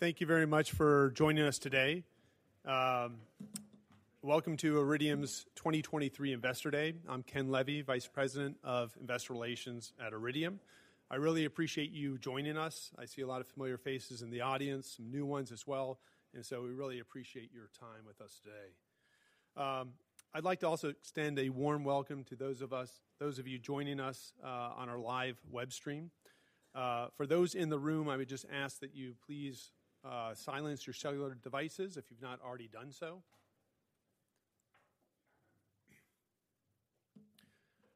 Thank you very much for joining us today. Welcome to Iridium's 2023 Investor Day. I'm Ken Levy, Vice President of Investor Relations at Iridium. I really appreciate you joining us. I see a lot of familiar faces in the audience, some new ones as well, and so we really appreciate your time with us today. I'd like to also extend a warm welcome to those of you joining us on our live web stream. For those in the room, I would just ask that you please silence your cellular devices if you've not already done so.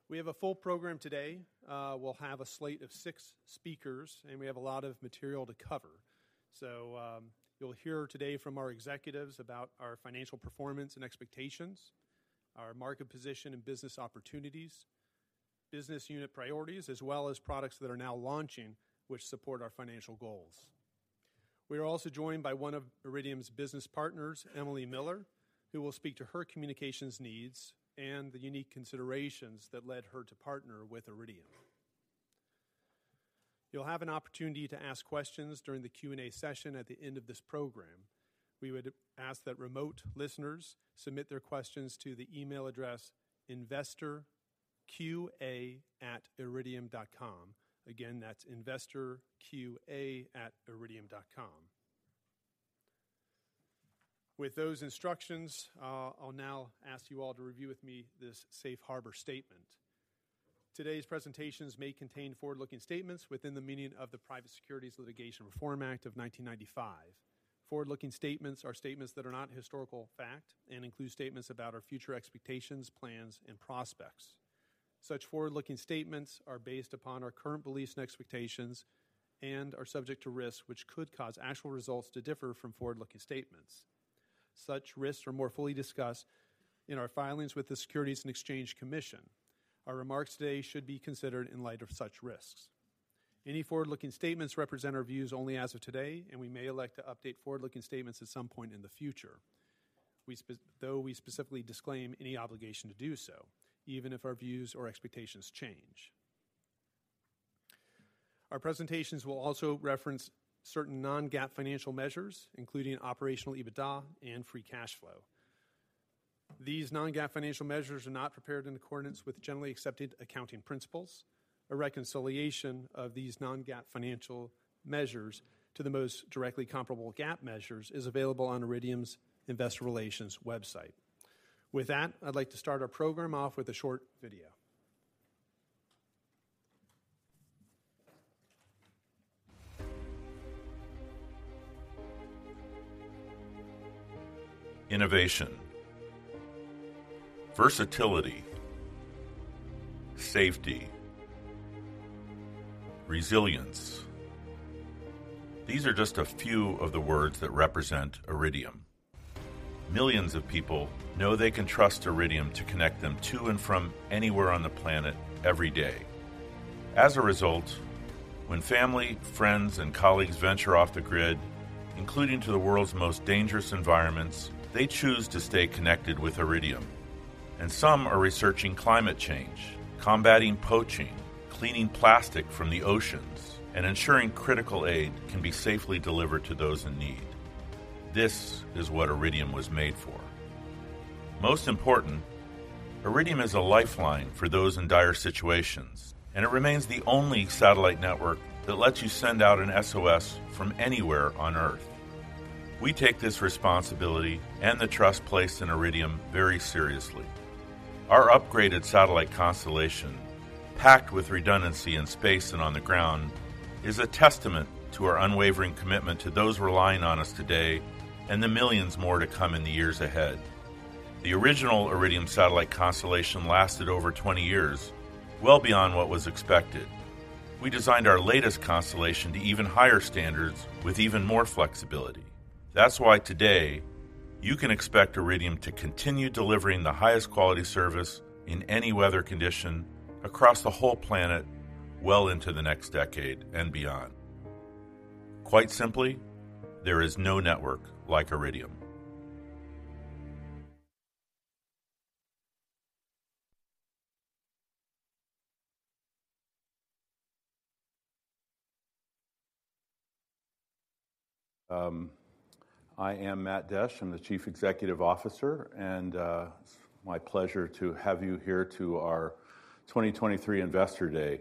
We have a full program today. We'll have a slate of six speakers, and we have a lot of material to cover. So, you'll hear today from our executives about our financial performance and expectations, our market position and business opportunities, business unit priorities, as well as products that are now launching, which support our financial goals. We are also joined by one of Iridium's business partners, Emily Miller, who will speak to her communications needs and the unique considerations that led her to partner with Iridium. You'll have an opportunity to ask questions during the Q&A session at the end of this program. We would ask that remote listeners submit their questions to the email address investorqa@iridium.com. Again, that's investorqa@iridium.com. With those instructions, I'll now ask you all to review with me this safe harbor statement. Today's presentations may contain forward-looking statements within the meaning of the Private Securities Litigation Reform Act of 1995. Forward-looking statements are statements that are not historical fact and include statements about our future expectations, plans, and prospects. Such forward-looking statements are based upon our current beliefs and expectations and are subject to risks which could cause actual results to differ from forward-looking statements. Such risks are more fully discussed in our filings with the Securities and Exchange Commission. Our remarks today should be considered in light of such risks. Any forward-looking statements represent our views only as of today, and we may elect to update forward-looking statements at some point in the future. Though we specifically disclaim any obligation to do so, even if our views or expectations change. Our presentations will also reference certain non-GAAP financial measures, including operational EBITDA and free cash flow. These non-GAAP financial measures are not prepared in accordance with generally accepted accounting principles. A reconciliation of these non-GAAP financial measures to the most directly comparable GAAP measures is available on Iridium's Investor Relations website. With that, I'd like to start our program off with a short video. Innovation, versatility, safety, resilience. These are just a few of the words that represent Iridium. Millions of people know they can trust Iridium to connect them to and from anywhere on the planet every day. As a result, when family, friends, and colleagues venture off the grid, including to the world's most dangerous environments, they choose to stay connected with Iridium. Some are researching climate change, combating poaching, cleaning plastic from the oceans, and ensuring critical aid can be safely delivered to those in need. This is what Iridium was made for. Most important, Iridium is a lifeline for those in dire situations, and it remains the only satellite network that lets you send out an SOS from anywhere on Earth. We take this responsibility and the trust placed in Iridium very seriously. Our upgraded satellite constellation, packed with redundancy in space and on the ground, is a testament to our unwavering commitment to those relying on us today and the millions more to come in the years ahead. The original Iridium satellite constellation lasted over 20 years, well beyond what was expected. We designed our latest constellation to even higher standards with even more flexibility. That's why today, you can expect Iridium to continue delivering the highest quality service in any weather condition across the whole planet, well into the next decade and beyond. Quite simply, there is no network like Iridium. I am Matt Desch. I'm the Chief Executive Officer, and it's my pleasure to have you here to our 2023 Investor Day.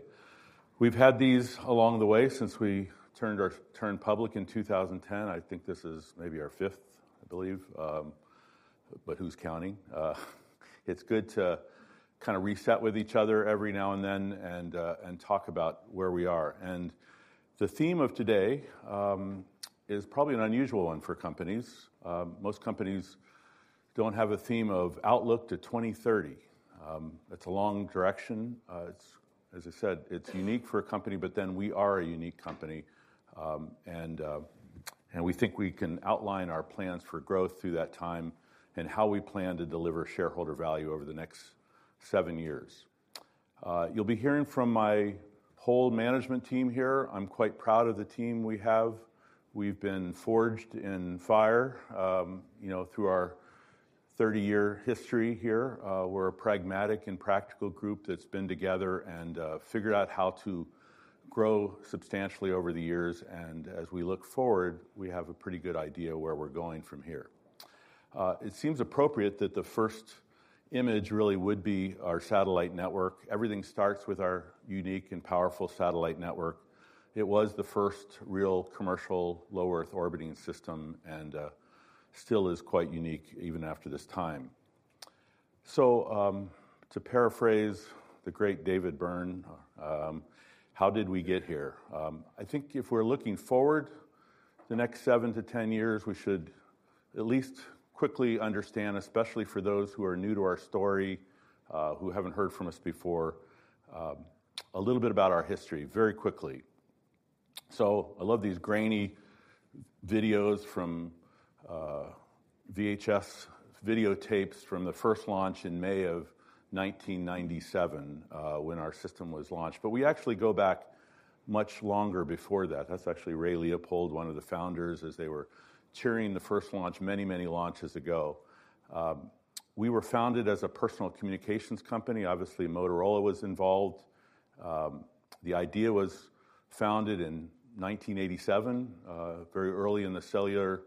We've had these along the way since we turned public in 2010. I think this is maybe our fifth, I believe, but who's counting? It's good to kind of reset with each other every now and then and talk about where we are. The theme of today is probably an unusual one for companies. Most companies don't have a theme of outlook to 2030. It's a long direction. It's, as I said, it's unique for a company, but then we are a unique company. We think we can outline our plans for growth through that time and how we plan to deliver shareholder value over the next 7 years. You'll be hearing from my whole management team here. I'm quite proud of the team we have. We've been forged in fire, you know, through our 30-year history here. We're a pragmatic and practical group that's been together and figured out how to grow substantially over the years, and as we look forward, we have a pretty good idea where we're going from here. It seems appropriate that the first image really would be our satellite network. Everything starts with our unique and powerful satellite network. It was the first real commercial low Earth orbiting system, and still is quite unique even after this time. So, to paraphrase the great David Byrne, how did we get here? I think if we're looking forward the next 7-10 years, we should at least quickly understand, especially for those who are new to our story, who haven't heard from us before, a little bit about our history very quickly. So I love these grainy videos from, VHS videotapes from the first launch in May 1997, when our system was launched. But we actually go back much longer before that. That's actually Ray Leopold, one of the founders, as they were cheering the first launch many, many launches ago. We were founded as a personal communications company. Obviously, Motorola was involved. The idea was founded in 1987, very early in the cellular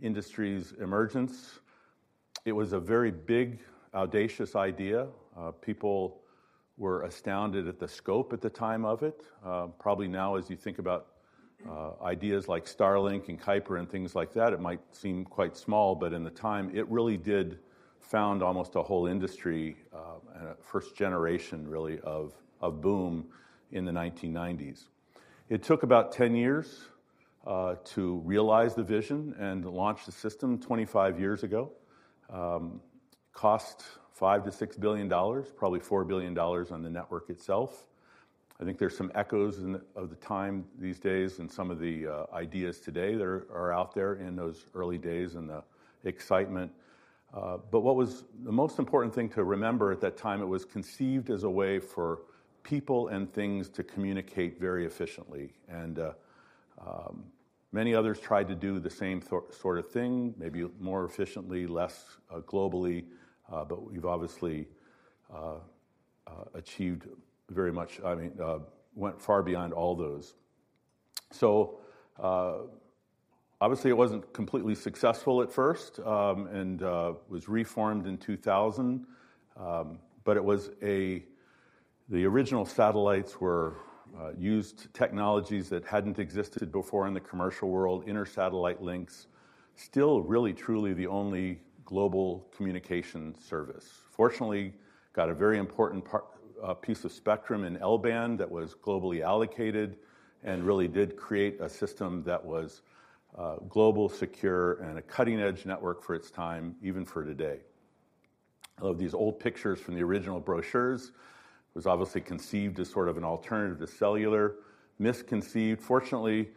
industry's emergence. It was a very big, audacious idea. People were astounded at the scope at the time of it. Probably now, as you think about ideas like Starlink and Kuiper and things like that, it might seem quite small, but in the time, it really did found almost a whole industry, and a first generation, really, of boom in the 1990s. It took about 10 years to realize the vision and launch the system 25 years ago. Cost $5 billion-$6 billion, probably $4 billion on the network itself. I think there's some echoes in the of the time these days and some of the ideas today that are out there in those early days and the excitement. But what was the most important thing to remember at that time? It was conceived as a way for people and things to communicate very efficiently, and many others tried to do the same sort of thing, maybe more efficiently, less globally. But we've obviously achieved very much—I mean, went far beyond all those. So, obviously, it wasn't completely successful at first, and was reformed in 2000. But it was a... The original satellites were used technologies that hadn't existed before in the commercial world, inter-satellite links. Still, really, truly the only global communication service. Fortunately, got a very important part, piece of spectrum in L-band that was globally allocated and really did create a system that was global, secure, and a cutting-edge network for its time, even for today. I love these old pictures from the original brochures. It was obviously conceived as sort of an alternative to cellular. Misconceived. Fortunately,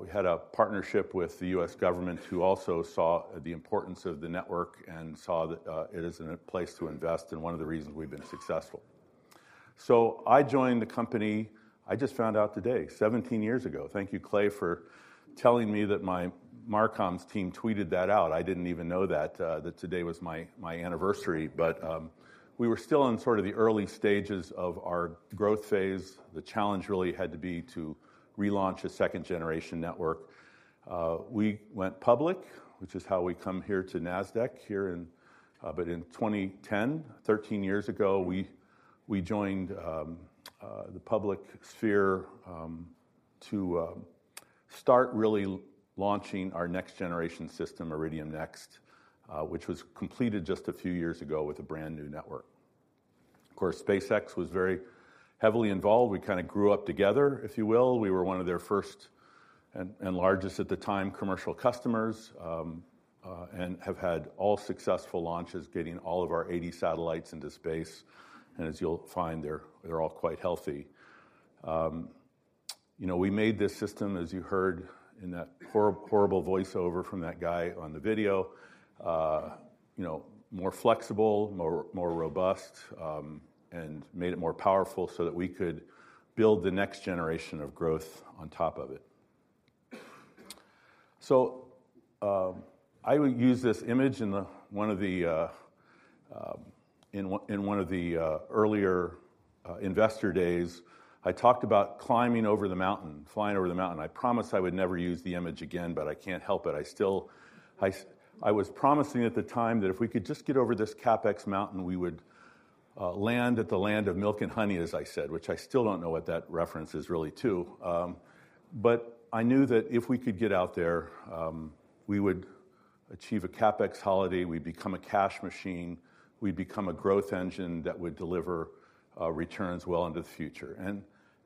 we had a partnership with the U.S. government, who also saw the importance of the network and saw that, it is in a place to invest, and one of the reasons we've been successful. So I joined the company, I just found out today, 17 years ago. Thank you, Clay, for telling me that my marcoms team tweeted that out. I didn't even know that, that today was my, my anniversary. But, we were still in sort of the early stages of our growth phase. The challenge really had to be to relaunch a second-generation network. We went public, which is how we came here to NASDAQ here in, but in 2010, 13 years ago, we joined the public sphere to start really launching our next-generation system, Iridium NEXT, which was completed just a few years ago with a brand-new network. Of course, SpaceX was very heavily involved. We kind of grew up together, if you will. We were one of their first and largest, at the time, commercial customers, and have had all successful launches, getting all of our 80 satellites into space. And as you'll find, they're all quite healthy. You know, we made this system, as you heard in that horrible voiceover from that guy on the video, you know, more flexible, more, more robust, and made it more powerful so that we could build the next generation of growth on top of it. So, I would use this image in one of the earlier investor days. I talked about climbing over the mountain, flying over the mountain. I promised I would never use the image again, but I can't help it. I was promising at the time that if we could just get over this CapEx mountain, we would land at the land of milk and honey, as I said, which I still don't know what that reference is really to. But I knew that if we could get out there, we would achieve a CapEx holiday, we'd become a cash machine, we'd become a growth engine that would deliver returns well into the future. And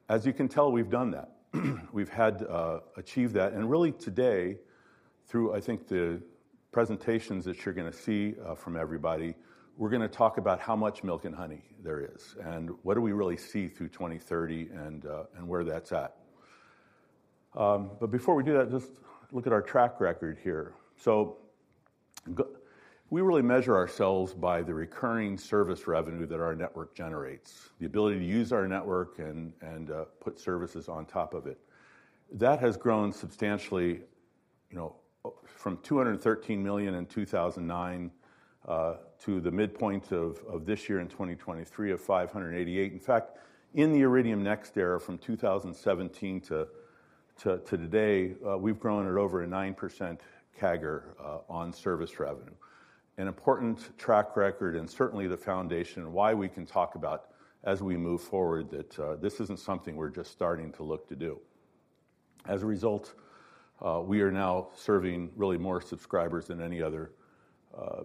as you can tell, we've done that. We've had achieved that. And really today, through, I think, the presentations that you're gonna see from everybody, we're gonna talk about how much milk and honey there is, and what do we really see through 2030, and where that's at. But before we do that, just look at our track record here. So we really measure ourselves by the recurring service revenue that our network generates, the ability to use our network and put services on top of it.... That has grown substantially, you know, from $213 million in 2009 to the midpoint of this year in 2023 of $588 million. In fact, in the Iridium NEXT era, from 2017 to today, we've grown at over a 9% CAGR on service revenue. An important track record, and certainly the foundation of why we can talk about as we move forward, that this isn't something we're just starting to look to do. As a result, we are now serving really more subscribers than any other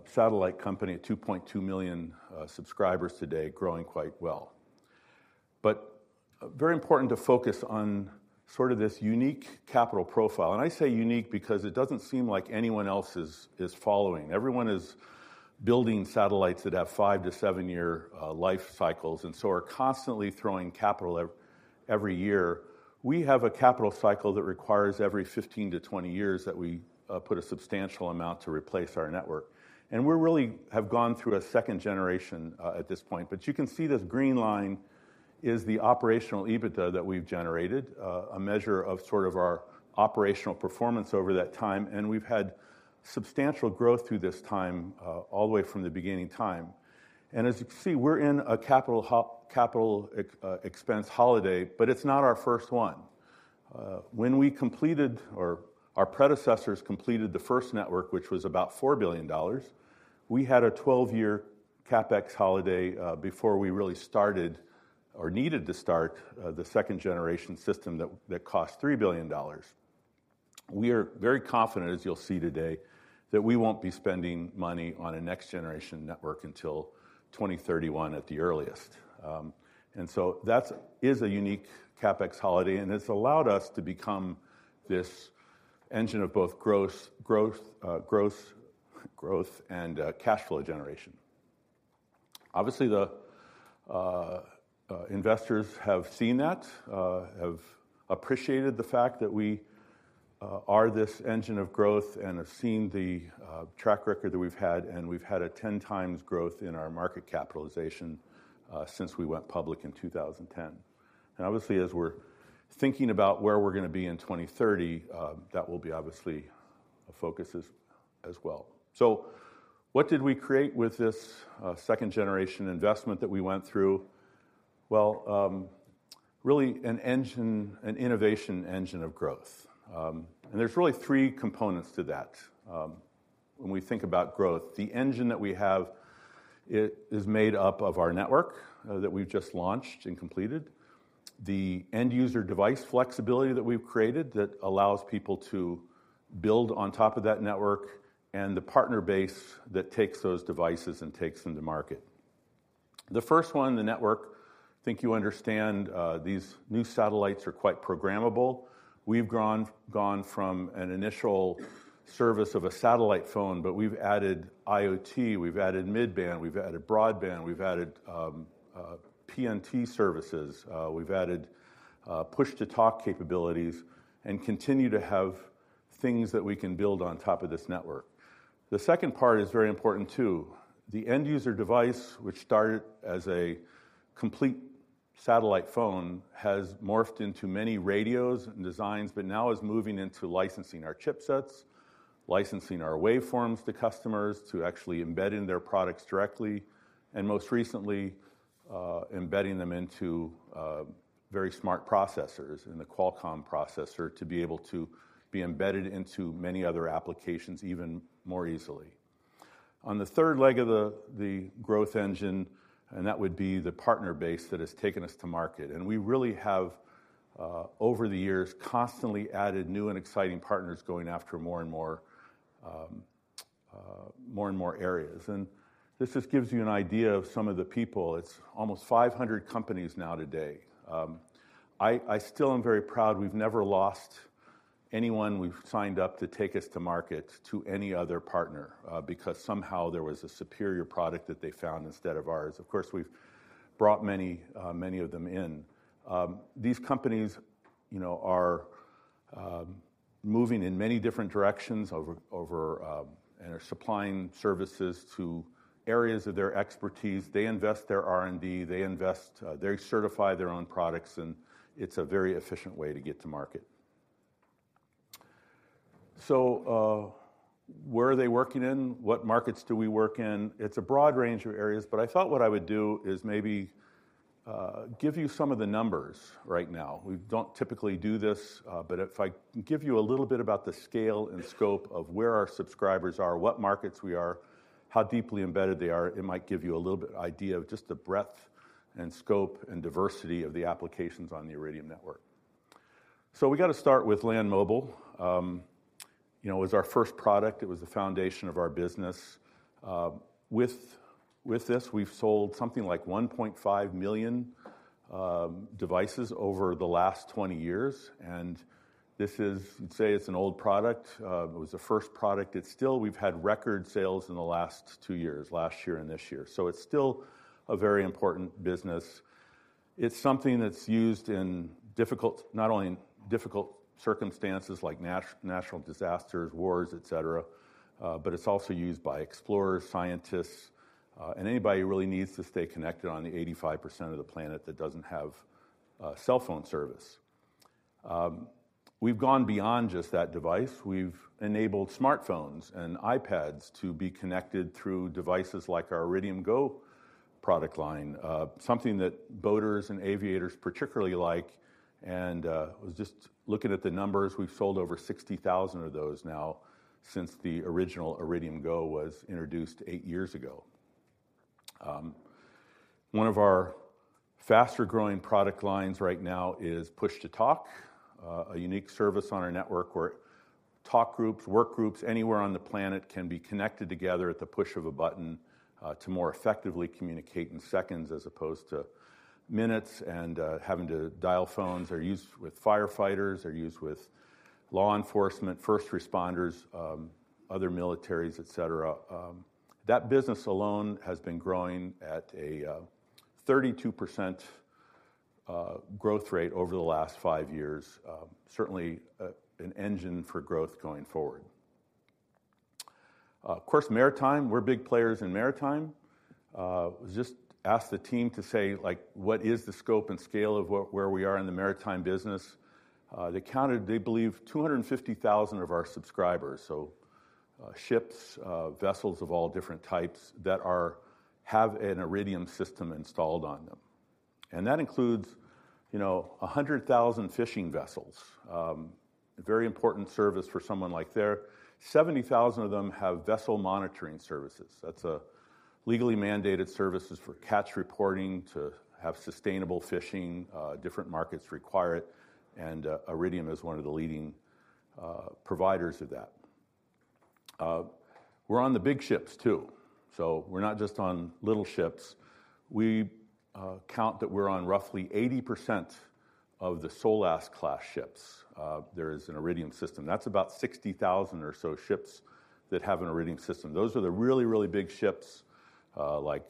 satellite company, 2.2 million subscribers today, growing quite well. But very important to focus on sort of this unique capital profile, and I say unique because it doesn't seem like anyone else is following. Everyone is building satellites that have 5- to 7-year life cycles and so are constantly throwing capital every year. We have a capital cycle that requires every 15 to 20 years that we put a substantial amount to replace our network, and we're really have gone through a second generation at this point. But you can see this green line is the operational EBITDA that we've generated, a measure of sort of our operational performance over that time, and we've had substantial growth through this time all the way from the beginning time. And as you can see, we're in a capital ex expense holiday, but it's not our first one. When we completed, or our predecessors completed the first network, which was about $4 billion, we had a 12-year CapEx holiday before we really started or needed to start the second-generation system that cost $3 billion. We are very confident, as you'll see today, that we won't be spending money on a next-generation network until 2031 at the earliest. And so that's a unique CapEx holiday, and it's allowed us to become this engine of both gross growth, growth, growth and cash flow generation. Obviously, investors have seen that, have appreciated the fact that we are this engine of growth and have seen the track record that we've had, and we've had a 10 times growth in our market capitalization since we went public in 2010. And obviously, as we're thinking about where we're gonna be in 2030, that will be obviously a focus as well. So what did we create with this second-generation investment that we went through? Well, really an engine, an innovation engine of growth. And there's really three components to that. When we think about growth, the engine that we have, it is made up of our network that we've just launched and completed, the end-user device flexibility that we've created that allows people to build on top of that network, and the partner base that takes those devices and takes them to market. The first one, the network, I think you understand, these new satellites are quite programmable. We've gone from an initial service of a satellite phone, but we've added IoT, we've added mid-band, we've added broadband, we've added PNT services, we've added push-to-talk capabilities and continue to have things that we can build on top of this network. The second part is very important, too. The end-user device, which started as a complete satellite phone, has morphed into many radios and designs, but now is moving into licensing our chipsets, licensing our waveforms to customers to actually embed in their products directly, and most recently, embedding them into very smart processors, in the Qualcomm processor, to be able to be embedded into many other applications even more easily. On the third leg of the growth engine, and that would be the partner base that has taken us to market, and we really have over the years constantly added new and exciting partners going after more and more areas. This just gives you an idea of some of the people. It's almost 500 companies now today. I still am very proud we've never lost anyone we've signed up to take us to market to any other partner because somehow there was a superior product that they found instead of ours. Of course, we've brought many of them in. These companies, you know, are moving in many different directions and are supplying services to areas of their expertise. They invest their R&D, they invest, they certify their own products, and it's a very efficient way to get to market. So, where are they working in? What markets do we work in? It's a broad range of areas, but I thought what I would do is maybe give you some of the numbers right now. We don't typically do this, but if I give you a little bit about the scale and scope of where our subscribers are, what markets we are, how deeply embedded they are, it might give you a little bit of idea of just the breadth and scope and diversity of the applications on the Iridium network. So we got to start with Land Mobile. You know, it was our first product. It was the foundation of our business. With this, we've sold something like 1.5 million devices over the last 20 years, and this is, say, an old product. It was the first product. It's still; we've had record sales in the last 2 years, last year and this year, so it's still a very important business. It's something that's used in difficult, not only in difficult circumstances like natural disasters, wars, et cetera, but it's also used by explorers, scientists, and anybody who really needs to stay connected on the 85% of the planet that doesn't have cell phone service. We've gone beyond just that device. We've enabled smartphones and iPads to be connected through devices like our Iridium GO! product line, something that boaters and aviators particularly like. And I was just looking at the numbers. We've sold over 60,000 of those now since the original Iridium GO! was introduced eight years ago. One of our faster-growing product lines right now is Push-to-Talk, a unique service on our network where talk groups, work groups, anywhere on the planet can be connected together at the push of a button, to more effectively communicate in seconds as opposed to minutes and, having to dial phones. They're used with firefighters, they're used with law enforcement, first responders, other militaries, et cetera. That business alone has been growing at a 32% growth rate over the last 5 years. Certainly, an engine for growth going forward. Of course, maritime, we're big players in maritime. Just ask the team to say, like, what is the scope and scale of where we are in the maritime business? They counted, they believe, 250,000 of our subscribers, so, ships, vessels of all different types that have an Iridium system installed on them. And that includes, you know, 100,000 fishing vessels. A very important service for someone like there. 70,000 of them have vessel monitoring services. That's a legally mandated services for catch reporting, to have sustainable fishing. Different markets require it, and, Iridium is one of the leading providers of that. We're on the big ships, too, so we're not just on little ships. We count that we're on roughly 80% of the SOLAS class ships, there is an Iridium system. That's about 60,000 or so ships that have an Iridium system. Those are the really, really big ships, like,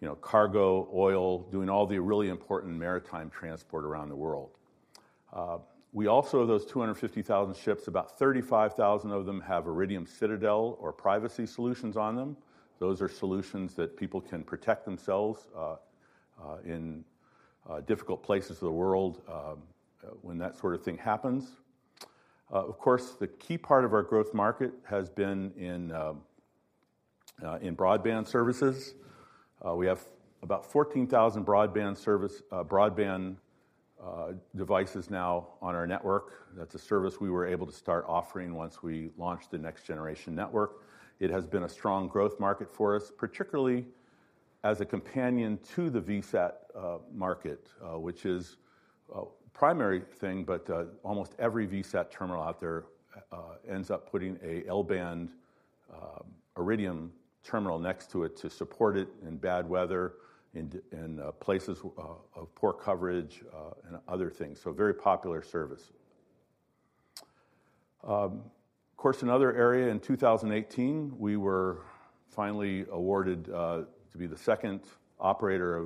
you know, cargo, oil, doing all the really important maritime transport around the world. We also, of those 250,000 ships, about 35,000 of them have Iridium Citadel or privacy solutions on them. Those are solutions that people can protect themselves in difficult places of the world when that sort of thing happens. Of course, the key part of our growth market has been in broadband services. We have about 14,000 broadband service, broadband, devices now on our network. That's a service we were able to start offering once we launched the next generation network. It has been a strong growth market for us, particularly as a companion to the VSAT market, which is a primary thing, but almost every VSAT terminal out there ends up putting a L-band Iridium terminal next to it to support it in bad weather, in places of poor coverage, and other things. So a very popular service. Of course, another area in 2018, we were finally awarded to be the second operator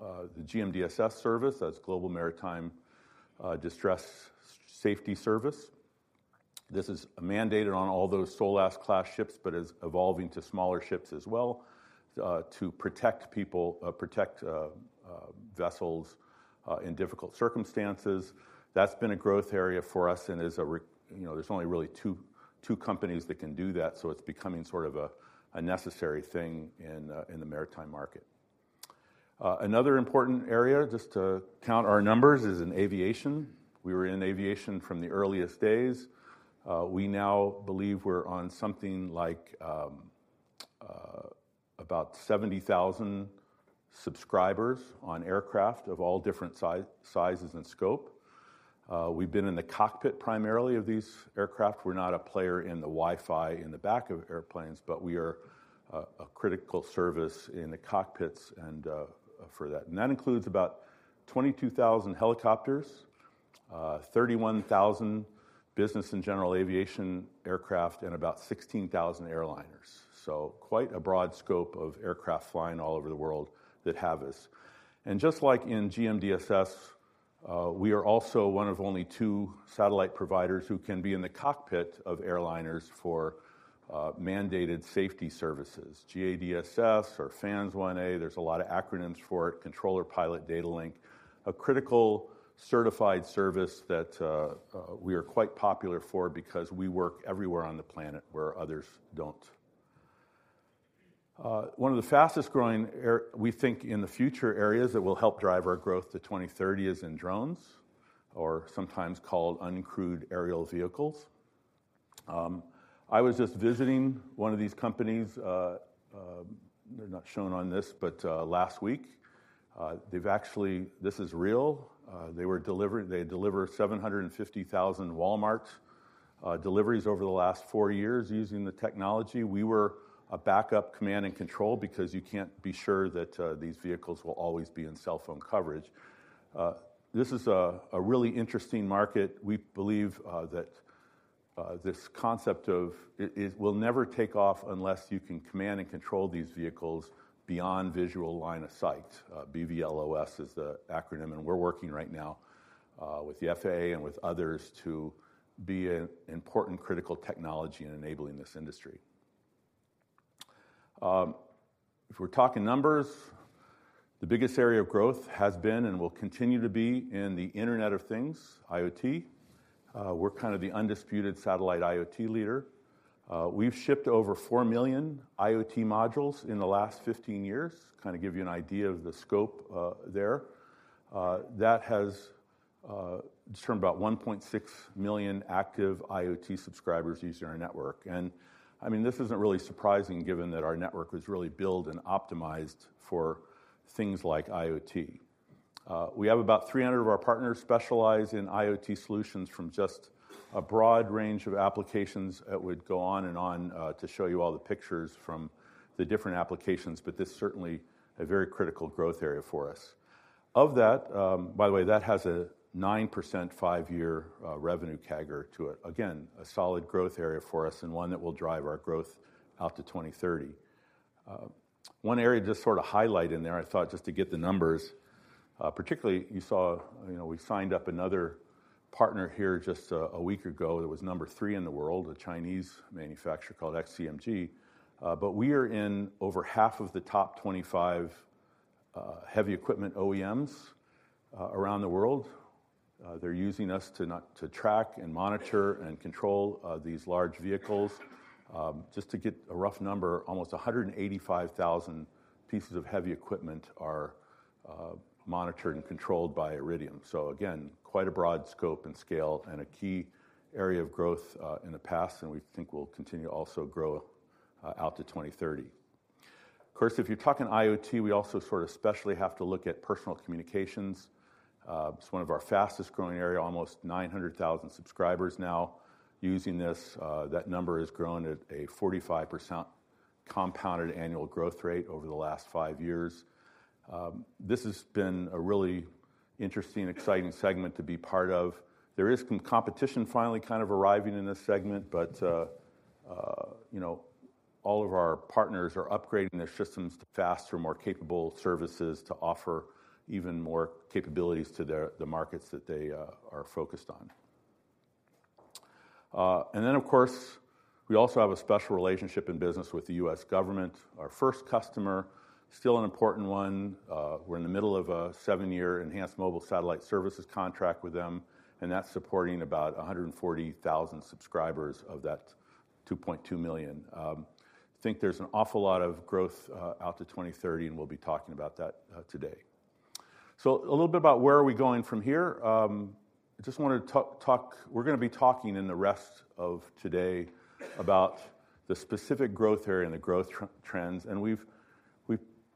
of the GMDSS service. That's Global Maritime Distress and Safety System. This is mandated on all those SOLAS class ships, but is evolving to smaller ships as well, to protect people, protect vessels in difficult circumstances. That's been a growth area for us and is a-- You know, there's only really two, two companies that can do that, so it's becoming sort of a, a necessary thing in the, in the maritime market. Another important area, just to count our numbers, is in aviation. We were in aviation from the earliest days. We now believe we're on something like, about 70,000 subscribers on aircraft of all different sizes and scope. We've been in the cockpit, primarily, of these aircraft. We're not a player in the Wi-Fi in the back of airplanes, but we are a, a critical service in the cockpits and, for that. And that includes about 22,000 helicopters, 31,000 business and general aviation aircraft, and about 16,000 airliners. So quite a broad scope of aircraft flying all over the world that have us. And just like in GMDSS, we are also one of only two satellite providers who can be in the cockpit of airliners for mandated safety services, GADSS or FANS-1A. There's a lot of acronyms for it, Controller Pilot Data Link. A critical certified service that we are quite popular for because we work everywhere on the planet, where others don't. One of the fastest-growing, we think, in the future, areas that will help drive our growth to 2030 is in drones or sometimes called uncrewed aerial vehicles. I was just visiting one of these companies, they're not shown on this, but last week. They've actually... This is real. They were delivering, they delivered 750,000 Walmart deliveries over the last four years using the technology. We were a backup command and control because you can't be sure that these vehicles will always be in cell phone coverage. This is a really interesting market. We believe that this concept will never take off unless you can command and control these vehicles beyond visual line of sight. BVLOS is the acronym, and we're working right now with the FAA and with others to be an important critical technology in enabling this industry. If we're talking numbers, the biggest area of growth has been and will continue to be in the Internet of Things, IoT. We're kind of the undisputed satellite IoT leader. We've shipped over 4 million IoT modules in the last 15 years, kind of give you an idea of the scope, there. That has turned about 1.6 million active IoT subscribers using our network. And, I mean, this isn't really surprising, given that our network was really built and optimized for things like IoT. We have about 300 of our partners specialize in IoT solutions from just a broad range of applications that would go on and on, to show you all the pictures from the different applications, but this is certainly a very critical growth area for us. Of that, by the way, that has a 9% 5-year revenue CAGR to it. Again, a solid growth area for us and one that will drive our growth out to 2030. One area just to sort of highlight in there, I thought, just to get the numbers, particularly you saw, you know, we signed up another partner here just a week ago that was number 3 in the world, a Chinese manufacturer called XCMG. But we are in over half of the top 25 heavy equipment OEMs around the world. They're using us not to track and monitor and control these large vehicles. Just to get a rough number, almost 185,000 pieces of heavy equipment are monitored and controlled by Iridium. So again, quite a broad scope and scale and a key area of growth in the past, and we think will continue to also grow out to 2030. Of course, if you're talking IoT, we also sort of specially have to look at personal communications. It's one of our fastest-growing area, almost 900,000 subscribers now using this. That number has grown at a 45% compounded annual growth rate over the last five years. This has been a really interesting, exciting segment to be part of. There is some competition finally kind of arriving in this segment, but, you know, all of our partners are upgrading their systems to faster, more capable services to offer even more capabilities to their, the markets that they are focused on. And then, of course, we also have a special relationship in business with the U.S. government. Our first customer, still an important one. We're in the middle of a seven-year Enhanced Mobile Satellite Services contract with them, and that's supporting about 140,000 subscribers of that 2.2 million. I think there's an awful lot of growth out to 2030, and we'll be talking about that today. So a little bit about where are we going from here? I just wanted to talk. We're gonna be talking in the rest of today about the specific growth area and the growth trends, and we've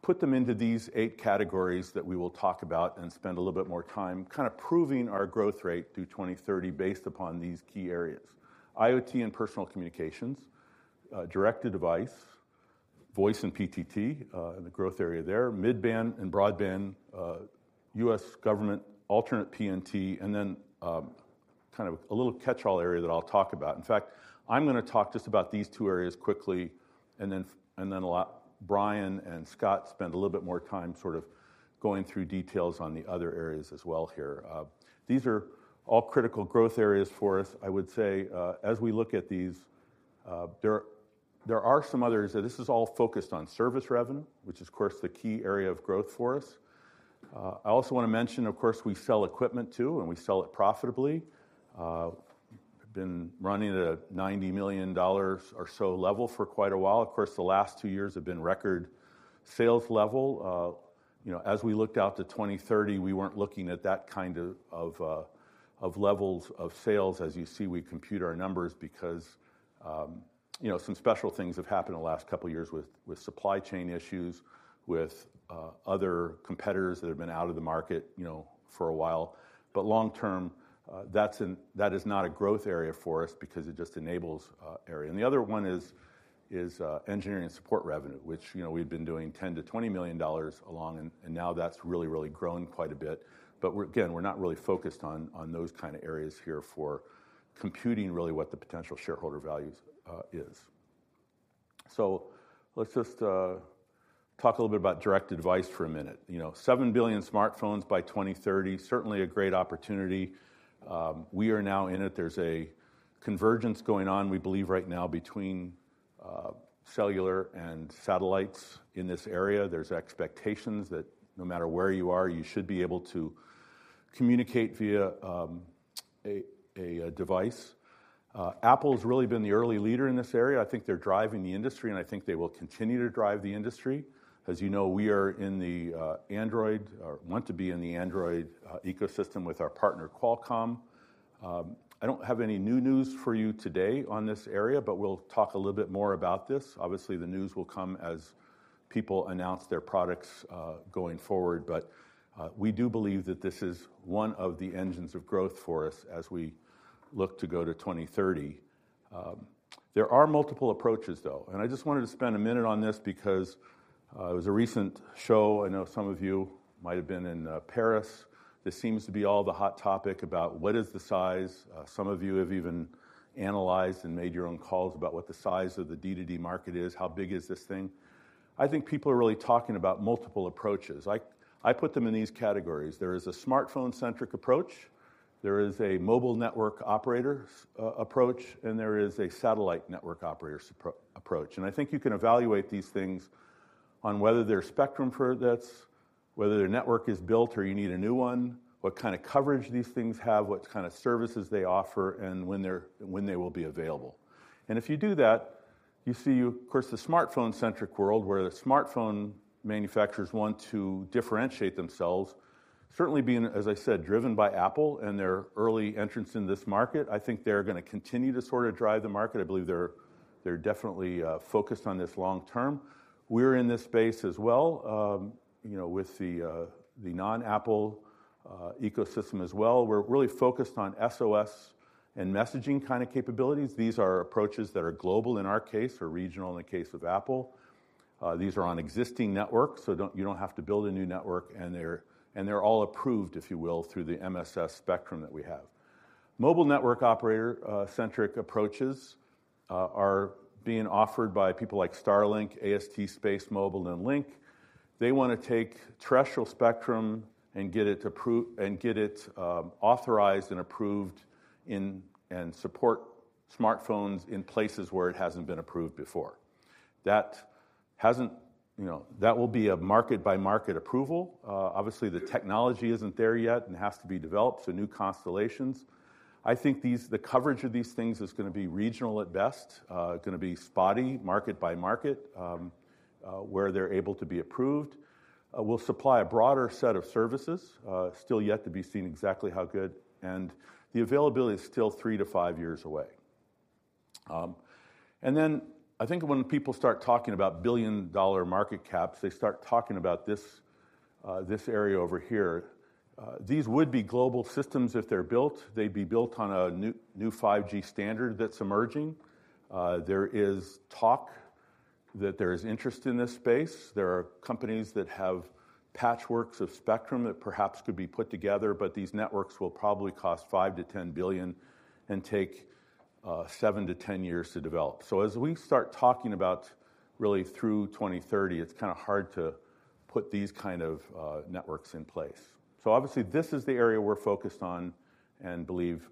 put them into these eight categories that we will talk about and spend a little bit more time kind of proving our growth rate through 2030 based upon these key areas. IoT and personal communications, direct-to-device, voice and PTT, and the growth area there, mid-band and broadband, U.S. government, alternate PNT, and then, kind of a little catch-all area that I'll talk about. In fact, I'm gonna talk just about these two areas quickly, and then allow Bryan and Scott spend a little bit more time sort of going through details on the other areas as well here. These are all critical growth areas for us. I would say, as we look at these, there are some others, this is all focused on service revenue, which is, of course, the key area of growth for us. I also want to mention, of course, we sell equipment, too, and we sell it profitably. We've been running at a $90 million or so level for quite a while. Of course, the last two years have been record sales level. You know, as we looked out to 2030, we weren't looking at that kind of levels of sales. As you see, we compute our numbers because, you know, some special things have happened in the last couple of years with supply chain issues, with other competitors that have been out of the market, you know, for a while. But long term, that is not a growth area for us because it just enables area. And the other one is engineering and support revenue, which, you know, we've been doing $10-$20 million along, and now that's really, really grown quite a bit. But we're, again, we're not really focused on those kind of areas here for computing, really, what the potential shareholder values is. So let's just talk a little bit about direct-to-device for a minute. You know, 7 billion smartphones by 2030, certainly a great opportunity. We are now in it. There's a convergence going on, we believe, right now between cellular and satellites in this area. There's expectations that no matter where you are, you should be able to communicate via a device. Apple's really been the early leader in this area. I think they're driving the industry, and I think they will continue to drive the industry. As you know, we are in the Android, or want to be in the Android ecosystem with our partner, Qualcomm. I don't have any new news for you today on this area, but we'll talk a little bit more about this. Obviously, the news will come as people announce their products, going forward, but, we do believe that this is one of the engines of growth for us as we look to go to 2030. There are multiple approaches, though, and I just wanted to spend a minute on this because, there was a recent show, I know some of you might have been in, Paris. This seems to be all the hot topic about what is the size? Some of you have even analyzed and made your own calls about what the size of the D2D market is, how big is this thing? I think people are really talking about multiple approaches. I, I put them in these categories. There is a smartphone-centric approach. There is a mobile network operator's approach, and there is a satellite network operator's approach. And I think you can evaluate these things on whether they're spectrum-friendly, that's whether their network is built or you need a new one, what kind of coverage these things have, what kind of services they offer, and when they will be available. And if you do that, you see, of course, the smartphone-centric world, where the smartphone manufacturers want to differentiate themselves, certainly being, as I said, driven by Apple and their early entrance in this market. I think they're going to continue to sort of drive the market. I believe they're definitely focused on this long term. We're in this space as well, you know, with the non-Apple ecosystem as well. We're really focused on SOS and messaging kind of capabilities. These are approaches that are global in our case, or regional in the case of Apple. These are on existing networks, so don't, you don't have to build a new network, and they're, and they're all approved, if you will, through the MSS spectrum that we have. Mobile network operator centric approaches are being offered by people like Starlink, AST SpaceMobile, and Lynk. They want to take terrestrial spectrum and get it authorized and approved in, and support smartphones in places where it hasn't been approved before. That hasn't, you know, that will be a market-by-market approval. Obviously, the technology isn't there yet and has to be developed, so new constellations. I think these, the coverage of these things is going to be regional at best, going to be spotty, market by market, where they're able to be approved. We'll supply a broader set of services, still yet to be seen exactly how good, and the availability is still three to five years away. And then I think when people start talking about billion-dollar market caps, they start talking about this, this area over here. These would be global systems if they're built. They'd be built on a new, new 5G standard that's emerging. There is talk that there is interest in this space. There are companies that have patchworks of spectrum that perhaps could be put together, but these networks will probably cost $5-$10 billion and take 7-10 years to develop. So as we start talking about really through 2030, it's kind of hard to put these kind of networks in place. So obviously, this is the area we're focused on and believe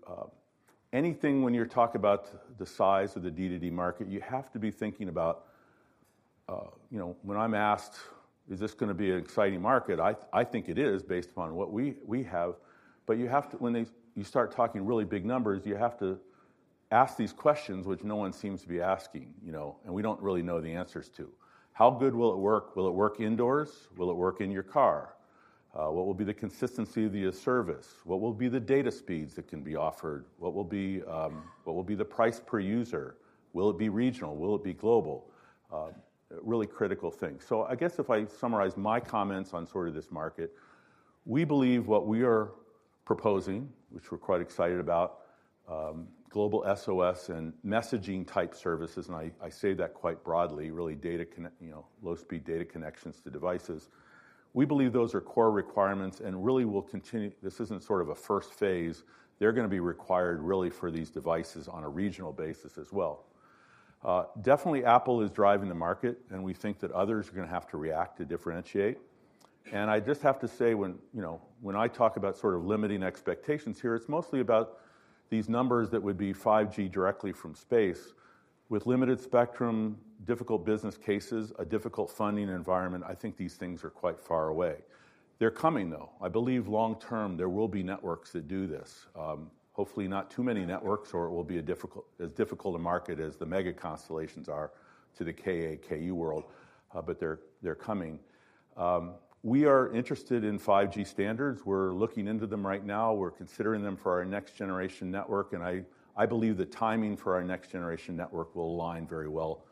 anything when you talk about the size of the D2D market, you have to be thinking about, you know... When I'm asked, "Is this going to be an exciting market?" I think it is based upon what we have. But you have to—when you start talking really big numbers, you have to ask these questions, which no one seems to be asking, you know, and we don't really know the answers to. How good will it work? Will it work indoors? Will it work in your car? What will be the consistency of the service? What will be the data speeds that can be offered? What will be the price per user? Will it be regional? Will it be global? Really critical things. So I guess if I summarize my comments on sort of this market, we believe what we are proposing, which we're quite excited about, global SOS and messaging type services, and I say that quite broadly, really data connect-- you know, low-speed data connections to devices. We believe those are core requirements and really will continue-- this isn't sort of a first phase. They're going to be required really for these devices on a regional basis as well. Definitely, Apple is driving the market, and we think that others are going to have to react to differentiate. I just have to say when, you know, when I talk about sort of limiting expectations here, it's mostly about these numbers that would be 5G directly from space. With limited spectrum, difficult business cases, a difficult funding environment, I think these things are quite far away. They're coming, though. I believe long term, there will be networks that do this. Hopefully, not too many networks, or it will be a difficult, as difficult a market as the mega constellations are to the Ka, Ku world, but they're, they're coming. We are interested in 5G standards. We're looking into them right now. We're considering them for our next-generation network, and I, I believe the timing for our next-generation network will align very well,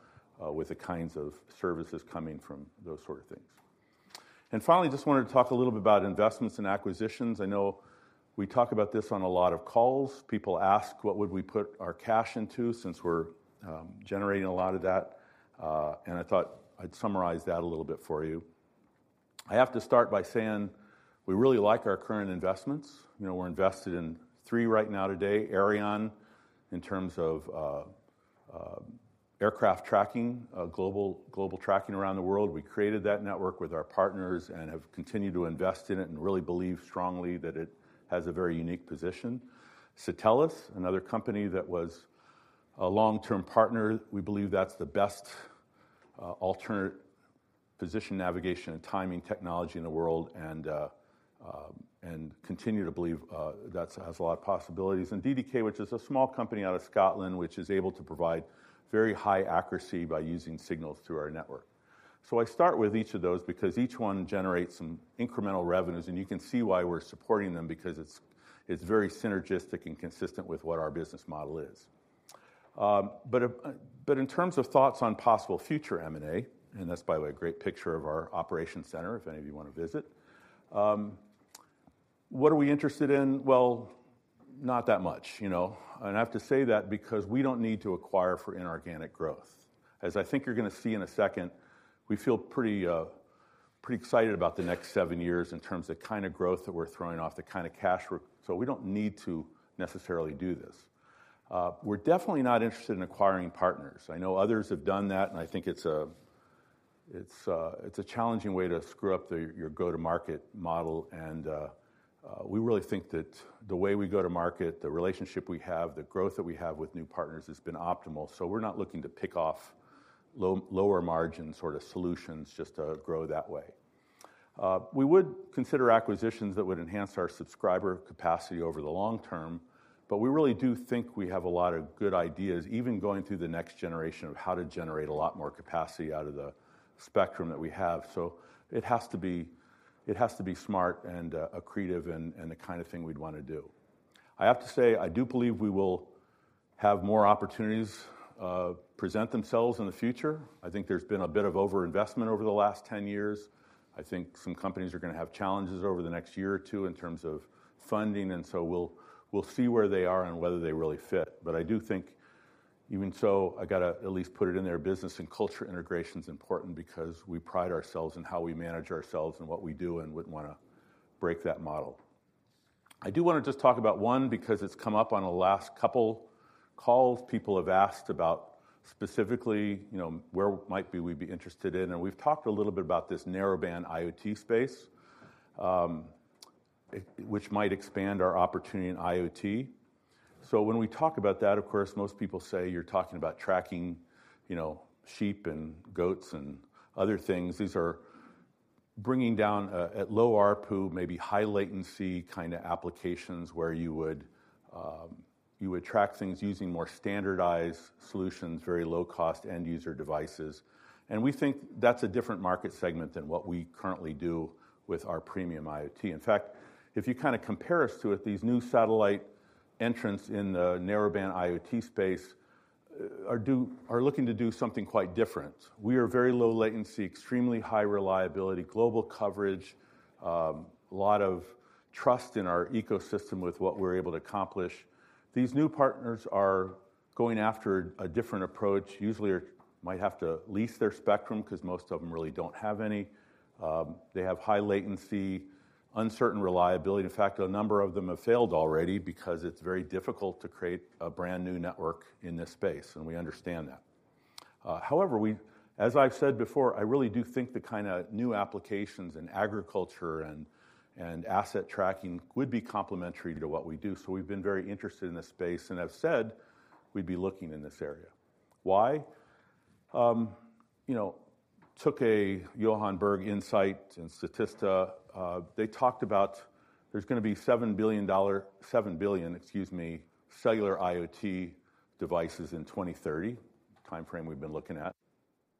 with the kinds of services coming from those sort of things. Finally, just wanted to talk a little bit about investments and acquisitions. I know we talk about this on a lot of calls. People ask, what would we put our cash into since we're generating a lot of that? And I thought I'd summarize that a little bit for you. I have to start by saying we really like our current investments. You know, we're invested in three right now today. Aireon, in terms of aircraft tracking, global, global tracking around the world. We created that network with our partners and have continued to invest in it and really believe strongly that it has a very unique position. Satelles, another company that was a long-term partner. We believe that's the best alternate position, navigation, and timing technology in the world and continue to believe that has a lot of possibilities. And DDK, which is a small company out of Scotland, which is able to provide very high accuracy by using signals through our network. So I start with each of those because each one generates some incremental revenues, and you can see why we're supporting them, because it's very synergistic and consistent with what our business model is. But in terms of thoughts on possible future M&A, and that's, by the way, a great picture of our operations center, if any of you want to visit. What are we interested in? Well, not that much, you know, and I have to say that because we don't need to acquire for inorganic growth. As I think you're going to see in a second, we feel pretty excited about the next seven years in terms of the kind of growth that we're throwing off, the kind of cash we're... So we don't need to necessarily do this. We're definitely not interested in acquiring partners. I know others have done that, and I think it's... It's a challenging way to screw up your go-to-market model, and we really think that the way we go to market, the relationship we have, the growth that we have with new partners has been optimal. So we're not looking to pick off lower margin sort of solutions just to grow that way. We would consider acquisitions that would enhance our subscriber capacity over the long term, but we really do think we have a lot of good ideas, even going through the next generation of how to generate a lot more capacity out of the spectrum that we have. So it has to be, it has to be smart and, accretive and, and the kind of thing we'd wanna do. I have to say, I do believe we will have more opportunities, present themselves in the future. I think there's been a bit of overinvestment over the last ten years. I think some companies are gonna have challenges over the next year or two in terms of funding, and so we'll, we'll see where they are and whether they really fit. But I do think even so, I gotta at least put it in their business, and culture integration's important because we pride ourselves in how we manage ourselves and what we do and wouldn't wanna break that model. I do wanna just talk about one because it's come up on the last couple calls. People have asked about specifically, you know, where might be we'd be interested in, and we've talked a little bit about this Narrowband IoT space, which might expand our opportunity in IoT. So when we talk about that, of course, most people say you're talking about tracking, you know, sheep and goats and other things. These are bringing down, at low ARPU, maybe high latency kinda applications, where you would, you would track things using more standardized solutions, very low-cost end-user devices. We think that's a different market segment than what we currently do with our premium IoT. In fact, if you kinda compare us to it, these new satellite entrants in the Narrowband IoT space are looking to do something quite different. We are very low latency, extremely high reliability, global coverage, a lot of trust in our ecosystem with what we're able to accomplish. These new partners are going after a different approach, usually or might have to lease their spectrum 'cause most of them really don't have any. They have high latency, uncertain reliability. In fact, a number of them have failed already because it's very difficult to create a brand-new network in this space, and we understand that. However, as I've said before, I really do think the kinda new applications in agriculture and asset tracking would be complementary to what we do. So we've been very interested in this space, and I've said we'd be looking in this area. Why? You know, took a Berg Insight and Statista, they talked about there's gonna be 7 billion, excuse me, cellular IoT devices in 2030, the timeframe we've been looking at.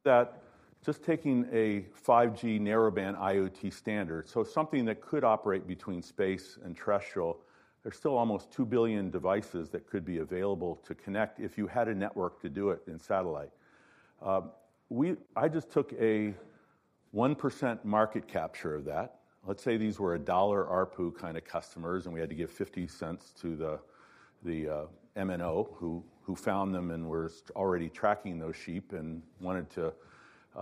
That just taking a 5G Narrowband IoT standard, so something that could operate between space and terrestrial, there's still almost 2 billion devices that could be available to connect if you had a network to do it in satellite. We just took a 1% market capture of that. Let's say these were a $1 ARPU kinda customers, and we had to give $0.50 to the MNO who found them and were already tracking those sheep and wanted to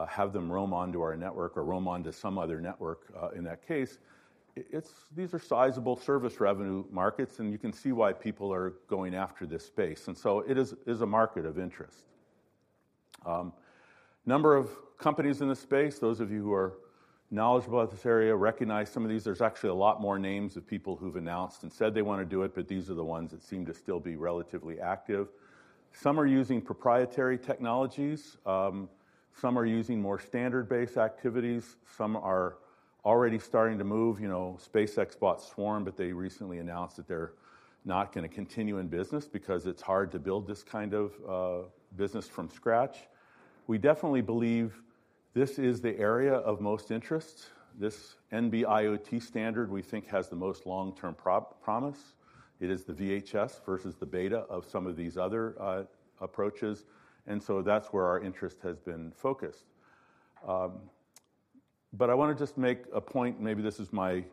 have them roam onto our network or roam onto some other network in that case. These are sizable service revenue markets, and you can see why people are going after this space, and so it is a market of interest. Number of companies in this space, those of you who are knowledgeable about this area, recognize some of these. There's actually a lot more names of people who've announced and said they wanna do it, but these are the ones that seem to still be relatively active. Some are using proprietary technologies. Some are using more standard-based activities. Some are already starting to move. You know, SpaceX bought Swarm, but they recently announced that they're not gonna continue in business because it's hard to build this kind of business from scratch. We definitely believe this is the area of most interest. This NB-IoT standard, we think, has the most long-term promise. It is the VHS versus the beta of some of these other approaches, and so that's where our interest has been focused. But I wanna just make a point, maybe this is my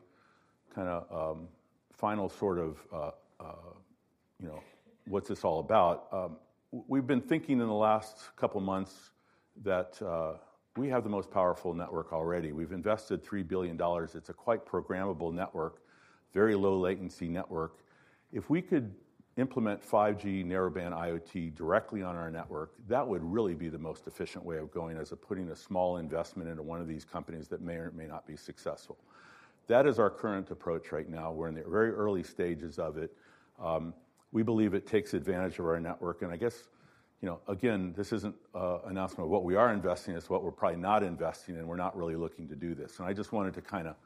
kinda final sort of you know, what's this all about? We've been thinking in the last couple of months that we have the most powerful network already. We've invested $3 billion. It's a quite programmable network, very low latency network. If we could implement 5G Narrowband IoT directly on our network, that would really be the most efficient way of going, as opposed to putting a small investment into one of these companies that may or may not be successful. That is our current approach right now. We're in the very early stages of it. We believe it takes advantage of our network, and I guess, you know, again, this isn't an announcement of what we are investing. It's what we're probably not investing, and we're not really looking to do this. I just wanted to kinda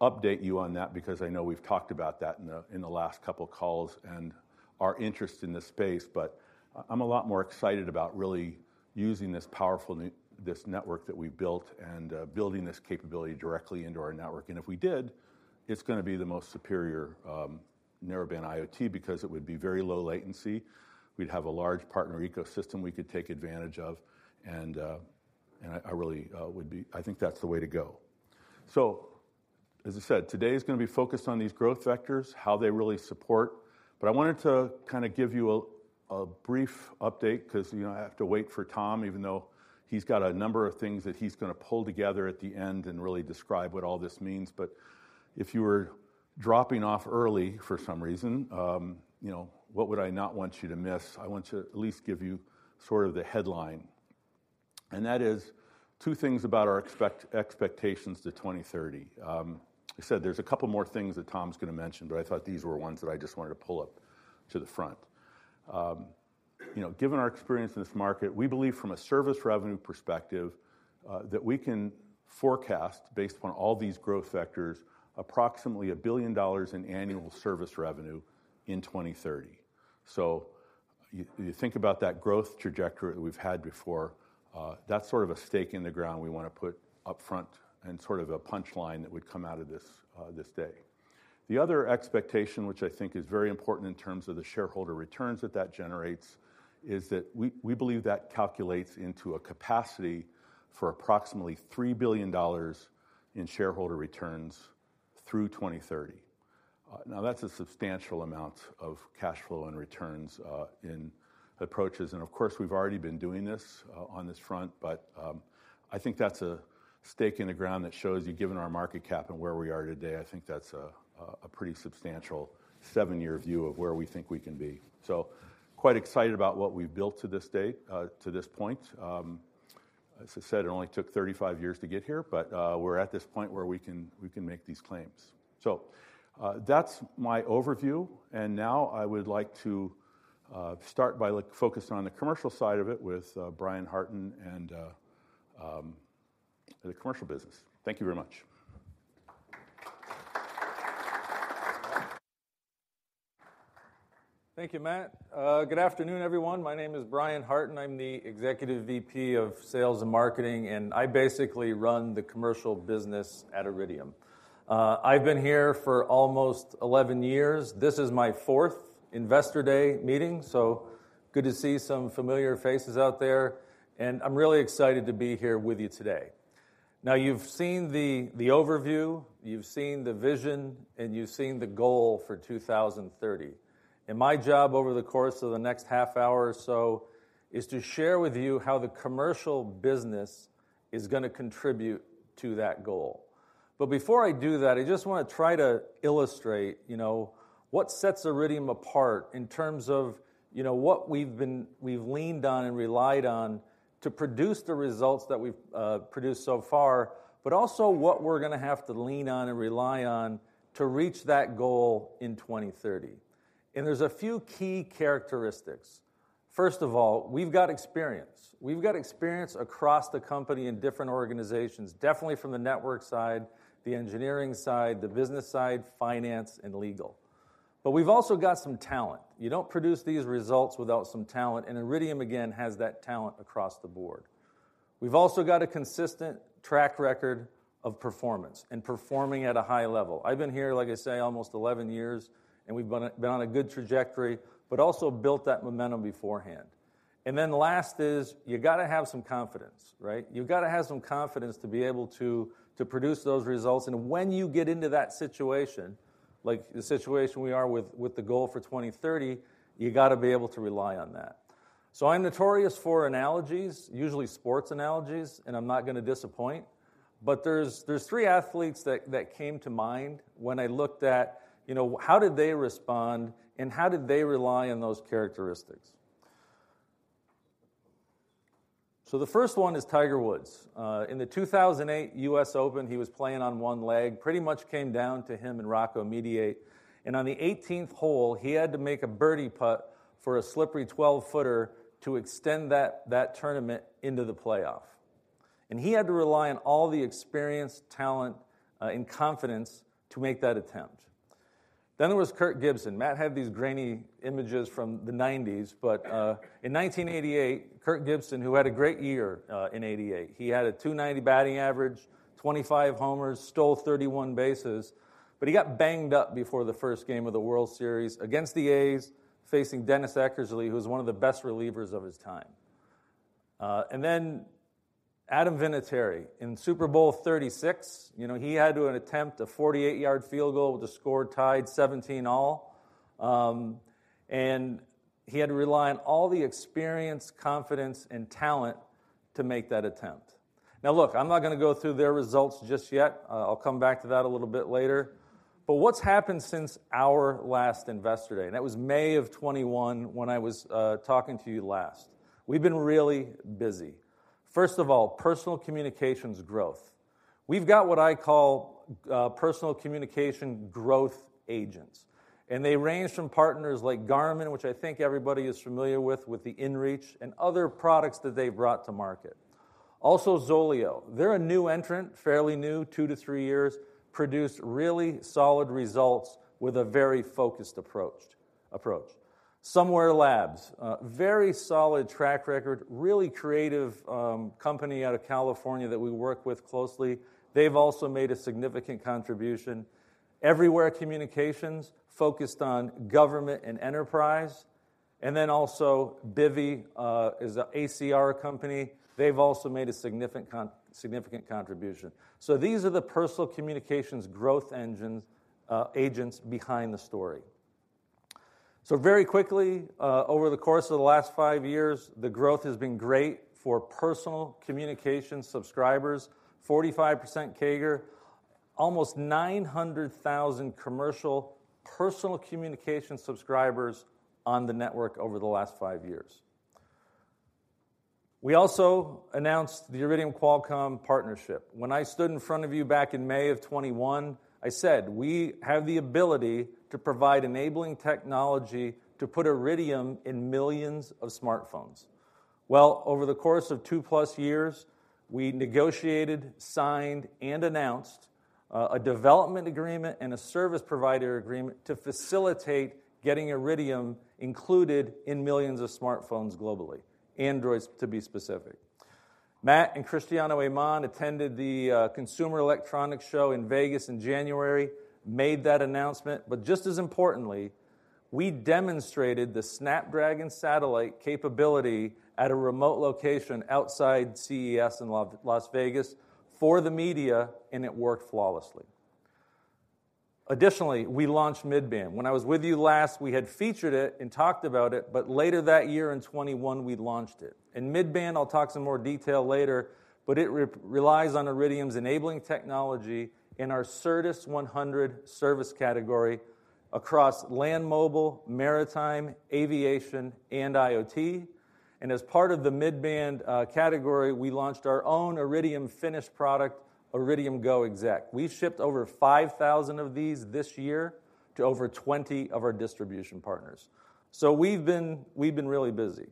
update you on that because I know we've talked about that in the last couple of calls and our interest in this space, but I'm a lot more excited about really using this powerful this network that we've built and building this capability directly into our network. And if we did, it's gonna be the most superior Narrowband IoT because it would be very low latency. We'd have a large partner ecosystem we could take advantage of, and I really would be... I think that's the way to go. So, as I said, today is gonna be focused on these growth vectors, how they really support. But I wanted to kinda give you a brief update 'cause, you know, I have to wait for Tom, even though he's got a number of things that he's gonna pull together at the end and really describe what all this means. But if you were dropping off early for some reason, you know, what would I not want you to miss? I want to at least give you sort of the headline, and that is two things about our expectations to 2030. I said there's a couple more things that Tom's going to mention, but I thought these were ones that I just wanted to pull up to the front. You know, given our experience in this market, we believe from a service revenue perspective, that we can forecast, based upon all these growth vectors, approximately $1 billion in annual service revenue in 2030. So you, you think about that growth trajectory that we've had before, that's sort of a stake in the ground we want to put up front and sort of a punchline that would come out of this, this day. The other expectation, which I think is very important in terms of the shareholder returns that that generates, is that we, we believe that calculates into a capacity for approximately $3 billion in shareholder returns through 2030. Now, that's a substantial amount of cash flow and returns in approaches, and of course, we've already been doing this on this front, but I think that's a stake in the ground that shows you, given our market cap and where we are today, I think that's a pretty substantial 7-year view of where we think we can be. So quite excited about what we've built to this date to this point. As I said, it only took 35 years to get here, but we're at this point where we can make these claims. So, that's my overview, and now I would like to start by focusing on the commercial side of it with Bryan Hartin and the commercial business. Thank you very much. Thank you, Matt. Good afternoon, everyone. My name is Bryan Hartin. I'm the Executive VP of Sales and Marketing, and I basically run the commercial business at Iridium. I've been here for almost 11 years. This is my fourth Investor Day meeting, so good to see some familiar faces out there, and I'm really excited to be here with you today. Now, you've seen the overview, you've seen the vision, and you've seen the goal for 2030. My job over the course of the next half hour or so is to share with you how the commercial business is going to contribute to that goal. But before I do that, I just want to try to illustrate, you know, what sets Iridium apart in terms of, you know, what we've leaned on and relied on to produce the results that we've produced so far, but also what we're going to have to lean on and rely on to reach that goal in 2030. And there's a few key characteristics. First of all, we've got experience. We've got experience across the company in different organizations, definitely from the network side, the engineering side, the business side, finance and legal. But we've also got some talent. You don't produce these results without some talent, and Iridium, again, has that talent across the board. We've also got a consistent track record of performance and performing at a high level. I've been here, like I say, almost 11 years, and we've been on, been on a good trajectory, but also built that momentum beforehand. Then last is, you got to have some confidence, right? You've got to have some confidence to be able to, to produce those results, and when you get into that situation, like the situation we are with, with the goal for 2030, you got to be able to rely on that. So I'm notorious for analogies, usually sports analogies, and I'm not going to disappoint. But there's, there's three athletes that, that came to mind when I looked at, you know, how did they respond, and how did they rely on those characteristics? So the first one is Tiger Woods. In the 2008 U.S. Open, he was playing on one leg, pretty much came down to him and Rocco Mediate, and on the 18th hole, he had to make a birdie putt for a slippery 12-footer to extend that tournament into the playoff. And he had to rely on all the experience, talent, and confidence to make that attempt. Then there was Kirk Gibson. Matt had these grainy images from the nineties, but in 1988, Kirk Gibson, who had a great year in eighty-eight, he had a .290 batting average, 25 homers, stole 31 bases point, but he got banged up before the first game of the World Series against the A's, facing Dennis Eckersley, who was one of the best relievers of his time. And then Adam Vinatieri in Super Bowl 36, you know, he had to attempt a 48-yard field goal with the score tied 17 all. And he had to rely on all the experience, confidence, and talent to make that attempt. Now, look, I'm not going to go through their results just yet. I'll come back to that a little bit later. But what's happened since our last Investor Day? And that was May of 2021, when I was talking to you last. We've been really busy. First of all, personal communications growth. We've got what I call personal communication growth agents, and they range from partners like Garmin, which I think everybody is familiar with, with the inReach and other products that they've brought to market. Also Zoleo, they're a new entrant, fairly new, two to three years, produced really solid results with a very focused approach. Somewear Labs, very solid track record, really creative, company out of California that we work with closely. They've also made a significant contribution. Everywhere Communications, focused on government and enterprise, and then also Bivy, is a ACR company. They've also made a significant contribution. So these are the personal communications growth engines, agents behind the story. So very quickly, over the course of the last five years, the growth has been great for personal communication subscribers, 45% CAGR, almost 900,000 commercial personal communication subscribers on the network over the last five years. We also announced the Iridium Qualcomm partnership. When I stood in front of you back in May of 2021, I said, "We have the ability to provide enabling technology to put Iridium in millions of smartphones." Well, over the course of 2+ years, we negotiated, signed, and announced a development agreement and a service provider agreement to facilitate getting Iridium included in millions of smartphones globally, Androids, to be specific. Matt and Cristiano Amon attended the Consumer Electronics Show in Vegas in January, made that announcement, but just as importantly, we demonstrated the Snapdragon Satellite capability at a remote location outside CES in Las Vegas for the media, and it worked flawlessly. Additionally, we launched mid-band. When I was with you last, we had featured it and talked about it, but later that year, in 2021, we launched it. Mid-Band, I'll talk some more detail later, but it relies on Iridium's enabling technology in our Certus 100 service category across land mobile, maritime, aviation, and IoT. As part of the mid-band category, we launched our own Iridium finished product, Iridium GO! exec. We've shipped over 5,000 of these this year to over 20 of our distribution partners. So we've been, we've been really busy,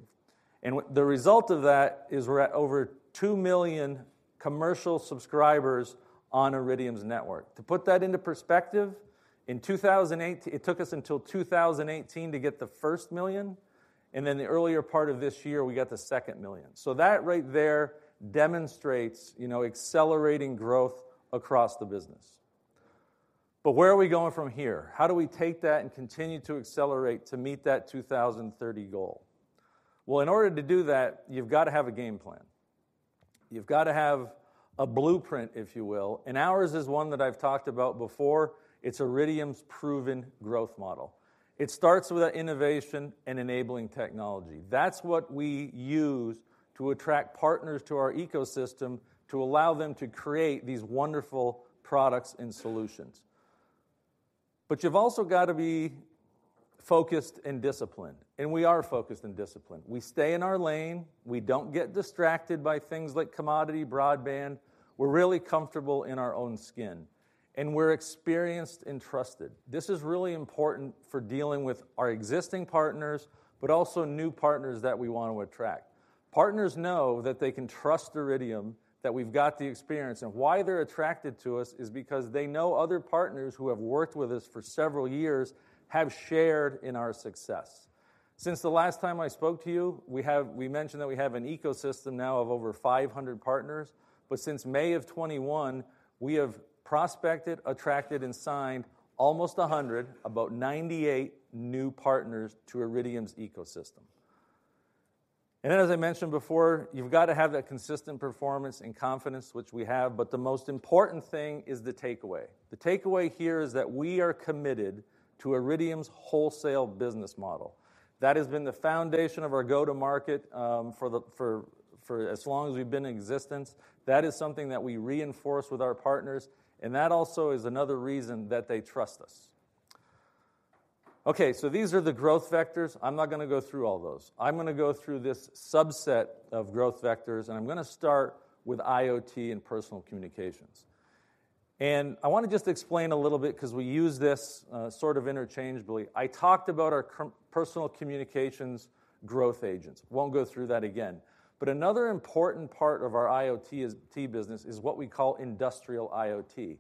and the result of that is we're at over 2 million commercial subscribers on Iridium's network. To put that into perspective, in 2018, it took us until 2018 to get the first million, and then the earlier part of this year, we got the second million. So that right there demonstrates, you know, accelerating growth across the business. Where are we going from here? How do we take that and continue to accelerate to meet that 2030 goal? Well, in order to do that, you've got to have a game plan. You've got to have a blueprint, if you will, and ours is one that I've talked about before. It's Iridium's proven growth model. It starts with an innovation and enabling technology. That's what we use to attract partners to our ecosystem, to allow them to create these wonderful products and solutions. But you've also got to be focused and disciplined, and we are focused and disciplined. We stay in our lane. We don't get distracted by things like commodity broadband. We're really comfortable in our own skin, and we're experienced and trusted. This is really important for dealing with our existing partners, but also new partners that we want to attract. Partners know that they can trust Iridium, that we've got the experience, and why they're attracted to us is because they know other partners who have worked with us for several years have shared in our success. Since the last time I spoke to you, we mentioned that we have an ecosystem now of over 500 partners, but since May of 2021, we have prospected, attracted, and signed almost 100, about 98 new partners to Iridium's ecosystem. And then, as I mentioned before, you've got to have that consistent performance and confidence, which we have, but the most important thing is the takeaway. The takeaway here is that we are committed to Iridium's wholesale business model. That has been the foundation of our go-to-market for as long as we've been in existence. That is something that we reinforce with our partners, and that also is another reason that they trust us. Okay, so these are the growth vectors. I'm not gonna go through all those. I'm gonna go through this subset of growth vectors, and I'm gonna start with IoT and personal communications. I want to just explain a little bit 'cause we use this sort of interchangeably. I talked about our personal communications growth agents. Won't go through that again. Another important part of our IoT SBD business is what we call industrial IoT.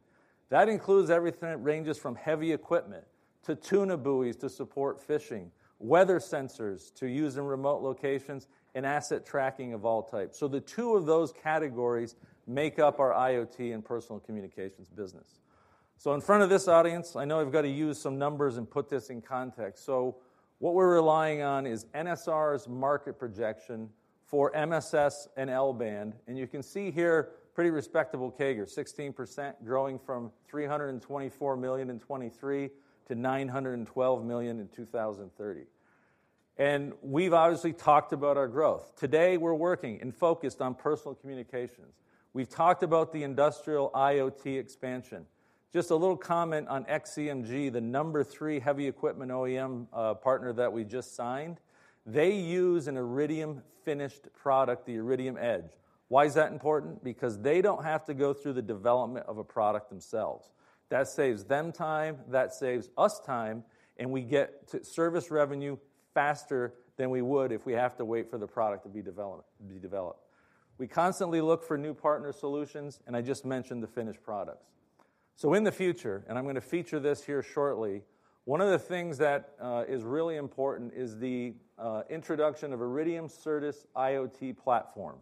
That includes everything. It ranges from heavy equipment to tuna buoys to support fishing, weather sensors to use in remote locations, and asset tracking of all types. The two of those categories make up our IoT and personal communications business. So in front of this audience, I know I've got to use some numbers and put this in context. So what we're relying on is NSR's market projection for MSS and L-band, and you can see here, pretty respectable CAGR, 16%, growing from $324 million in 2023 to $912 million in 2030. And we've obviously talked about our growth. Today, we're working and focused on personal communications. We've talked about the industrial IoT expansion. Just a little comment on XCMG, the number three heavy equipment OEM, partner that we just signed. They use an Iridium finished product, the Iridium Edge. Why is that important? Because they don't have to go through the development of a product themselves. That saves them time, that saves us time, and we get to service revenue faster than we would if we have to wait for the product to be developed. We constantly look for new partner solutions, and I just mentioned the finished products. So in the future, and I'm gonna feature this here shortly, one of the things that is really important is the introduction of Iridium Certus IoT platform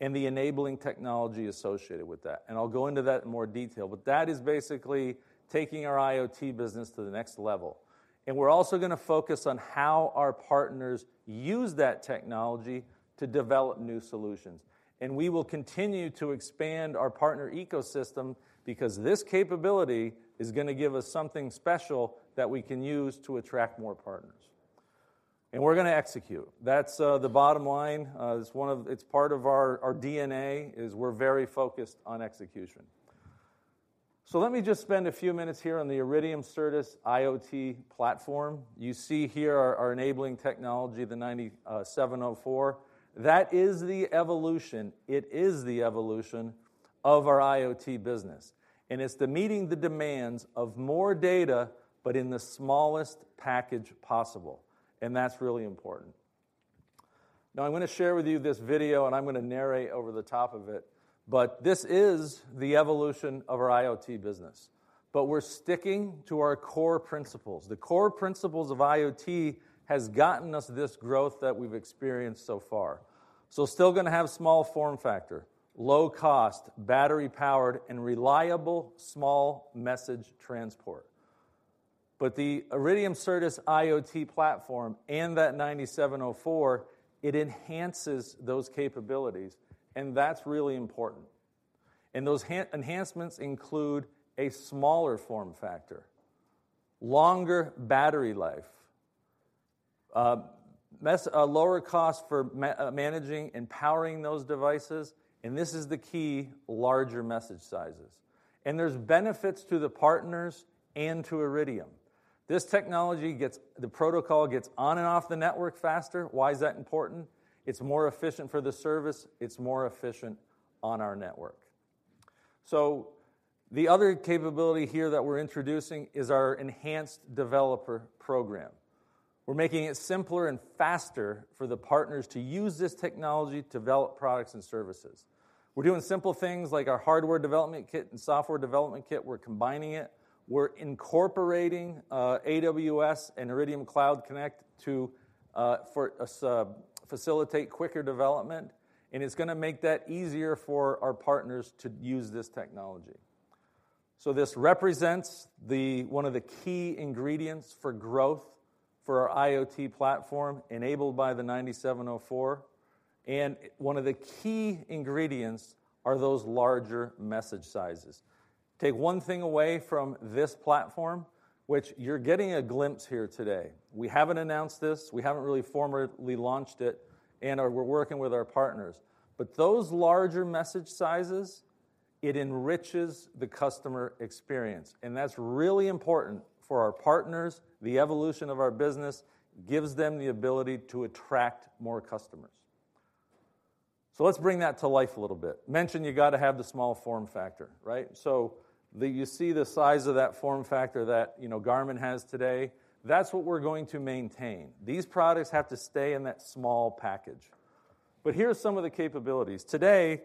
and the enabling technology associated with that, and I'll go into that in more detail, but that is basically taking our IoT business to the next level. And we're also gonna focus on how our partners use that technology to develop new solutions. And we will continue to expand our partner ecosystem because this capability is gonna give us something special that we can use to attract more partners.... And we're gonna execute. That's the bottom line. It's one of, it's part of our DNA, is we're very focused on execution. So let me just spend a few minutes here on the Iridium Certus IoT platform. You see here our enabling technology, the 9704. That is the evolution. It is the evolution of our IoT business, and it's the meeting the demands of more data, but in the smallest package possible, and that's really important. Now, I'm gonna share with you this video, and I'm gonna narrate over the top of it, but this is the evolution of our IoT business. But we're sticking to our core principles. The core principles of IoT has gotten us this growth that we've experienced so far. So still gonna have small form factor, low cost, battery-powered, and reliable, small message transport. But the Iridium Certus IoT platform and that 9704, it enhances those capabilities, and that's really important. And those enhancements include: a smaller form factor, longer battery life, a lower cost for managing and powering those devices, and this is the key, larger message sizes. And there's benefits to the partners and to Iridium. This technology gets. The protocol gets on and off the network faster. Why is that important? It's more efficient for the service. It's more efficient on our network. So the other capability here that we're introducing is our enhanced developer program. We're making it simpler and faster for the partners to use this technology to develop products and services. We're doing simple things like our hardware development kit and software development kit, we're combining it. We're incorporating AWS and Iridium Cloud Connect to facilitate quicker development, and it's gonna make that easier for our partners to use this technology. So this represents the one of the key ingredients for growth for our IoT platform, enabled by the 9704, and one of the key ingredients are those larger message sizes. Take one thing away from this platform, which you're getting a glimpse here today. We haven't announced this, we haven't really formally launched it, and we're working with our partners. But those larger message sizes, it enriches the customer experience, and that's really important for our partners. The evolution of our business gives them the ability to attract more customers. So let's bring that to life a little bit. Mentioned you got to have the small form factor, right? So, you see the size of that form factor that, you know, Garmin has today? That's what we're going to maintain. These products have to stay in that small package. But here are some of the capabilities. Today,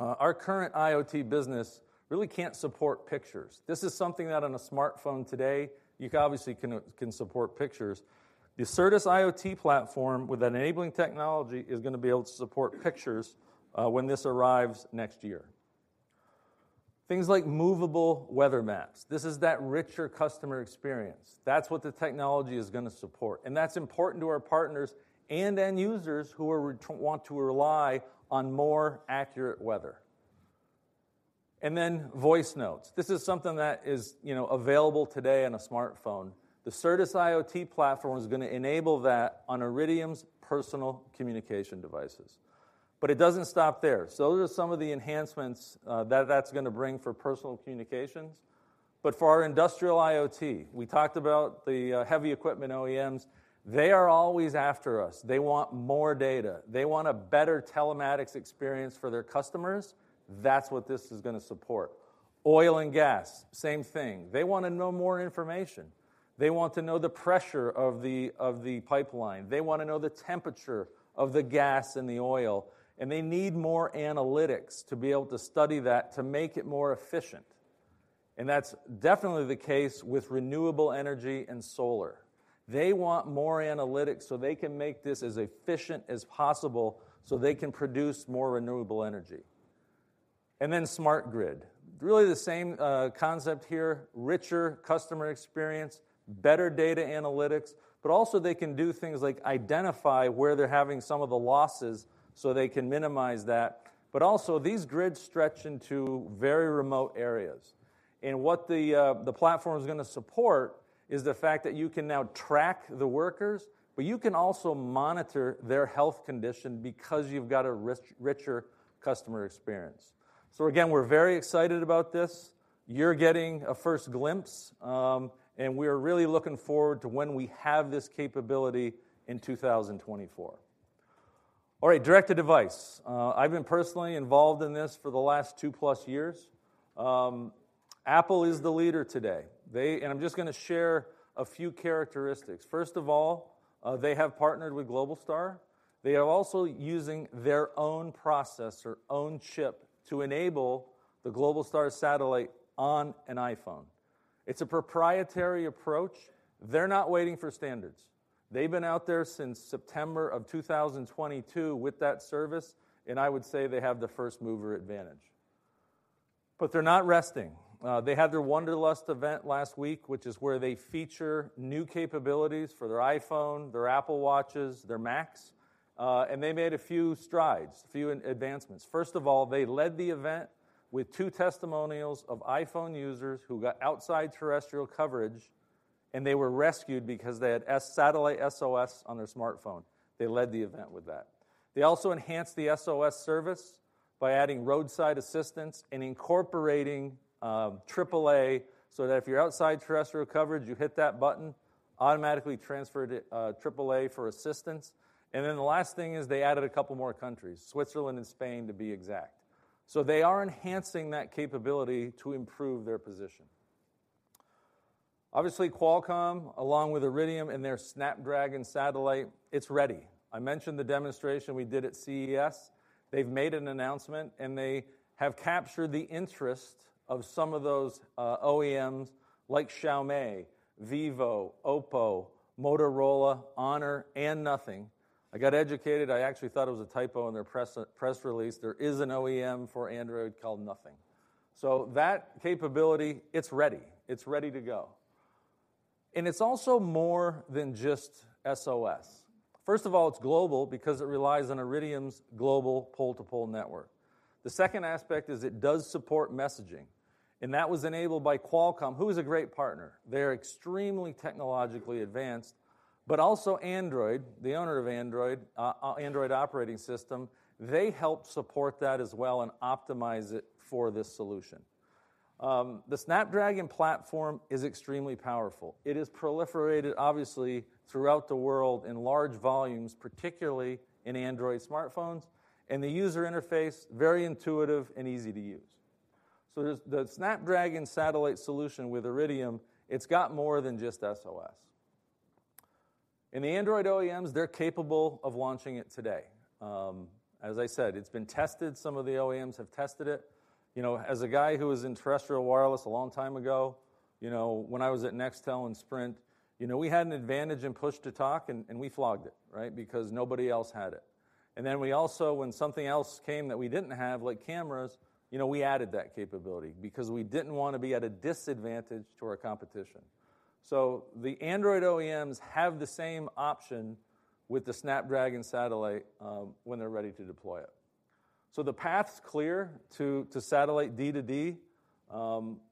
our current IoT business really can't support pictures. This is something that on a smartphone today, you obviously can support pictures. The Certus IoT platform, with that enabling technology, is gonna be able to support pictures when this arrives next year. Things like movable weather maps, this is that richer customer experience. That's what the technology is gonna support, and that's important to our partners and end users who want to rely on more accurate weather. And then voice notes. This is something that is, you know, available today on a smartphone. The Certus IoT platform is gonna enable that on Iridium's personal communication devices. But it doesn't stop there. So those are some of the enhancements that that's gonna bring for personal communications. But for our industrial IoT, we talked about the heavy equipment OEMs. They are always after us. They want more data. They want a better telematics experience for their customers. That's what this is gonna support. Oil and gas, same thing. They wanna know more information. They want to know the pressure of the, of the pipeline. They want to know the temperature of the gas and the oil, and they need more analytics to be able to study that, to make it more efficient, and that's definitely the case with renewable energy and solar. They want more analytics so they can make this as efficient as possible, so they can produce more renewable energy. And then smart grid. Really the same concept here, richer customer experience, better data analytics, but also they can do things like identify where they're having some of the losses, so they can minimize that. But also, these grids stretch into very remote areas, and what the platform is gonna support is the fact that you can now track the workers, but you can also monitor their health condition because you've got a richer customer experience. So again, we're very excited about this. You're getting a first glimpse, and we're really looking forward to when we have this capability in 2024. All right, Direct-to-Device. I've been personally involved in this for the last 2+ years. Apple is the leader today. And I'm just gonna share a few characteristics. First of all, they have partnered with Globalstar. They are also using their own processor, own chip, to enable the Globalstar satellite on an iPhone. It's a proprietary approach. They're not waiting for standards. They've been out there since September 2022 with that service, and I would say they have the first-mover advantage. But they're not resting. They had their Wonderlust event last week, which is where they feature new capabilities for their iPhone, their Apple Watches, their Macs, and they made a few strides and advancements. First of all, they led the event with two testimonials of iPhone users who got outside terrestrial coverage, and they were rescued because they had satellite SOS on their smartphone. They led the event with that. They also enhanced the SOS service by adding roadside assistance and incorporating AAA, so that if you're outside terrestrial coverage, you hit that button, automatically transferred to AAA for assistance. And then the last thing is they added a couple more countries, Switzerland and Spain, to be exact. So they are enhancing that capability to improve their position. Obviously, Qualcomm, along with Iridium and their Snapdragon Satellite, it's ready. I mentioned the demonstration we did at CES. They've made an announcement, and they have captured the interest of some of those OEMs like Xiaomi, Vivo, Oppo, Motorola, Honor, and Nothing. I got educated. I actually thought it was a typo in their press release. There is an OEM for Android called Nothing. So that capability, it's ready. It's ready to go. And it's also more than just SOS. First of all, it's global because it relies on Iridium's global pole-to-pole network. The second aspect is it does support messaging, and that was enabled by Qualcomm, who is a great partner. They are extremely technologically advanced, but also Android, the owner of Android, Android operating system, they help support that as well and optimize it for this solution. The Snapdragon platform is extremely powerful. It is proliferated, obviously, throughout the world in large volumes, particularly in Android smartphones, and the user interface, very intuitive and easy to use. So there's the Snapdragon Satellite solution with Iridium; it's got more than just SOS. The Android OEMs, they're capable of launching it today. As I said, it's been tested. Some of the OEMs have tested it. You know, as a guy who was in terrestrial wireless a long time ago, you know, when I was at Nextel and Sprint, you know, we had an advantage in push-to-talk and we flogged it, right? Because nobody else had it. And then we also, when something else came that we didn't have, like cameras, you know, we added that capability because we didn't want to be at a disadvantage to our competition. So the Android OEMs have the same option with the Snapdragon Satellite, when they're ready to deploy it. So the path's clear to satellite D2D.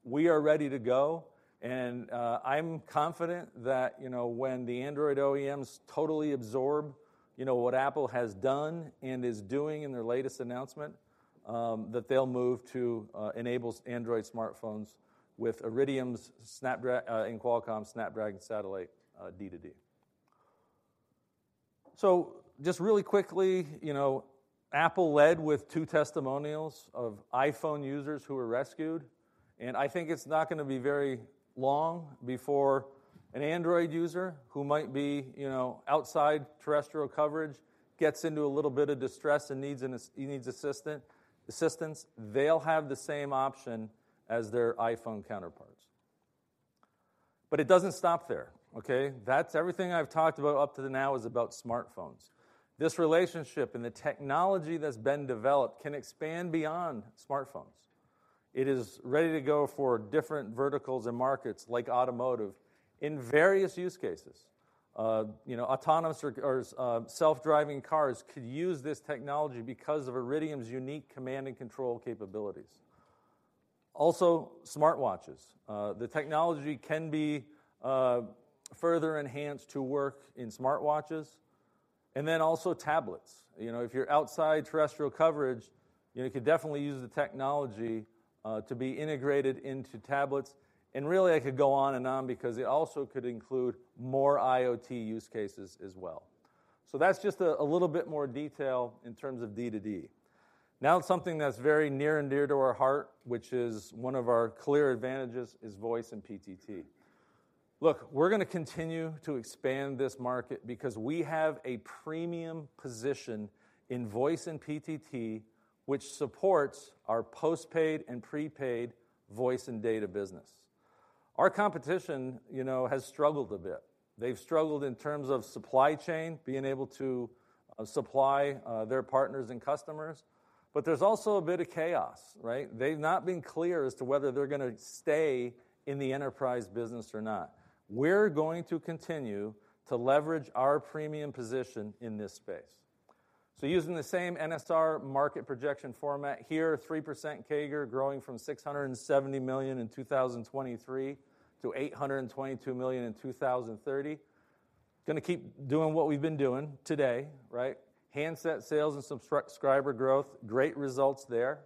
We are ready to go, and I'm confident that, you know, when the Android OEMs totally absorb, you know, what Apple has done and is doing in their latest announcement, that they'll move to enable Android smartphones with Iridium's Snapdragon and Qualcomm's Snapdragon Satellite, D2D. So just really quickly, you know, Apple led with two testimonials of iPhone users who were rescued, and I think it's not gonna be very long before an Android user who might be, you know, outside terrestrial coverage, gets into a little bit of distress and needs assistance, they'll have the same option as their iPhone counterparts. But it doesn't stop there, okay? That's everything I've talked about up to now is about smartphones. This relationship and the technology that's been developed can expand beyond smartphones. It is ready to go for different verticals and markets, like automotive, in various use cases. You know, autonomous or self-driving cars could use this technology because of Iridium's unique command and control capabilities. Also, smartwatches. The technology can be further enhanced to work in smartwatches, and then also tablets. You know, if you're outside terrestrial coverage, you know, you could definitely use the technology to be integrated into tablets, and really, I could go on and on because it also could include more IoT use cases as well. So that's just a little bit more detail in terms of D2D. Now, something that's very near and dear to our heart, which is one of our clear advantages, is voice and PTT. Look, we're gonna continue to expand this market because we have a premium position in voice and PTT, which supports our postpaid and prepaid voice and data business. Our competition, you know, has struggled a bit. They've struggled in terms of supply chain, being able to supply their partners and customers, but there's also a bit of chaos, right? They've not been clear as to whether they're gonna stay in the enterprise business or not. We're going to continue to leverage our premium position in this space. So using the same NSR market projection format here, 3% CAGR, growing from $670 million in 2023 to $822 million in 2030. Gonna keep doing what we've been doing today, right? Handset sales and subscriber growth, great results there.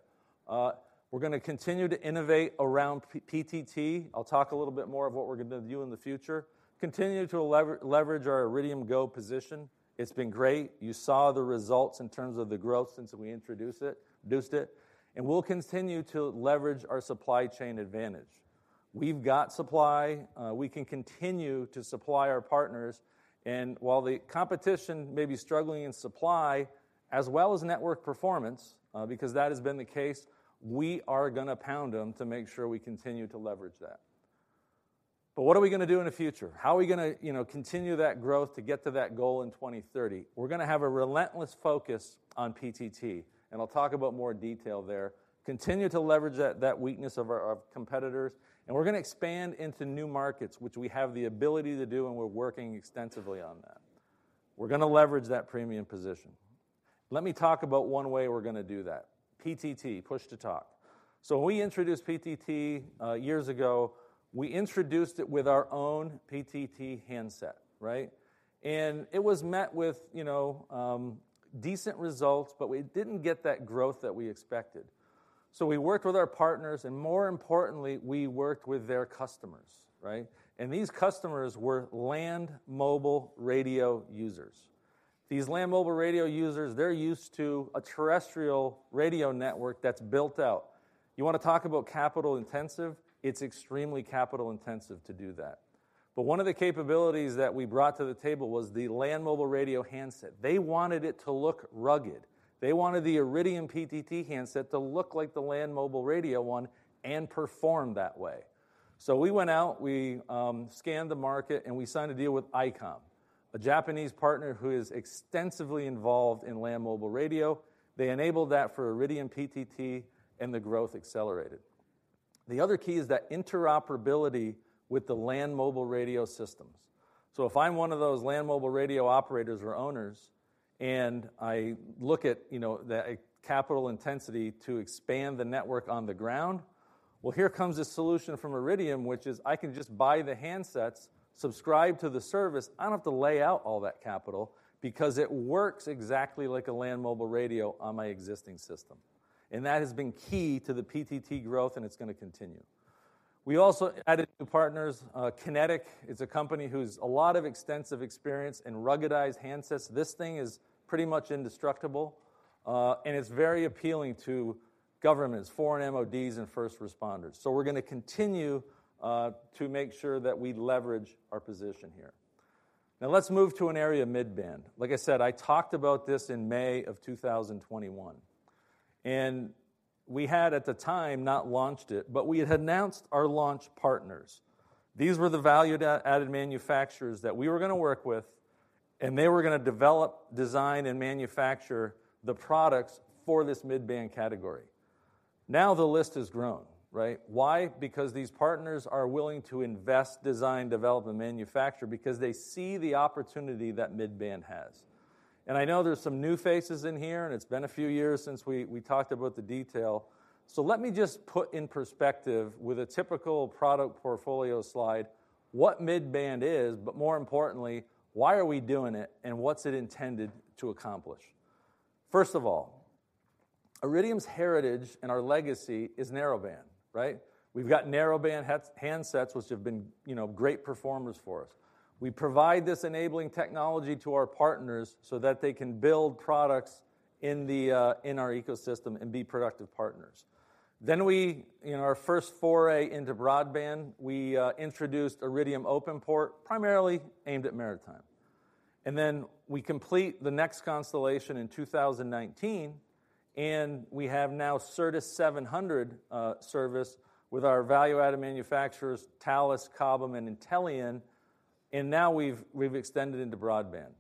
We're gonna continue to innovate around P-PTT. I'll talk a little bit more of what we're gonna do in the future. Continue to leverage our Iridium GO position. It's been great. You saw the results in terms of the growth since we introduced it, and we'll continue to leverage our supply chain advantage. We've got supply. We can continue to supply our partners, and while the competition may be struggling in supply, as well as network performance, because that has been the case, we are gonna pound them to make sure we continue to leverage that. But what are we gonna do in the future? How are we gonna, you know, continue that growth to get to that goal in 2030? We're gonna have a relentless focus on PTT, and I'll talk about more detail there. Continue to leverage that weakness of our competitors, and we're gonna expand into new markets, which we have the ability to do, and we're working extensively on that. We're gonna leverage that premium position. Let me talk about one way we're gonna do that. PTT, push-to-talk. So when we introduced PTT years ago, we introduced it with our own PTT handset, right? And it was met with, you know, decent results, but we didn't get that growth that we expected. So we worked with our partners, and more importantly, we worked with their customers, right? And these customers were land mobile radio users. These land mobile radio users, they're used to a terrestrial radio network that's built out. You wanna talk about capital-intensive? It's extremely capital-intensive to do that. But one of the capabilities that we brought to the table was the land mobile radio handset. They wanted it to look rugged. They wanted the Iridium PTT handset to look like the land mobile radio one and perform that way. So we went out, we scanned the market, and we signed a deal with Icom, a Japanese partner who is extensively involved in land mobile radio. They enabled that for Iridium PTT, and the growth accelerated. The other key is that interoperability with the land mobile radio systems. So if I'm one of those land mobile radio operators or owners, and I look at, you know, the capital intensity to expand the network on the ground, well, here comes a solution from Iridium, which is I can just buy the handsets, subscribe to the service. I don't have to lay out all that capital because it works exactly like a land mobile radio on my existing system, and that has been key to the PTT growth, and it's gonna continue. We also added new partners. QinetQ is a company who's a lot of extensive experience in ruggedized handsets. This thing is pretty much indestructible, and it's very appealing to governments, foreign MODs, and first responders. So we're gonna continue to make sure that we leverage our position here. Now, let's move to an area of mid-band. Like I said, I talked about this in May of 2021, and we had, at the time, not launched it, but we had announced our launch partners. These were the value-added manufacturers that we were gonna work with, and they were gonna develop, design, and manufacture the products for this mid-band category. Now, the list has grown, right? Why? Because these partners are willing to invest, design, develop, and manufacture because they see the opportunity that mid-band has. And I know there's some new faces in here, and it's been a few years since we talked about the detail, so let me just put in perspective with a typical product portfolio slide what mid-band is, but more importantly, why are we doing it, and what's it intended to accomplish? First of all, Iridium's heritage and our legacy is narrowband, right? We've got narrowband handsets, which have been, you know, great performers for us. We provide this enabling technology to our partners so that they can build products in our ecosystem and be productive partners. Then we, in our first foray into broadband, we introduced Iridium OpenPort, primarily aimed at maritime. And then we complete the next constellation in 2019, and we have now Certus 700 service with our value-added manufacturers, Thales, Cobham, and Intellian, and now we've extended into broadband.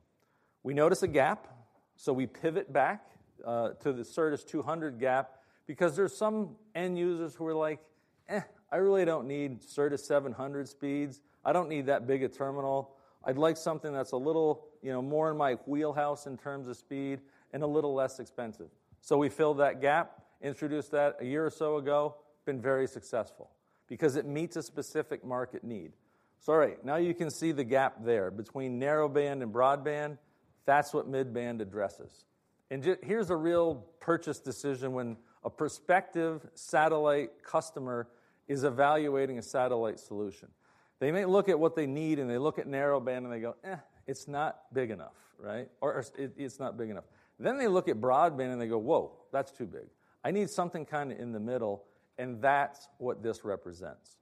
We notice a gap, so we pivot back to the Certus 200 gap because there's some end users who are like, "Eh, I really don't need Certus 700 speeds. I don't need that big a terminal. I'd like something that's a little, you know, more in my wheelhouse in terms of speed and a little less expensive." So we filled that gap, introduced that a year or so ago, been very successful because it meets a specific market need. So all right, now you can see the gap there between narrowband and broadband. That's what mid-band addresses. Here's a real purchase decision when a prospective satellite customer is evaluating a satellite solution. They may look at what they need, and they look at narrowband, and they go, "Eh, it's not big enough," right? Or, or, "It, it's not big enough." Then they look at broadband, and they go, "Whoa, that's too big. I need something kinda in the middle," and that's what this represents.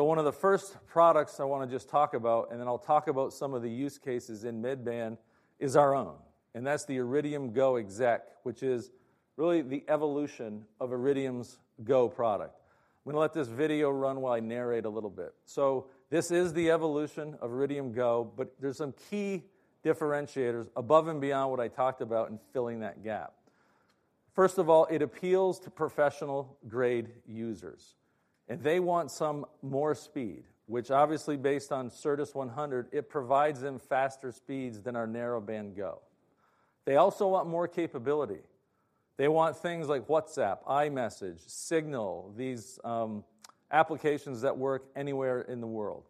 One of the first products I wanna just talk about, and then I'll talk about some of the use cases in mid-band, is our own, and that's the Iridium GO! Exec, which is really the Evolution of Iridium's GO! product. I'm gonna let this video run while I narrate a little bit. This is the evolution of Iridium GO!, but there's some key differentiators above and beyond what I talked about in filling that gap. First of all, it appeals to professional-grade users, and they want some more speed, which obviously, based on Certus 100, it provides them faster speeds than our narrowband GO! They also want more capability. They want things like WhatsApp, iMessage, Signal, these applications that work anywhere in the world.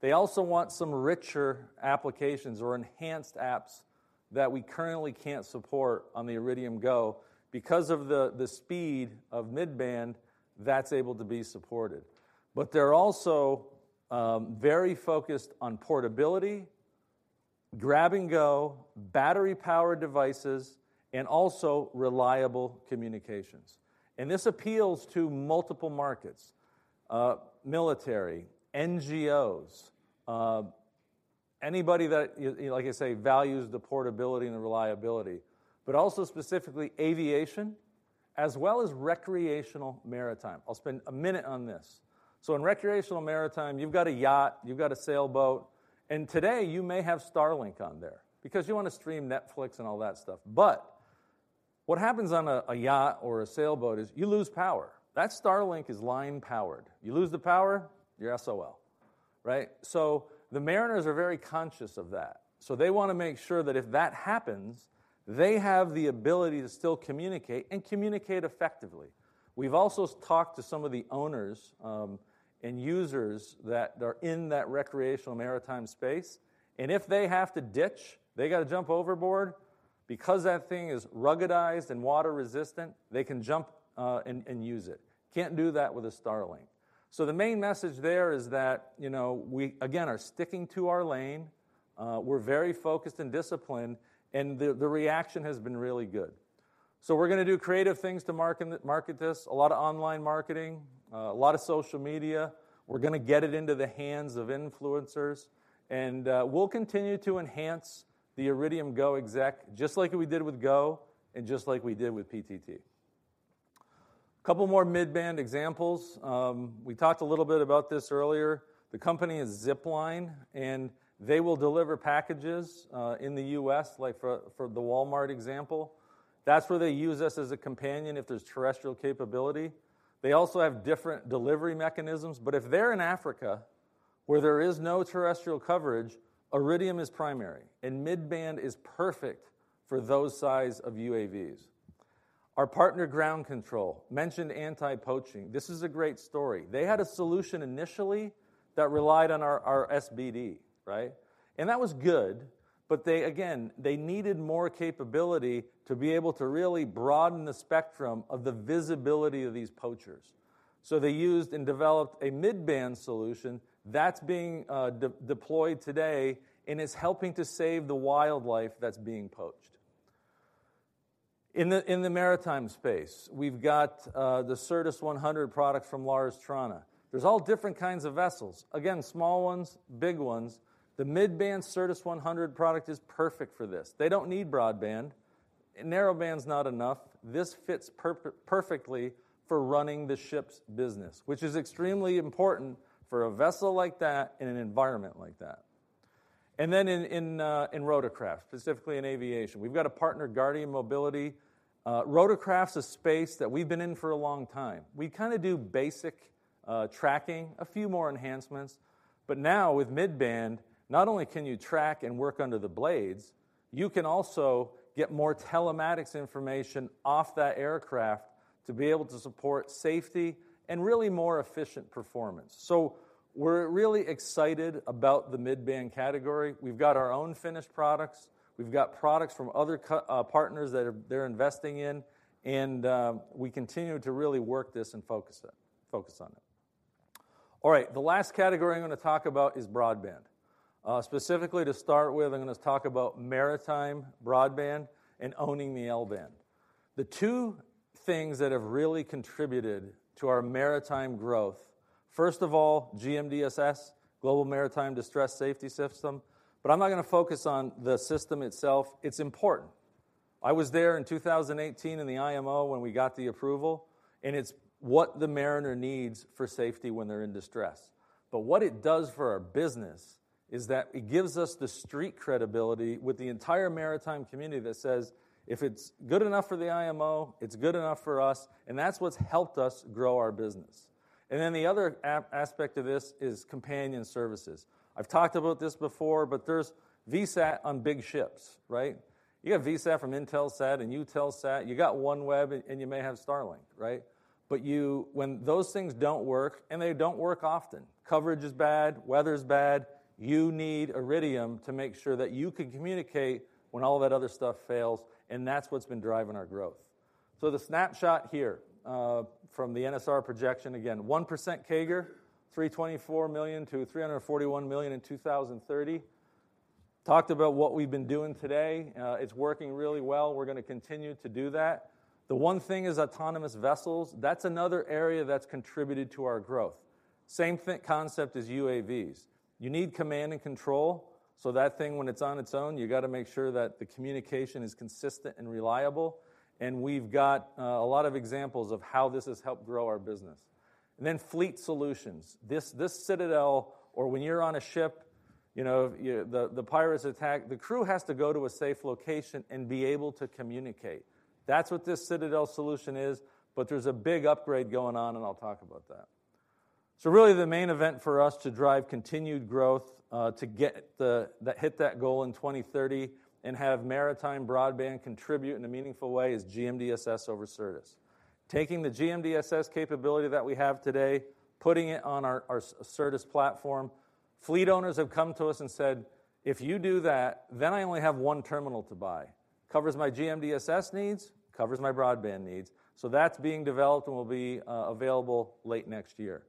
They also want some richer applications or enhanced apps that we currently can't support on the Iridium GO. Because of the, the speed of mid-band, that's able to be supported. But they're also very focused on portability, grab and go, battery-powered devices, and also reliable communications. And this appeals to multiple markets, military, NGOs, anybody that, like I say, values the portability and the reliability, but also specifically aviation, as well as recreational maritime. I'll spend a minute on this. So in recreational maritime, you've got a yacht, you've got a sailboat, and today, you may have Starlink on there because you wanna stream Netflix and all that stuff, but what happens on a yacht or a sailboat is you lose power. That Starlink is line powered. You lose the power, you're SOL, right? So the mariners are very conscious of that, so they wanna make sure that if that happens, they have the ability to still communicate and communicate effectively. We've also talked to some of the owners and users that are in that recreational maritime space, and if they have to ditch, they gotta jump overboard, because that thing is ruggedized and water-resistant, they can jump and use it. Can't do that with a Starlink. So the main message there is that, you know, we, again, are sticking to our lane. We're very focused and disciplined, and the reaction has been really good. So we're gonna do creative things to market this, a lot of online marketing, a lot of social media. We're gonna get it into the hands of influencers, and we'll continue to enhance the Iridium GO! exec, just like we did with GO! and just like we did with PTT. Couple more mid-band examples. We talked a little bit about this earlier. The company is Zipline, and they will deliver packages in the U.S., like for the Walmart example. That's where they use us as a companion if there's terrestrial capability. They also have different delivery mechanisms, but if they're in Africa, where there is no terrestrial coverage, Iridium is primary, and mid-band is perfect for those size of UAVs. Our partner, Ground Control, mentioned anti-poaching. This is a great story. They had a solution initially that relied on our, our SBD, right? And that was good, but they, again, they needed more capability to be able to really broaden the spectrum of the visibility of these poachers. So they used and developed a mid-band solution that's being deployed today and is helping to save the wildlife that's being poached. In the maritime space, we've got the Certus 100 product from Lars Thrane. There's all different kinds of vessels, again, small ones, big ones. The mid-band Certus 100 product is perfect for this. They don't need broadband, and narrow band's not enough. This fits perfectly for running the ship's business, which is extremely important for a vessel like that in an environment like that. And then in rotorcraft, specifically in aviation, we've got a partner, Guardian Mobility. Rotorcraft's a space that we've been in for a long time. We kinda do basic, tracking, a few more enhancements, but now with mid-band, not only can you track and work under the blades, you can also get more telematics information off that aircraft to be able to support safety and really more efficient performance. So we're really excited about the mid-band category. We've got our own finished products. We've got products from other partners that are, they're investing in, and, we continue to really work this and focus it, focus on it. All right, the last category I'm gonna talk about is broadband. Specifically, to start with, I'm gonna talk about maritime broadband and owning the L-band. The two things that have really contributed to our maritime growth, first of all, GMDSS, Global Maritime Distress Safety System, but I'm not gonna focus on the system itself. It's important. I was there in 2018 in the IMO when we got the approval, and it's what the mariner needs for safety when they're in distress. But what it does for our business is that it gives us the street credibility with the entire maritime community that says, "If it's good enough for the IMO, it's good enough for us," and that's what's helped us grow our business. And then the other aspect of this is companion services. I've talked about this before, but there's VSAT on big ships, right? You have VSAT from Intelsat and Eutelsat. You got OneWeb, and you may have Starlink, right? But when those things don't work, and they don't work often, coverage is bad, weather is bad, you need Iridium to make sure that you can communicate when all that other stuff fails, and that's what's been driving our growth. So the snapshot here from the NSR projection, again, 1% CAGR, $324 million-$341 million in 2030. Talked about what we've been doing today. It's working really well. We're gonna continue to do that. The one thing is autonomous vessels. That's another area that's contributed to our growth. Same thing-concept as UAVs. You need command and control, so that thing, when it's on its own, you gotta make sure that the communication is consistent and reliable, and we've got a lot of examples of how this has helped grow our business. And then fleet solutions. This, this citadel, or when you're on a ship, you know, the pirates attack, the crew has to go to a safe location and be able to communicate. That's what this citadel solution is, but there's a big upgrade going on, and I'll talk about that. So really, the main event for us to drive continued growth, to get the hit that goal in 2030 and have maritime broadband contribute in a meaningful way is GMDSS over Certus. Taking the GMDSS capability that we have today, putting it on our Certus platform. Fleet owners have come to us and said, "If you do that, then I only have one terminal to buy. Covers my GMDSS needs, covers my broadband needs." So that's being developed and will be available late next year.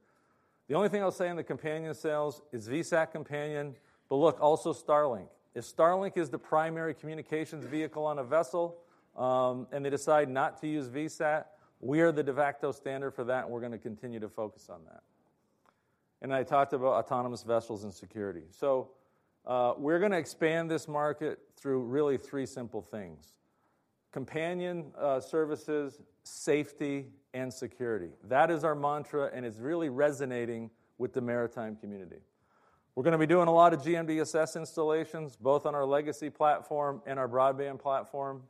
The only thing I'll say on the companion sales is VSAT companion, but look, also Starlink. If Starlink is the primary communications vehicle on a vessel, and they decide not to use VSAT, we are the de facto standard for that, and we're gonna continue to focus on that. And I talked about autonomous vessels and security. So, we're gonna expand this market through really three simple things: companion, services, safety, and security. That is our mantra, and it's really resonating with the maritime community. We're gonna be doing a lot of GMDSS installations, both on our legacy platform and our broadband platform.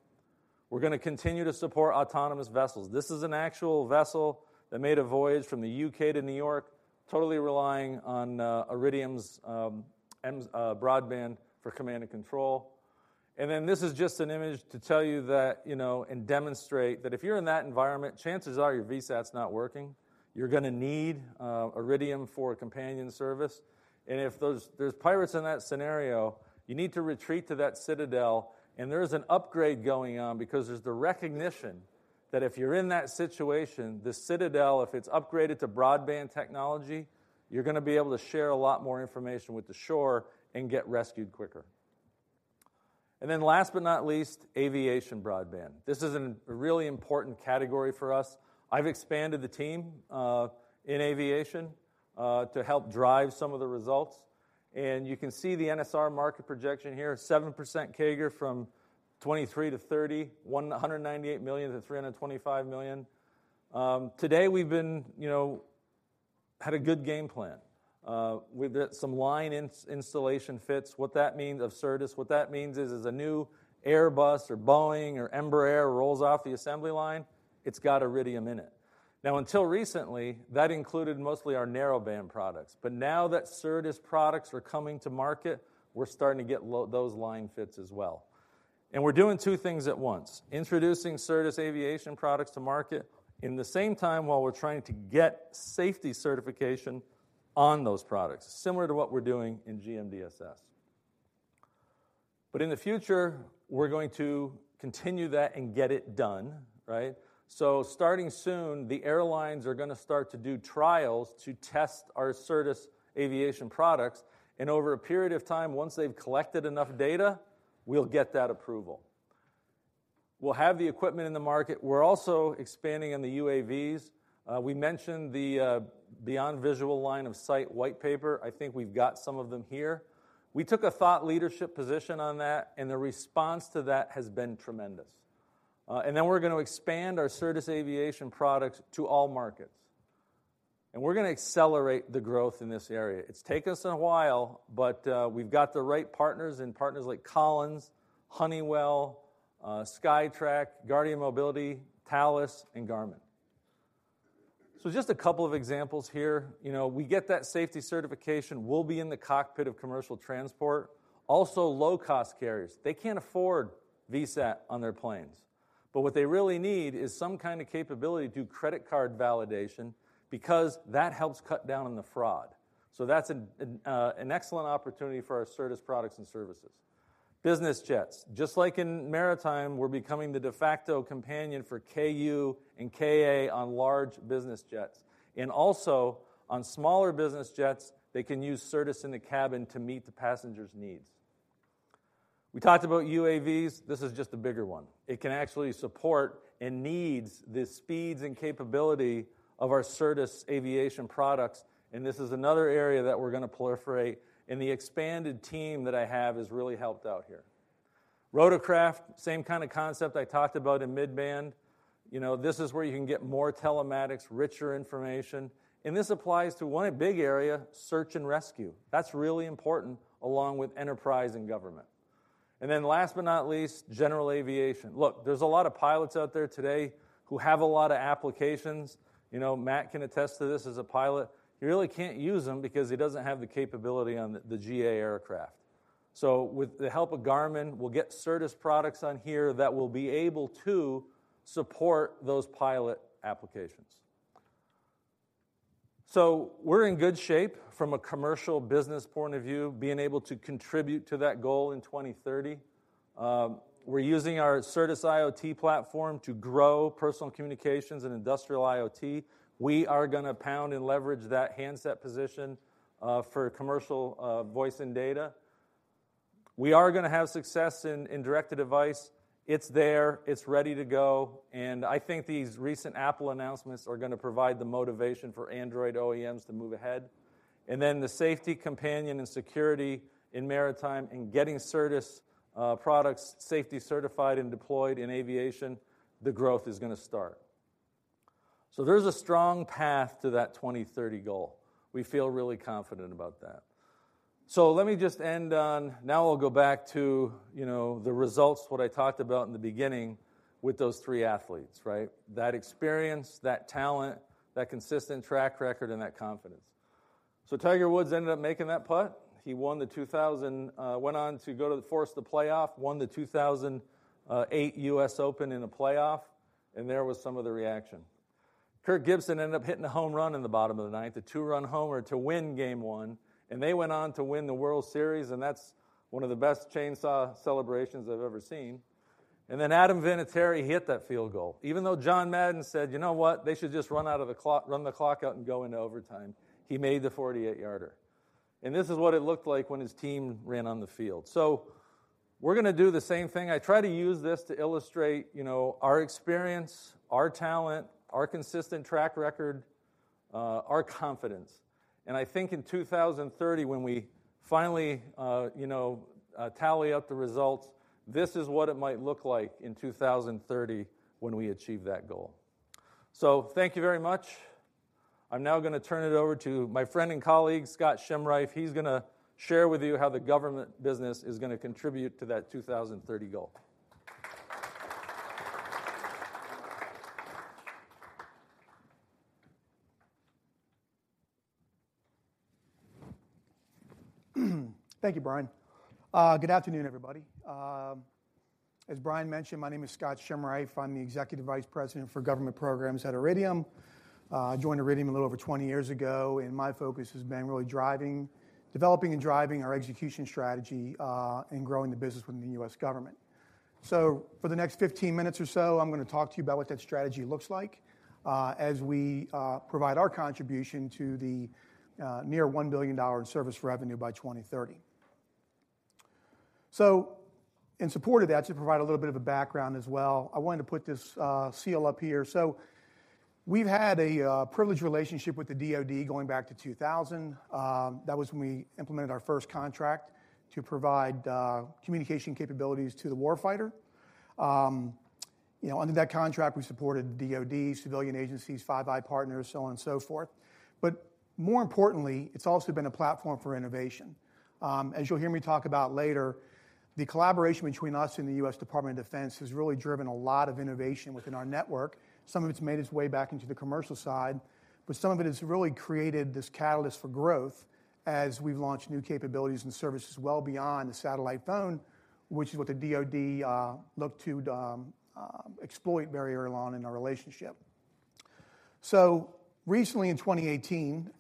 We're gonna continue to support autonomous vessels. This is an actual vessel that made a voyage from the UK to New York, totally relying on Iridium's broadband for command and control. And then this is just an image to tell you that, you know, and demonstrate that if you're in that environment, chances are your VSAT's not working. You're gonna need Iridium for a companion service, and if those, there's pirates in that scenario, you need to retreat to that citadel, and there is an upgrade going on because there's the recognition that if you're in that situation, the citadel, if it's upgraded to broadband technology, you're gonna be able to share a lot more information with the shore and get rescued quicker. And then last but not least, aviation broadband. This is a really important category for us. I've expanded the team in aviation to help drive some of the results, and you can see the NSR market projection here, 7% CAGR from 2023-2030, $198 million-$325 million. Today, we've been, you know, had a good game plan. We've got some line installation fits. What that means, of Certus, what that means is, as a new Airbus or Boeing or Embraer rolls off the assembly line, it's got Iridium in it. Now, until recently, that included mostly our narrowband products, but now that Certus products are coming to market, we're starting to get those line fits as well, and we're doing two things at once: introducing Certus aviation products to market, in the same time, while we're trying to get safety certification on those products, similar to what we're doing in GMDSS. But in the future, we're going to continue that and get it done, right? So starting soon, the airlines are gonna start to do trials to test our Certus aviation products, and over a period of time, once they've collected enough data, we'll get that approval. We'll have the equipment in the market. We're also expanding in the UAVs. We mentioned the beyond visual line of sight white paper. I think we've got some of them here. We took a thought leadership position on that, and the response to that has been tremendous. And then we're gonna expand our Certus aviation products to all markets, and we're gonna accelerate the growth in this area. It's taken us a while, but we've got the right partners and partners like Collins, Honeywell, SKYTRAC, Guardian Mobility, Thales, and Garmin. So just a couple of examples here. You know, we get that safety certification, we'll be in the cockpit of commercial transport. Also, low-cost carriers, they can't afford VSAT on their planes, but what they really need is some kind of capability to do credit card validation because that helps cut down on the fraud. So that's an excellent opportunity for our Certus products and services. Business jets. Just like in maritime, we're becoming the de facto companion for Ku and Ka on large business jets, and also on smaller business jets, they can use Certus in the cabin to meet the passengers' needs. We talked about UAVs. This is just a bigger one. It can actually support and needs the speeds and capability of our Certus aviation products, and this is another area that we're gonna proliferate, and the expanded team that I have has really helped out here. Rotorcraft, same kind of concept I talked about in mid-band. You know, this is where you can get more telematics, richer information, and this applies to one big area, search and rescue. That's really important, along with enterprise and government. And then last but not least, general aviation. Look, there's a lot of pilots out there today who have a lot of applications. You know, Matt can attest to this as a pilot. He really can't use them because he doesn't have the capability on the, the GA aircraft. So with the help of Garmin, we'll get Certus products on here that will be able to support those pilot applications. So we're in good shape from a commercial business point of view, being able to contribute to that goal in 2030. We're using our Certus IoT platform to grow personal communications and industrial IoT. We are gonna pound and leverage that handset position for commercial voice and data. We are gonna have success in direct-to-device. It's there, it's ready to go, and I think these recent Apple announcements are gonna provide the motivation for Android OEMs to move ahead. And then the safety, companion, and security in maritime and getting Certus products safety certified and deployed in aviation, the growth is gonna start. So there's a strong path to that 2030 goal. We feel really confident about that. So let me just end on... Now I'll go back to, you know, the results, what I talked about in the beginning with those three athletes, right? That experience, that talent, that consistent track record, and that confidence. So Tiger Woods ended up making that putt. He won the 2000, went on to force the playoff, won the 2008 US Open in a playoff, and there was some of the reaction. Kirk Gibson ended up hitting a home run in the bottom of the ninth, a two-run homer to win game one, and they went on to win the World Series, and that's one of the best chainsaw celebrations I've ever seen. And then Adam Vinatieri hit that field goal, even though John Madden said, "You know what? They should just run out of the clock, run the clock out and go into overtime." He made the 48-yard, and this is what it looked like when his team ran on the field. So we're gonna do the same thing. I try to use this to illustrate, you know, our experience, our talent, our consistent track record, our confidence, and I think in 2030, when we finally, you know, tally up the results, this is what it might look like in 2030 when we achieve that goal... So thank you very much. I'm now going to turn it over to my friend and colleague, Scott Scheimreif. He's gonna share with you how the government business is going to contribute to that 2030 goal. Thank you, Bryan. Good afternoon, everybody. As Bryan mentioned, my name is Scott Scheimreif. I'm the Executive Vice President for Government Programs at Iridium. I joined Iridium a little over 20 years ago, and my focus has been really driving, developing and driving our execution strategy, and growing the business within the U.S. government. So for the next 15 minutes or so, I'm gonna talk to you about what that strategy looks like, as we provide our contribution to the near $1 billion in service revenue by 2030. So in support of that, to provide a little bit of a background as well, I wanted to put this seal up here. So we've had a privileged relationship with the DoD going back to 2000. That was when we implemented our first contract to provide communication capabilities to the warfighter. You know, under that contract, we supported DoD, civilian agencies, Five Eyes partners, so on and so forth. But more importantly, it's also been a platform for innovation. As you'll hear me talk about later, the collaboration between us and the US Department of Defense has really driven a lot of innovation within our network. Some of it's made its way back into the commercial side, but some of it has really created this catalyst for growth as we've launched new capabilities and services well beyond the satellite phone, which is what the DoD looked to exploit very early on in our relationship. So recently, in 2018,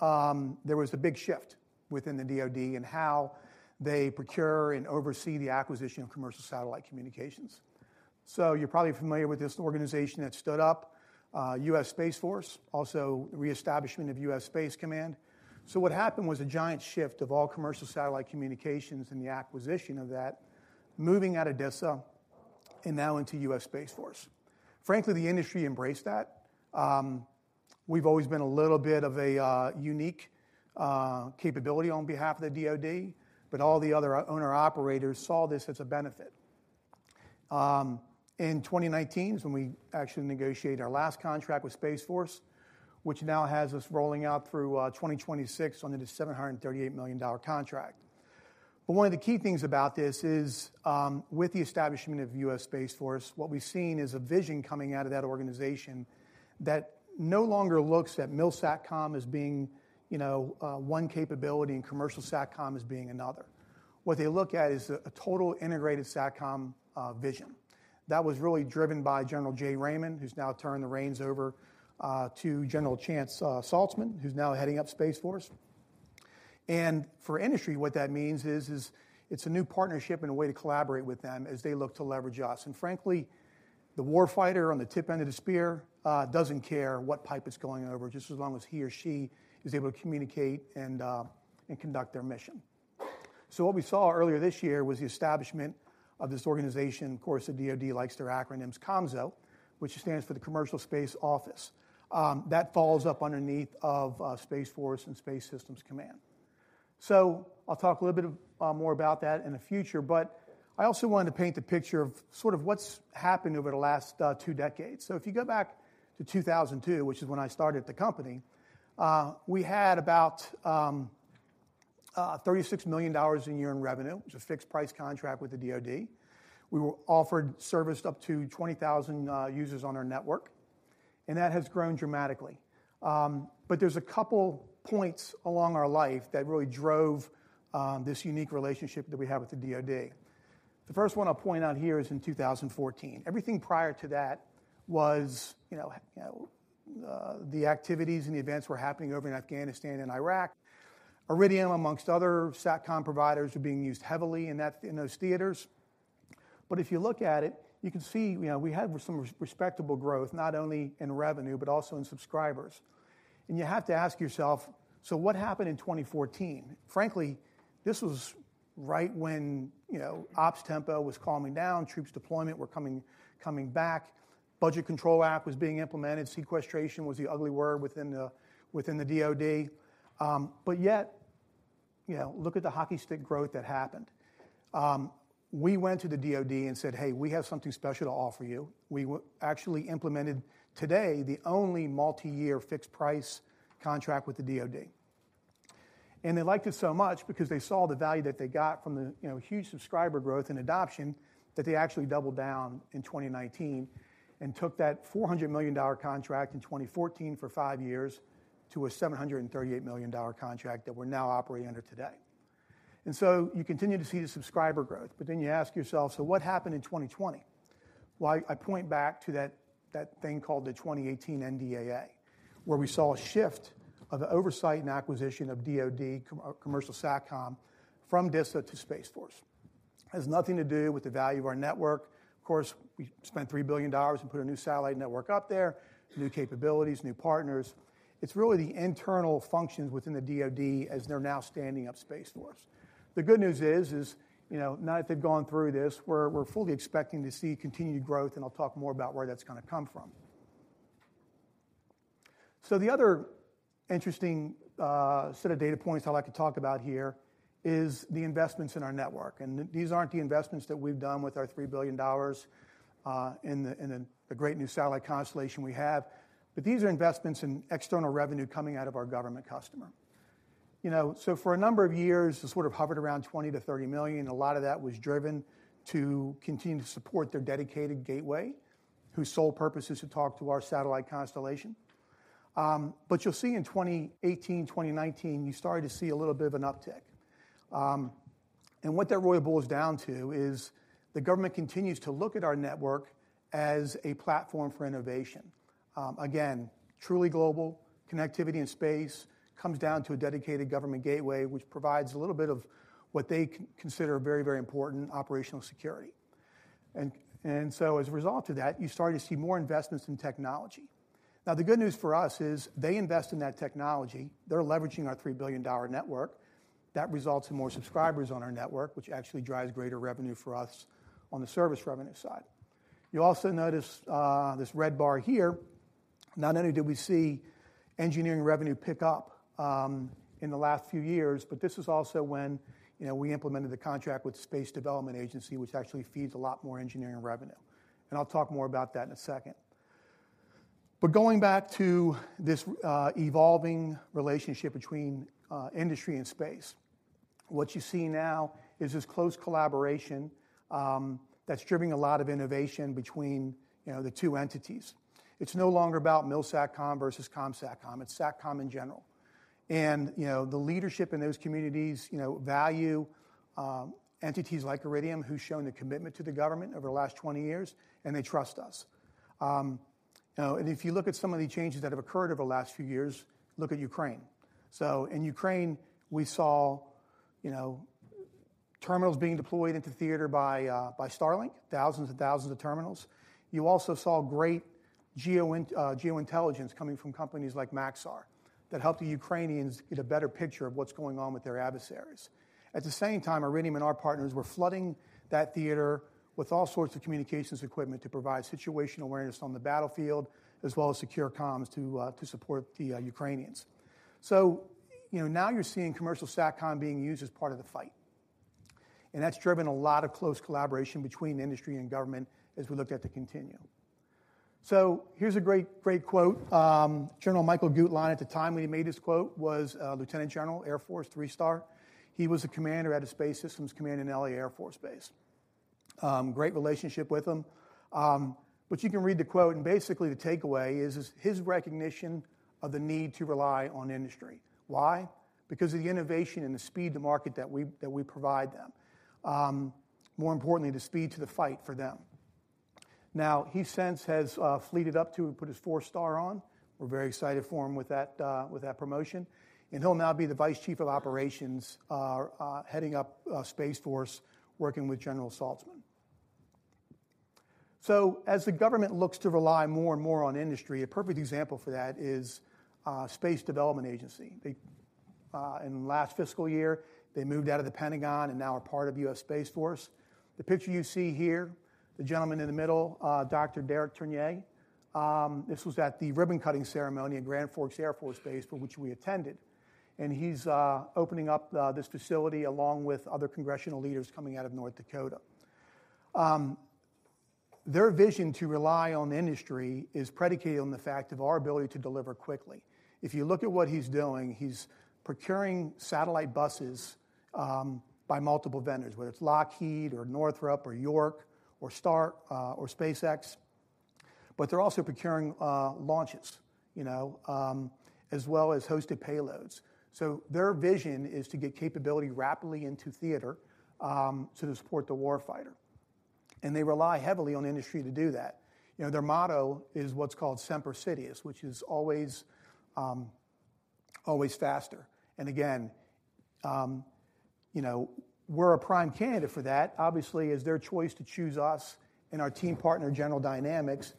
there was a big shift within the DoD in how they procure and oversee the acquisition of commercial satellite communications. You're probably familiar with this organization that stood up, US Space Force, also reestablishment of US Space Command. What happened was a giant shift of all commercial satellite communications and the acquisition of that, moving out of DISA and now into US Space Force. Frankly, the industry embraced that. We've always been a little bit of a unique capability on behalf of the DoD, but all the other owner-operators saw this as a benefit. In 2019 is when we actually negotiated our last contract with Space Force, which now has us rolling out through 2026 under the $738 million contract. But one of the key things about this is, with the establishment of US Space Force, what we've seen is a vision coming out of that organization that no longer looks at MILSATCOM as being, you know, one capability and commercial SATCOM as being another. What they look at is a total integrated SATCOM vision. That was really driven by General Jay Raymond, who's now turned the reins over to General Chance Saltzman, who's now heading up Space Force. And for industry, what that means is it's a new partnership and a way to collaborate with them as they look to leverage us. And frankly, the warfighter on the tip end of the spear doesn't care what pipe it's going over, just as long as he or she is able to communicate and conduct their mission. So what we saw earlier this year was the establishment of this organization. Of course, the DoD likes their acronyms, COMSO, which stands for the Commercial Space Office. That falls up underneath of Space Force and Space Systems Command. So I'll talk a little bit more about that in the future, but I also wanted to paint the picture of sort of what's happened over the last two decades. So if you go back to 2002, which is when I started at the company, we had about $36 million a year in revenue. It was a fixed price contract with the DoD. We were offered service up to 20,000 users on our network, and that has grown dramatically. But there's a couple points along our life that really drove this unique relationship that we have with the DoD. The first one I'll point out here is in 2014. Everything prior to that was, you know, the activities and the events were happening over in Afghanistan and Iraq. Iridium, amongst other SATCOM providers, were being used heavily in that, in those theaters. But if you look at it, you can see, you know, we had some respectable growth, not only in revenue, but also in subscribers. And you have to ask yourself: So what happened in 2014? Frankly, this was right when, you know, ops tempo was calming down, troops deployment were coming back, Budget Control Act was being implemented, sequestration was the ugly word within the, within the DoD, but yet, you know, look at the hockey stick growth that happened. We went to the DoD and said, "Hey, we have something special to offer you." We actually implemented today, the only multi-year fixed price contract with the DoD. And they liked us so much because they saw the value that they got from the, you know, huge subscriber growth and adoption, that they actually doubled down in 2019 and took that $400 million contract in 2014 for five years to a $738 million contract that we're now operating under today. And so you continue to see the subscriber growth, but then you ask yourself, "So what happened in 2020?" Well, I point back to that thing called the 2018 NDAA, where we saw a shift of the oversight and acquisition of DoD commercial SATCOM from DISA to Space Force. It has nothing to do with the value of our network. Of course, we spent $3 billion and put a new satellite network up there, new capabilities, new partners. It's really the internal functions within the DoD as they're now standing up Space Force. The good news is you know, now that they've gone through this, we're fully expecting to see continued growth, and I'll talk more about where that's gonna come from. So the other interesting set of data points I'd like to talk about here is the investments in our network. These aren't the investments that we've done with our $3 billion in the great new satellite constellation we have. But these are investments in external revenue coming out of our government customer. You know, so for a number of years, this sort of hovered around $20 million-$30 million, a lot of that was driven to continue to support their dedicated gateway, whose sole purpose is to talk to our satellite constellation. But you'll see in 2018, 2019, you started to see a little bit of an uptick. And what that really boils down to is the government continues to look at our network as a platform for innovation. Again, truly global connectivity in space comes down to a dedicated government gateway, which provides a little bit of what they consider very, very important operational security. And so as a result of that, you start to see more investments in technology. Now, the good news for us is they invest in that technology, they're leveraging our $3 billion network. That results in more subscribers on our network, which actually drives greater revenue for us on the service revenue side. You'll also notice this red bar here. Not only did we see engineering revenue pick up in the last few years, but this is also when, you know, we implemented the contract with Space Development Agency, which actually feeds a lot more engineering revenue, and I'll talk more about that in a second. But going back to this, evolving relationship between, industry and space, what you see now is this close collaboration, that's driving a lot of innovation between, you know, the two entities. It's no longer about MILSATCOM versus COMSATCOM, it's SATCOM in general. And, you know, the leadership in those communities, you know, value, entities like Iridium, who's shown a commitment to the government over the last 20 years, and they trust us. You know, and if you look at some of the changes that have occurred over the last few years, look at Ukraine. So in Ukraine, we saw, you know, terminals being deployed into theater by, by Starlink, thousands and thousands of terminals. You also saw great geoint-- geointelligence coming from companies like Maxar, that helped the Ukrainians get a better picture of what's going on with their adversaries. At the same time, Iridium and our partners were flooding that theater with all sorts of communications equipment to provide situational awareness on the battlefield, as well as secure comms to support the Ukrainians. So, you know, now you're seeing commercial SATCOM being used as part of the fight, and that's driven a lot of close collaboration between industry and government as we look at the continuum. So here's a great, great quote. General Michael Guetlein, at the time when he made this quote, was Lieutenant General Air Force, three-star. He was a commander at a Space Systems Command in L.A. Air Force Base. Great relationship with him. But you can read the quote, and basically, the takeaway is his recognition of the need to rely on industry. Why? Because of the innovation and the speed to market that we provide them. More importantly, the speed to the fight for them. Now, he since has fleeted up to and put his four-star on. We're very excited for him with that promotion, and he'll now be the Vice Chief of Operations heading up US Space Force, working with General Saltzman. So as the government looks to rely more and more on industry, a perfect example for that is Space Development Agency. They in the last fiscal year moved out of the Pentagon and now are part of US Space Force. The picture you see here, the gentleman in the middle, Dr. Derek Tournear. This was at the ribbon-cutting ceremony in Grand Forks Air Force Base, for which we attended, and he's opening up this facility, along with other congressional leaders coming out of North Dakota. Their vision to rely on industry is predicated on the fact of our ability to deliver quickly. If you look at what he's doing, he's procuring satellite buses by multiple vendors, whether it's Lockheed or Northrop or York or Star, or SpaceX. They're also procuring launches, you know, as well as hosted payloads. Their vision is to get capability rapidly into theater to support the warfighter, and they rely heavily on industry to do that. You know, their motto is what's called Semper Citius, which is always, always faster. Again, you know, we're a prime candidate for that. Obviously, it's their choice to choose us and our team partner, General Dynamics,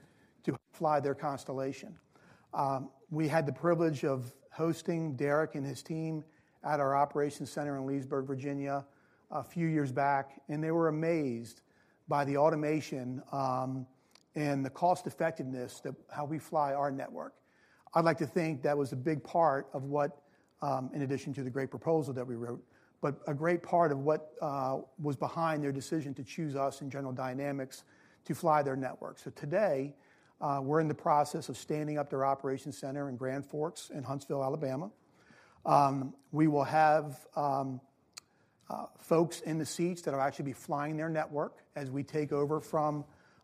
to fly their constellation. We had the privilege of hosting Derek and his team at our operations center in Leesburg, Virginia, a few years back, and they were amazed by the automation and the cost-effectiveness that, how we fly our network. I'd like to think that was a big part of what, in addition to the great proposal that we wrote, but a great part of what was behind their decision to choose us and General Dynamics to fly their network. So today, we're in the process of standing up their operations center in Grand Forks, in Huntsville, Alabama. We will have folks in the seats that will actually be flying their network as we take over from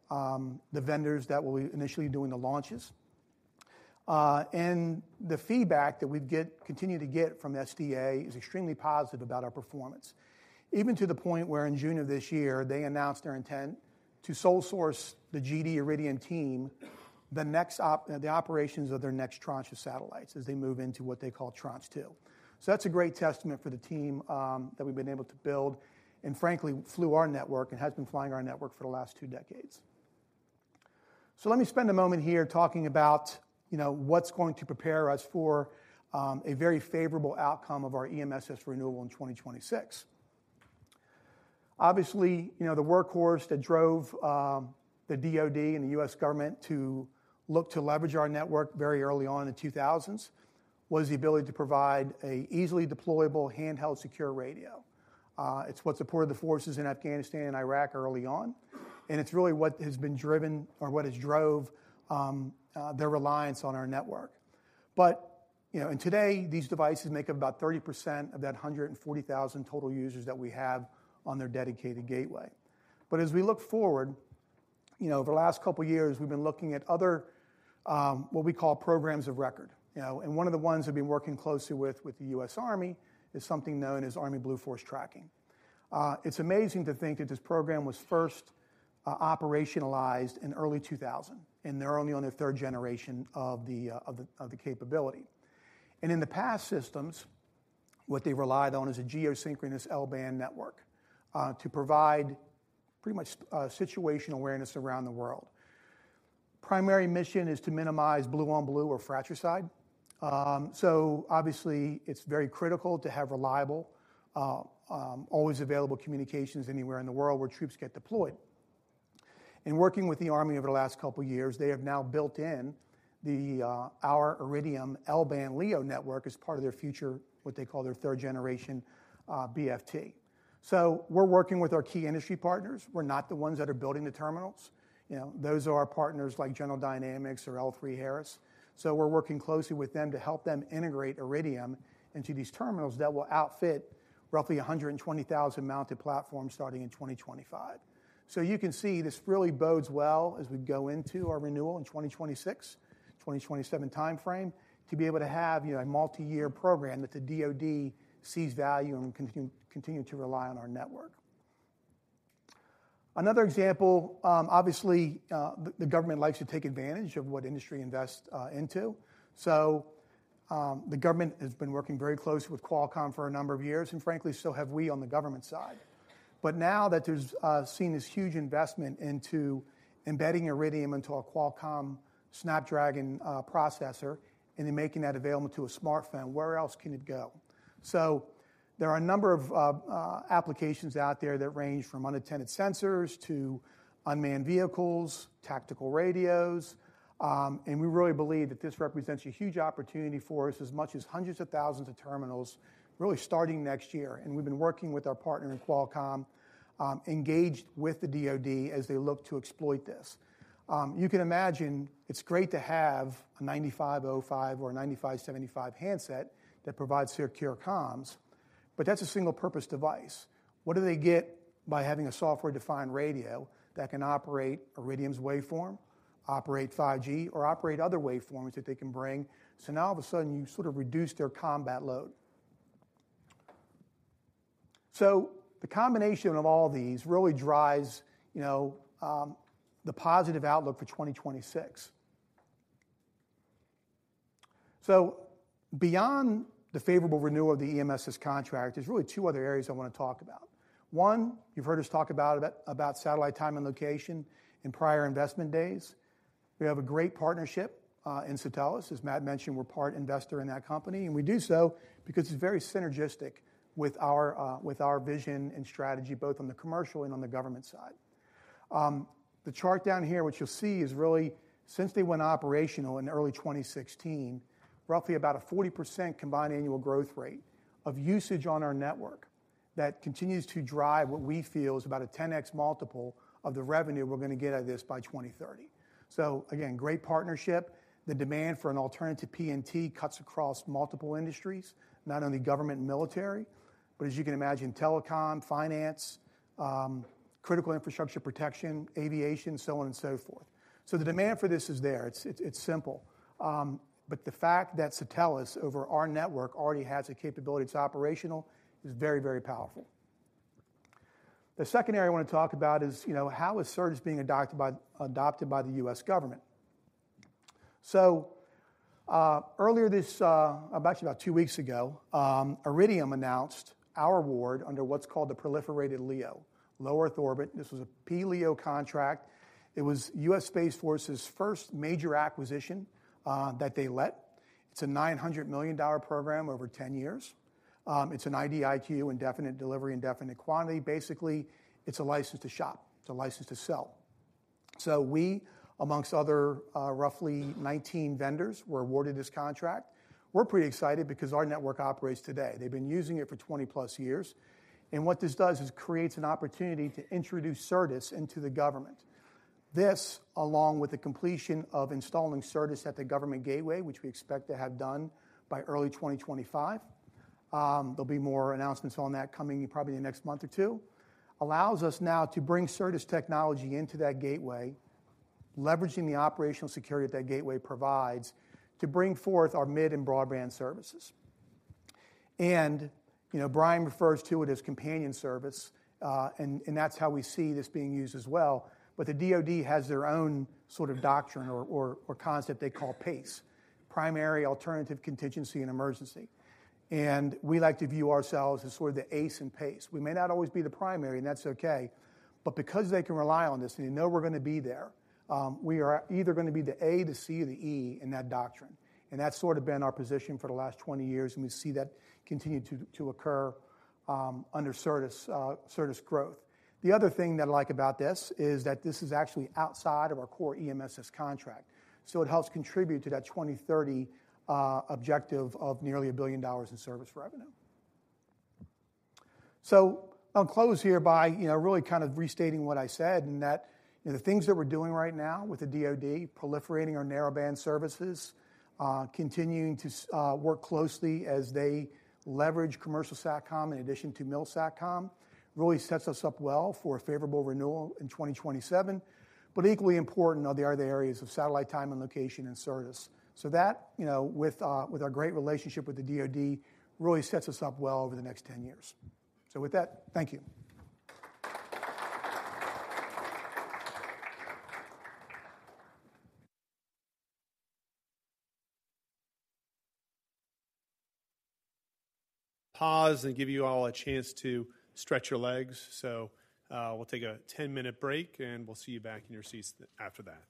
the vendors that will be initially doing the launches. The feedback that we've continued to get from SDA is extremely positive about our performance. Even to the point where in June of this year, they announced their intent to sole source the GD Iridium Team, the operations of their next tranche of satellites as they move into what they call Tranche 2. That's a great testament for the team, you know, that we've been able to build and frankly, flew our network, and has been flying our network for the last two decades. Let me spend a moment here talking about, you know, what's going to prepare us for, you know, a very favorable outcome of our EMSS renewal in 2026.... Obviously, you know, the workhorse that drove the DoD and the US government to look to leverage our network very early on in the 2000s was the ability to provide an easily deployable, handheld, secure radio. It's what supported the forces in Afghanistan and Iraq early on, and it's really what has been driven or what has drove their reliance on our network. But, you know, and today, these devices make up about 30% of that 140,000 total users that we have on their dedicated gateway. But as we look forward, you know, over the last couple of years, we've been looking at other what we call programs of record. You know, and one of the ones we've been working closely with, with the US Army, is something known as Army Blue Force Tracking. It's amazing to think that this program was first operationalized in early 2000, and they're only on their third generation of the capability. In the past systems, what they relied on is a geosynchronous L-band network to provide pretty much situational awareness around the world. Primary mission is to minimize blue-on-blue or fratricide. So obviously, it's very critical to have reliable always available communications anywhere in the world where troops get deployed. In working with the Army over the last couple of years, they have now built in our Iridium L-band LEO network as part of their future, what they call their third generation BFT. So we're working with our key industry partners. We're not the ones that are building the terminals, you know. Those are our partners like General Dynamics or L3Harris. So we're working closely with them to help them integrate Iridium into these terminals that will outfit roughly 120,000 mounted platforms starting in 2025. So you can see this really bodes well as we go into our renewal in 2026, 2027 timeframe, to be able to have, you know, a multi-year program that the DoD sees value in and continue to rely on our network. Another example, obviously, the government likes to take advantage of what industry invest into. So, the government has been working very closely with Qualcomm for a number of years, and frankly, so have we on the government side. But now that there's seen this huge investment into embedding Iridium into a Qualcomm Snapdragon processor, and then making that available to a smartphone, where else can it go? So there are a number of applications out there that range from unattended sensors to unmanned vehicles, tactical radios, and we really believe that this represents a huge opportunity for us, as much as hundreds of thousands of terminals, really starting next year. And we've been working with our partner in Qualcomm, engaged with the DoD as they look to exploit this. You can imagine it's great to have a 9505 or a 9575 handset that provides secure comms, but that's a single-purpose device. What do they get by having a software-defined radio that can operate Iridium's waveform, operate 5G, or operate other waveforms that they can bring? So now, all of a sudden, you sort of reduce their combat load. So the combination of all these really drives, you know, the positive outlook for 2026. So beyond the favorable renewal of the EMSS contract, there's really two other areas I wanna talk about. One, you've heard us talk about satellite time and location in prior investment days. We have a great partnership in Satelles. As Matt mentioned, we're part investor in that company, and we do so because it's very synergistic with our vision and strategy, both on the commercial and on the government side. The chart down here, what you'll see is really since they went operational in early 2016, roughly about a 40% combined annual growth rate of usage on our network that continues to drive what we feel is about a 10x multiple of the revenue we're gonna get out of this by 2030. So again, great partnership. The demand for an alternative to PNT cuts across multiple industries, not only government and military, but as you can imagine, telecom, finance, critical infrastructure protection, aviation, so on and so forth. So the demand for this is there. It's simple. But the fact that Satelles over our network already has the capability, it's operational, is very, very powerful. The second area I wanna talk about is, you know, how is Certus being adopted by the U.S. government? So, earlier this about 2 weeks ago, Iridium announced our award under what's called the proliferated LEO, Low Earth Orbit. This was a P-LEO contract. It was U.S. Space Force's first major acquisition that they let. It's a $900 million program over 10 years. It's an IDIQ, indefinite delivery, indefinite quantity. Basically, it's a license to shop. It's a license to sell. So we, amongst other, roughly 19 vendors, were awarded this contract. We're pretty excited because our network operates today. They've been using it for 20+ years, and what this does is creates an opportunity to introduce Certus into the government. This, along with the completion of installing Certus at the government gateway, which we expect to have done by early 2025, there'll be more announcements on that coming in probably the next month or two, allows us now to bring Certus technology into that gateway, leveraging the operational security that gateway provides, to bring forth our mid and broadband services. And, you know, Bryan refers to it as companion service, and that's how we see this being used as well. But the DoD has their own sort of doctrine or concept they call PACE: Primary Alternative Contingency and Emergency. And we like to view ourselves as sort of the ACE in PACE. We may not always be the primary, and that's okay... but because they can rely on this, and they know we're going to be there, we are either going to be the A, the C, or the E in that doctrine, and that's sort of been our position for the last 20 years, and we see that continuing to occur under Certus Growth. The other thing that I like about this is that this is actually outside of our core EMSS contract, so it helps contribute to that 2030 objective of nearly $1 billion in service revenue. So I'll close here by, you know, really kind of restating what I said, in that, you know, the things that we're doing right now with the DoD, proliferating our narrowband services, continuing to work closely as they leverage commercial SATCOM in addition to MILSATCOM, really sets us up well for a favorable renewal in 2027. But equally important are the other areas of satellite time and location and service. So that, you know, with our great relationship with the DoD, really sets us up well over the next 10 years. So with that, thank you. Pause and give you all a chance to stretch your legs. So, we'll take a 10-minute break, and we'll see you back in your seats after that.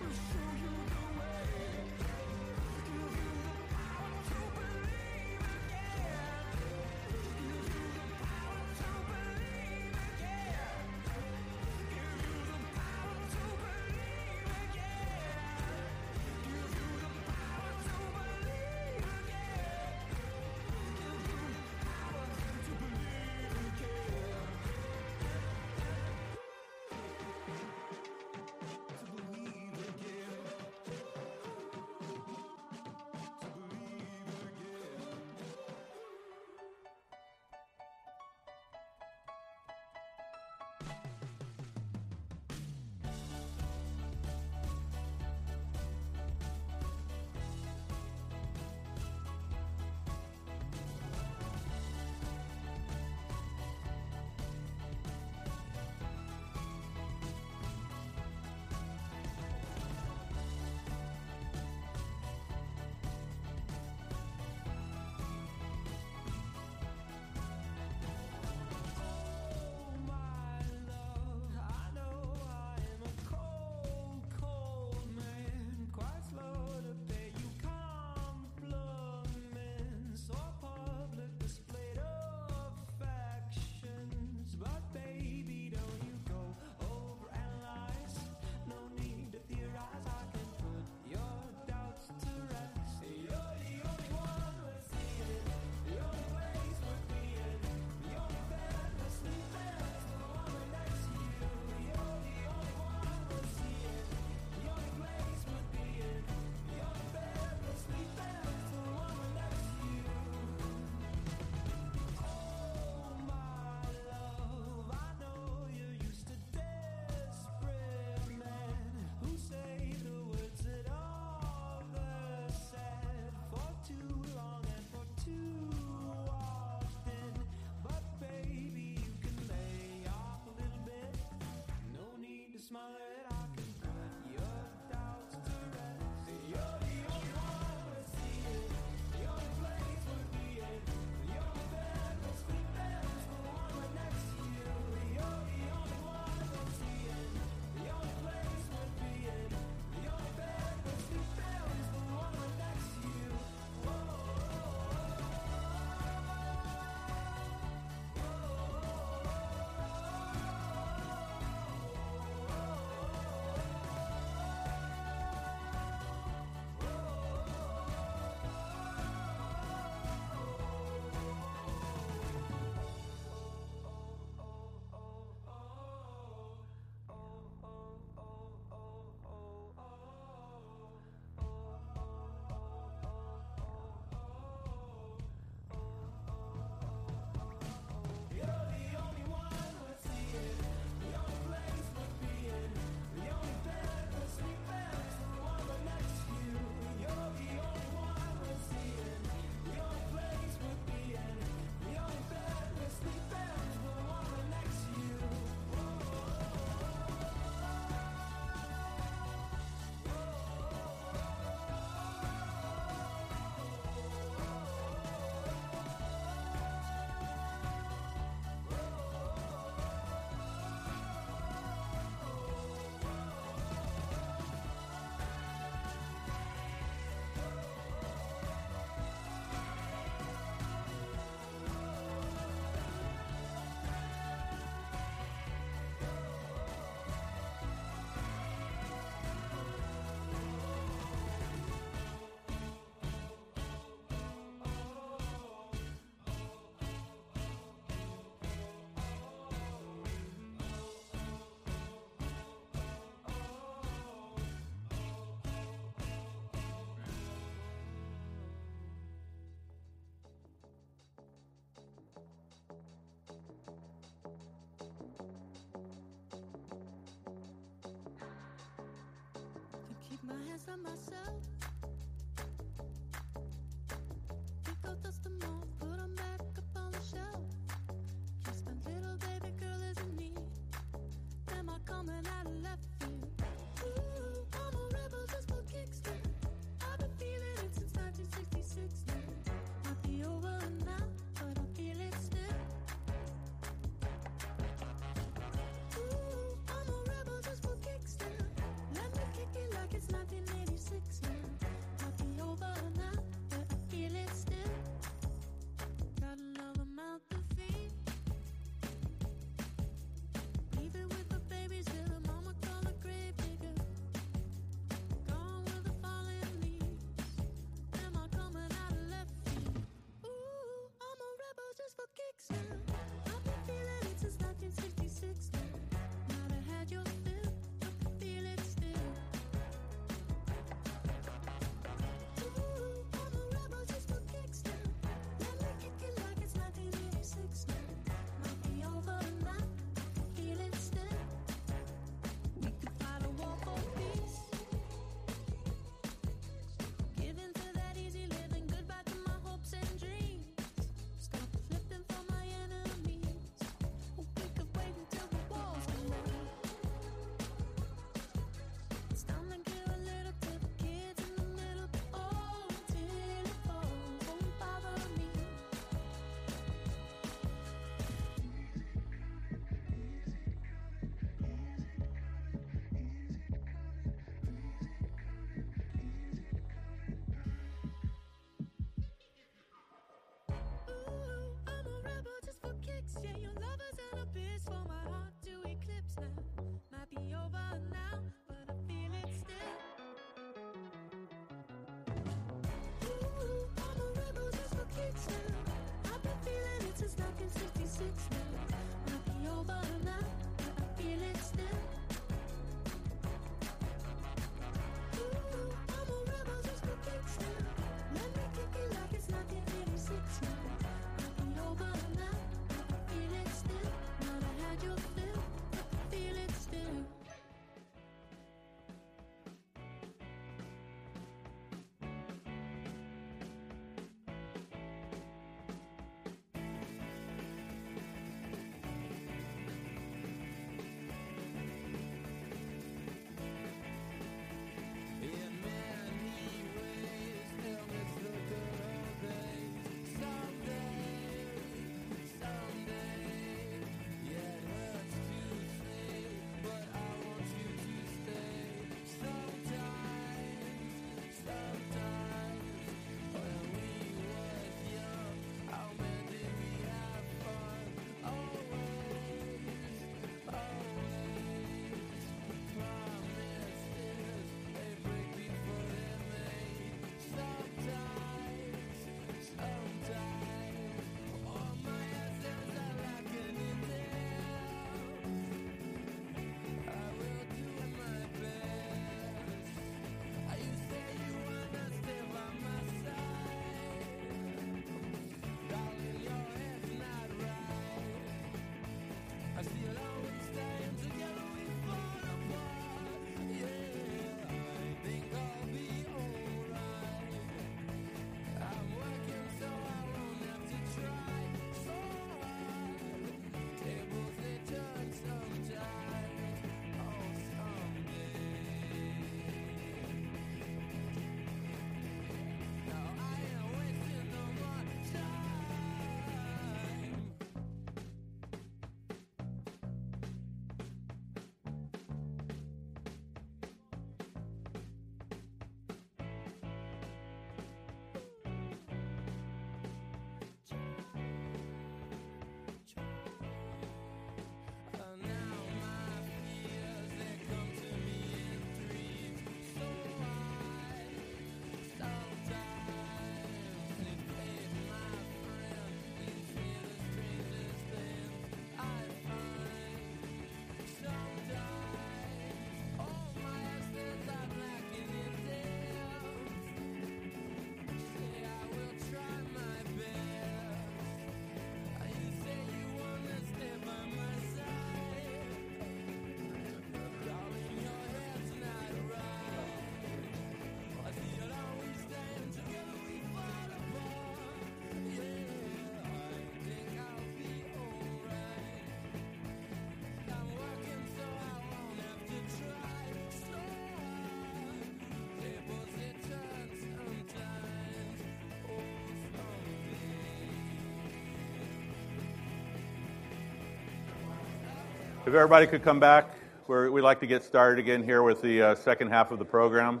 If everybody could come back, we'd like to get started again here with the second half of the program.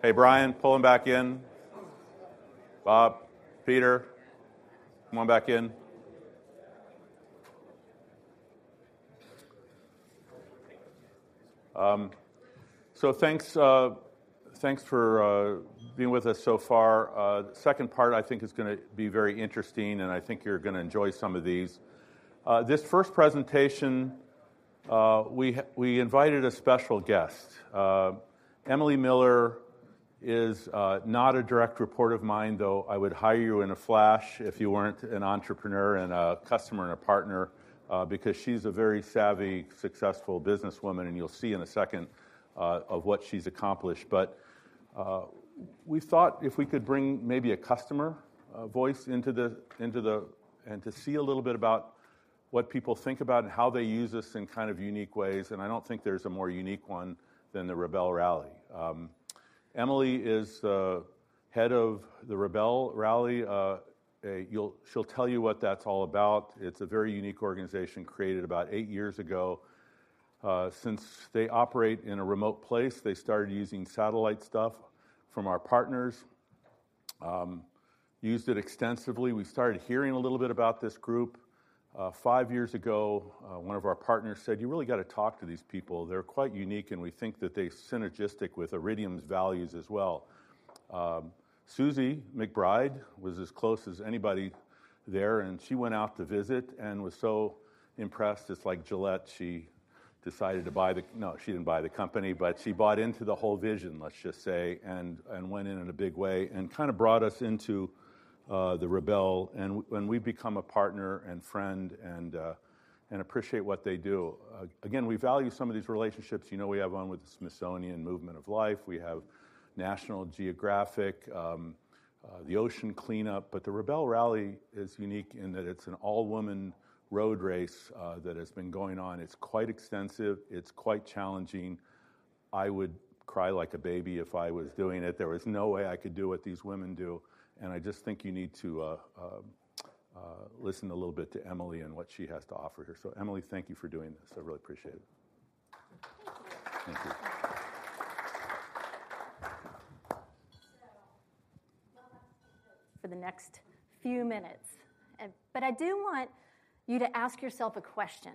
Hey, Brian, pull 'em back in. Bob, Peter, come on back in. So thanks for being with us so far. The second part, I think, is gonna be very interesting, and I think you're gonna enjoy some of these. This first presentation, we invited a special guest. Emily Miller is not a direct report of mine, though I would hire you in a flash if you weren't an entrepreneur and a customer and a partner, because she's a very savvy, successful businesswoman, and you'll see in a second of what she's accomplished. But we thought if we could bring maybe a customer voice into the, into the... and to see a little bit about what people think about and how they use us in kind of unique ways, and I don't think there's a more unique one than the Rebelle Rally. Emily is the head of the Rebelle Rally. She'll tell you what that's all about. It's a very unique organization, created about eight years ago. Since they operate in a remote place, they started using satellite stuff from our partners. Used it extensively. We started hearing a little bit about this group. Five years ago, one of our partners said, "You really gotta talk to these people. They're quite unique, and we think that they're synergistic with Iridium's values as well." Suzi McBride was as close as anybody there, and she went out to visit and was so impressed, just like Gillette, she decided to buy the... No, she didn't buy the company, but she bought into the whole vision, let's just say, and, and went in in a big way and kinda brought us into the Rebelle Rally. And, and we've become a partner and friend and, and appreciate what they do. Again, we value some of these relationships. You know, we have one with the Smithsonian Movement of Life. We have National Geographic, the Ocean Cleanup. But the Rebelle Rally is unique in that it's an all-woman road race that has been going on. It's quite extensive. It's quite challenging. I would cry like a baby if I was doing it. There is no way I could do what these women do, and I just think you need to listen a little bit to Emily and what she has to offer here. Emily, thank you for doing this. I really appreciate it. Thank you. Thank you. So, not asking for the next few minutes, but I do want you to ask yourself a question: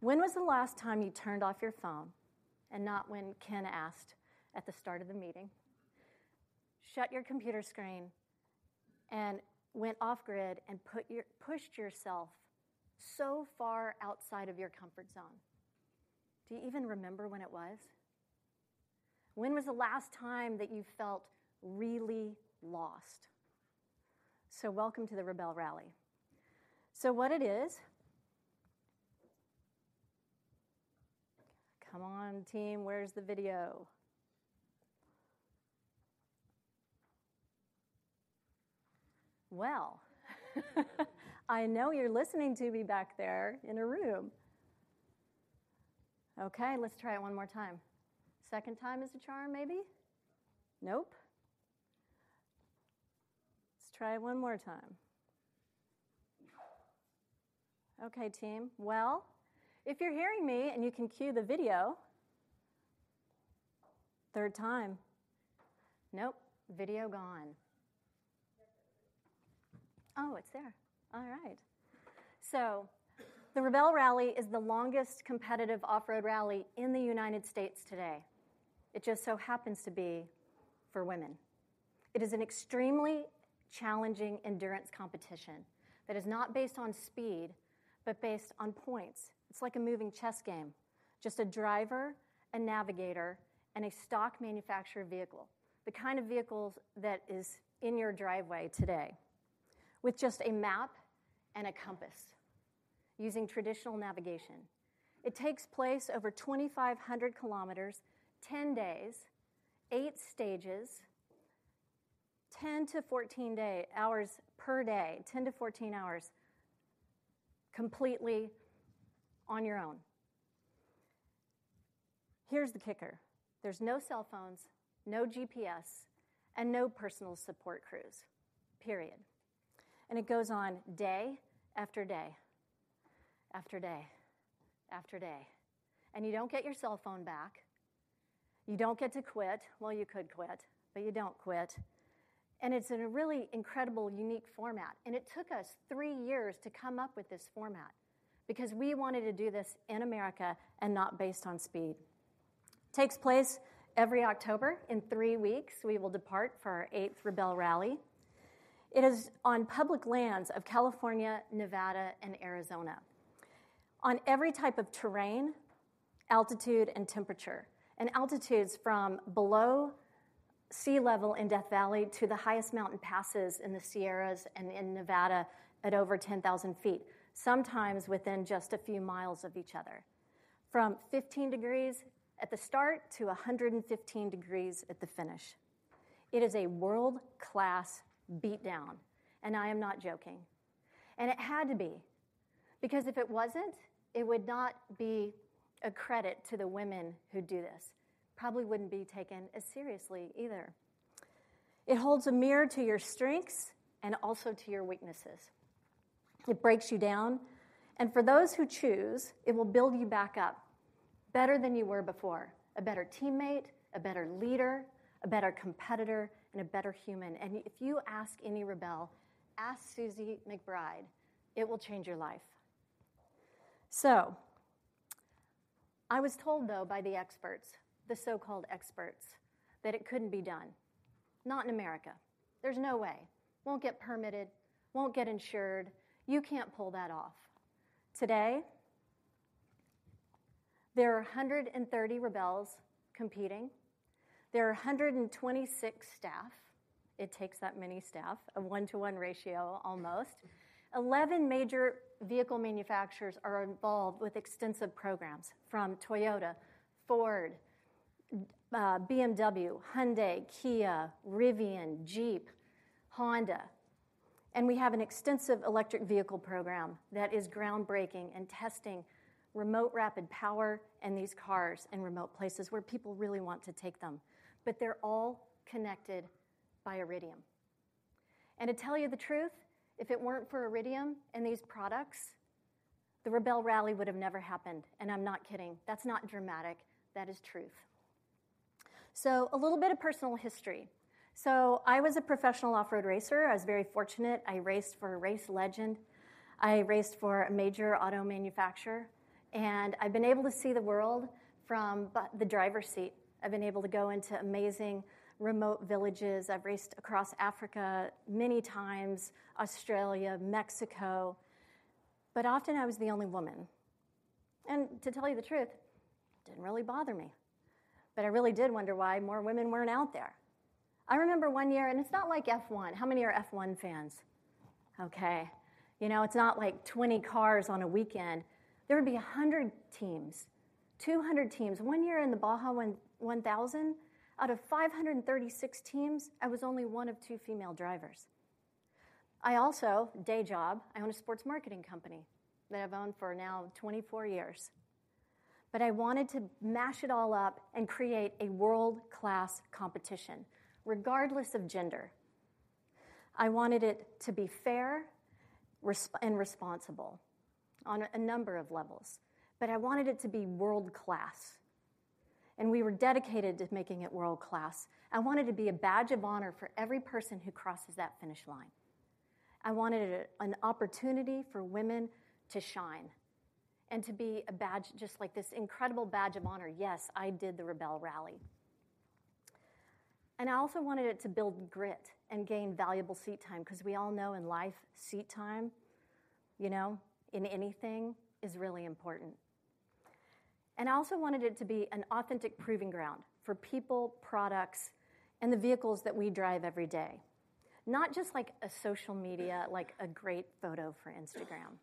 When was the last time you turned off your phone? And not when Ken asked at the start of the meeting... shut your computer screen and went off grid and put your, pushed yourself so far outside of your comfort zone. Do you even remember when it was? When was the last time that you felt really lost? So welcome to the Rebelle Rally. So what it is... Come on, team, where's the video? Well, I know you're listening to me back there in a room. Okay, let's try it one more time. Second time is the charm, maybe? Nope. Let's try it one more time. Okay, team. Well, if you're hearing me, and you can cue the video. Third time. Nope, video gone. Oh, it's there. All right. So the Rebelle Rally is the longest competitive off-road rally in the United States today. It just so happens to be for women. It is an extremely challenging endurance competition that is not based on speed, but based on points. It's like a moving chess game. Just a driver, a navigator, and a stock manufacturer vehicle, the kind of vehicles that is in your driveway today, with just a map and a compass, using traditional navigation. It takes place over 2,500 kilometers, 10 days, eight stages, 10-14 day, hours per day, 10-14 hours, completely on your own. Here's the kicker: there's no cell phones, no GPS, and no personal support crews, period. And it goes on day after day, after day, after day, and you don't get your cell phone back. You don't get to quit. Well, you could quit, but you don't quit, and it's in a really incredible, unique format, and it took us three years to come up with this format because we wanted to do this in America and not based on speed. Takes place every October. In three weeks, we will depart for our eighth Rebelle Rally. It is on public lands of California, Nevada, and Arizona. On every type of terrain, altitude, and temperature, and altitudes from below sea level in Death Valley to the highest mountain passes in the Sierras and in Nevada at over 10,000 feet, sometimes within just a few miles of each other. From 15 degrees at the start to 115 degrees at the finish. It is a world-class beatdown, and I am not joking, and it had to be, because if it wasn't, it would not be a credit to the women who do this. Probably wouldn't be taken as seriously either. It holds a mirror to your strengths and also to your weaknesses. It breaks you down, and for those who choose, it will build you back up better than you were before, a better teammate, a better leader, a better competitor, and a better human. And if you ask any Rebelle, ask Suzi McBride, it will change your life. So I was told, though, by the experts, the so-called experts, that it couldn't be done, not in America. There's no way. Won't get permitted, won't get insured. You can't pull that off. Today, there are 130 Rebelles competing. There are 126 staff. It takes that many staff, a 1:1 ratio, almost. 11 major vehicle manufacturers are involved with extensive programs, from Toyota, Ford, BMW, Hyundai, Kia, Rivian, Jeep, Honda, and we have an extensive electric vehicle program that is groundbreaking and testing remote rapid power in these cars in remote places where people really want to take them, but they're all connected by Iridium. And to tell you the truth, if it weren't for Iridium and these products, the Rebelle Rally would have never happened, and I'm not kidding. That's not dramatic. That is truth. So a little bit of personal history. So I was a professional off-road racer. I was very fortunate. I raced for a race legend. I raced for a major auto manufacturer, and I've been able to see the world from the driver's seat. I've been able to go into amazing, remote villages. I've raced across Africa many times, Australia, Mexico, but often I was the only woman, and to tell you the truth, it didn't really bother me, but I really did wonder why more women weren't out there. I remember one year, and it's not like F1. How many are F1 fans? Okay. You know, it's not like 20 cars on a weekend. There would be 100 teams, 200 teams. One year in the Baja 1000, out of 536 teams, I was only one of two female drivers. I also, day job, I own a sports marketing company that I've owned for now 24 years. But I wanted to mash it all up and create a world-class competition, regardless of gender. I wanted it to be fair, responsible on a number of levels, but I wanted it to be world-class, and we were dedicated to making it world-class. I want it to be a badge of honor for every person who crosses that finish line. I wanted an opportunity for women to shine and to be a badge, just like this incredible badge of honor. Yes, I did the Rebelle Rally. And I also wanted it to build grit and gain valuable seat time, because we all know in life, seat time, you know, in anything, is really important. And I also wanted it to be an authentic proving ground for people, products, and the vehicles that we drive every day. Not just like a social media, like a great photo for Instagram.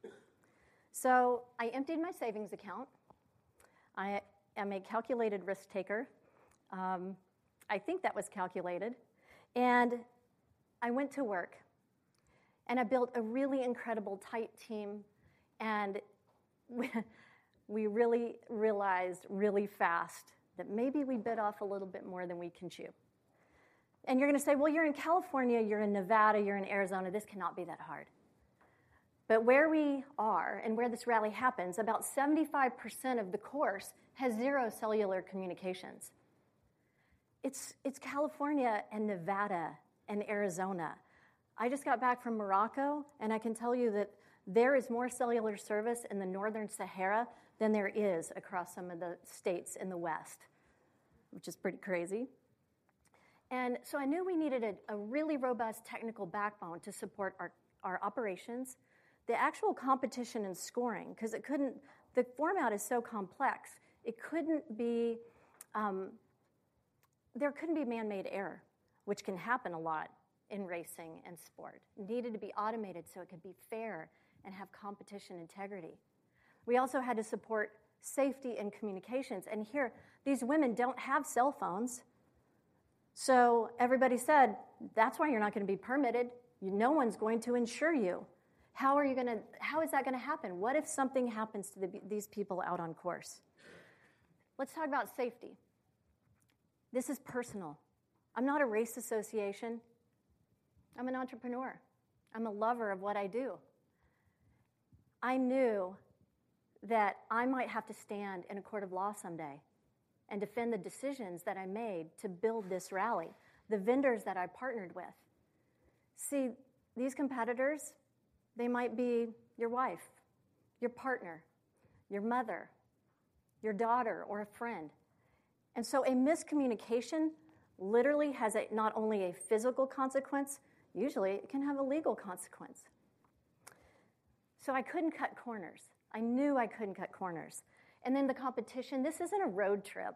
So I emptied my savings account. I am a calculated risk taker. I think that was calculated, and I went to work, and I built a really incredible, tight team. And we really realized really fast that maybe we bit off a little bit more than we can chew. And you're gonna say: Well, you're in California, you're in Nevada, you're in Arizona. This cannot be that hard. But where we are, and where this rally happens, about 75% of the course has zero cellular communications. It's, it's California and Nevada and Arizona. I just got back from Morocco, and I can tell you that there is more cellular service in the northern Sahara than there is across some of the states in the West, which is pretty crazy. And so I knew we needed a, a really robust technical backbone to support our, our operations. The actual competition and scoring, 'cause it couldn't... The format is so complex, it couldn't be, there couldn't be man-made error, which can happen a lot in racing and sport. It needed to be automated so it could be fair and have competition integrity. We also had to support safety and communications, and here, these women don't have cell phones. So everybody said, "That's why you're not gonna be permitted. No one's going to insure you. How are you gonna, How is that gonna happen? What if something happens to these people out on course?" Let's talk about safety. This is personal. I'm not a race association, I'm an entrepreneur. I'm a lover of what I do. I knew that I might have to stand in a court of law someday and defend the decisions that I made to build this rally, the vendors that I partnered with. See, these competitors, they might be your wife, your partner, your mother, your daughter, or a friend, and a miscommunication literally has a, not only a physical consequence, usually it can have a legal consequence. I couldn't cut corners. I knew I couldn't cut corners. The competition, this isn't a road trip.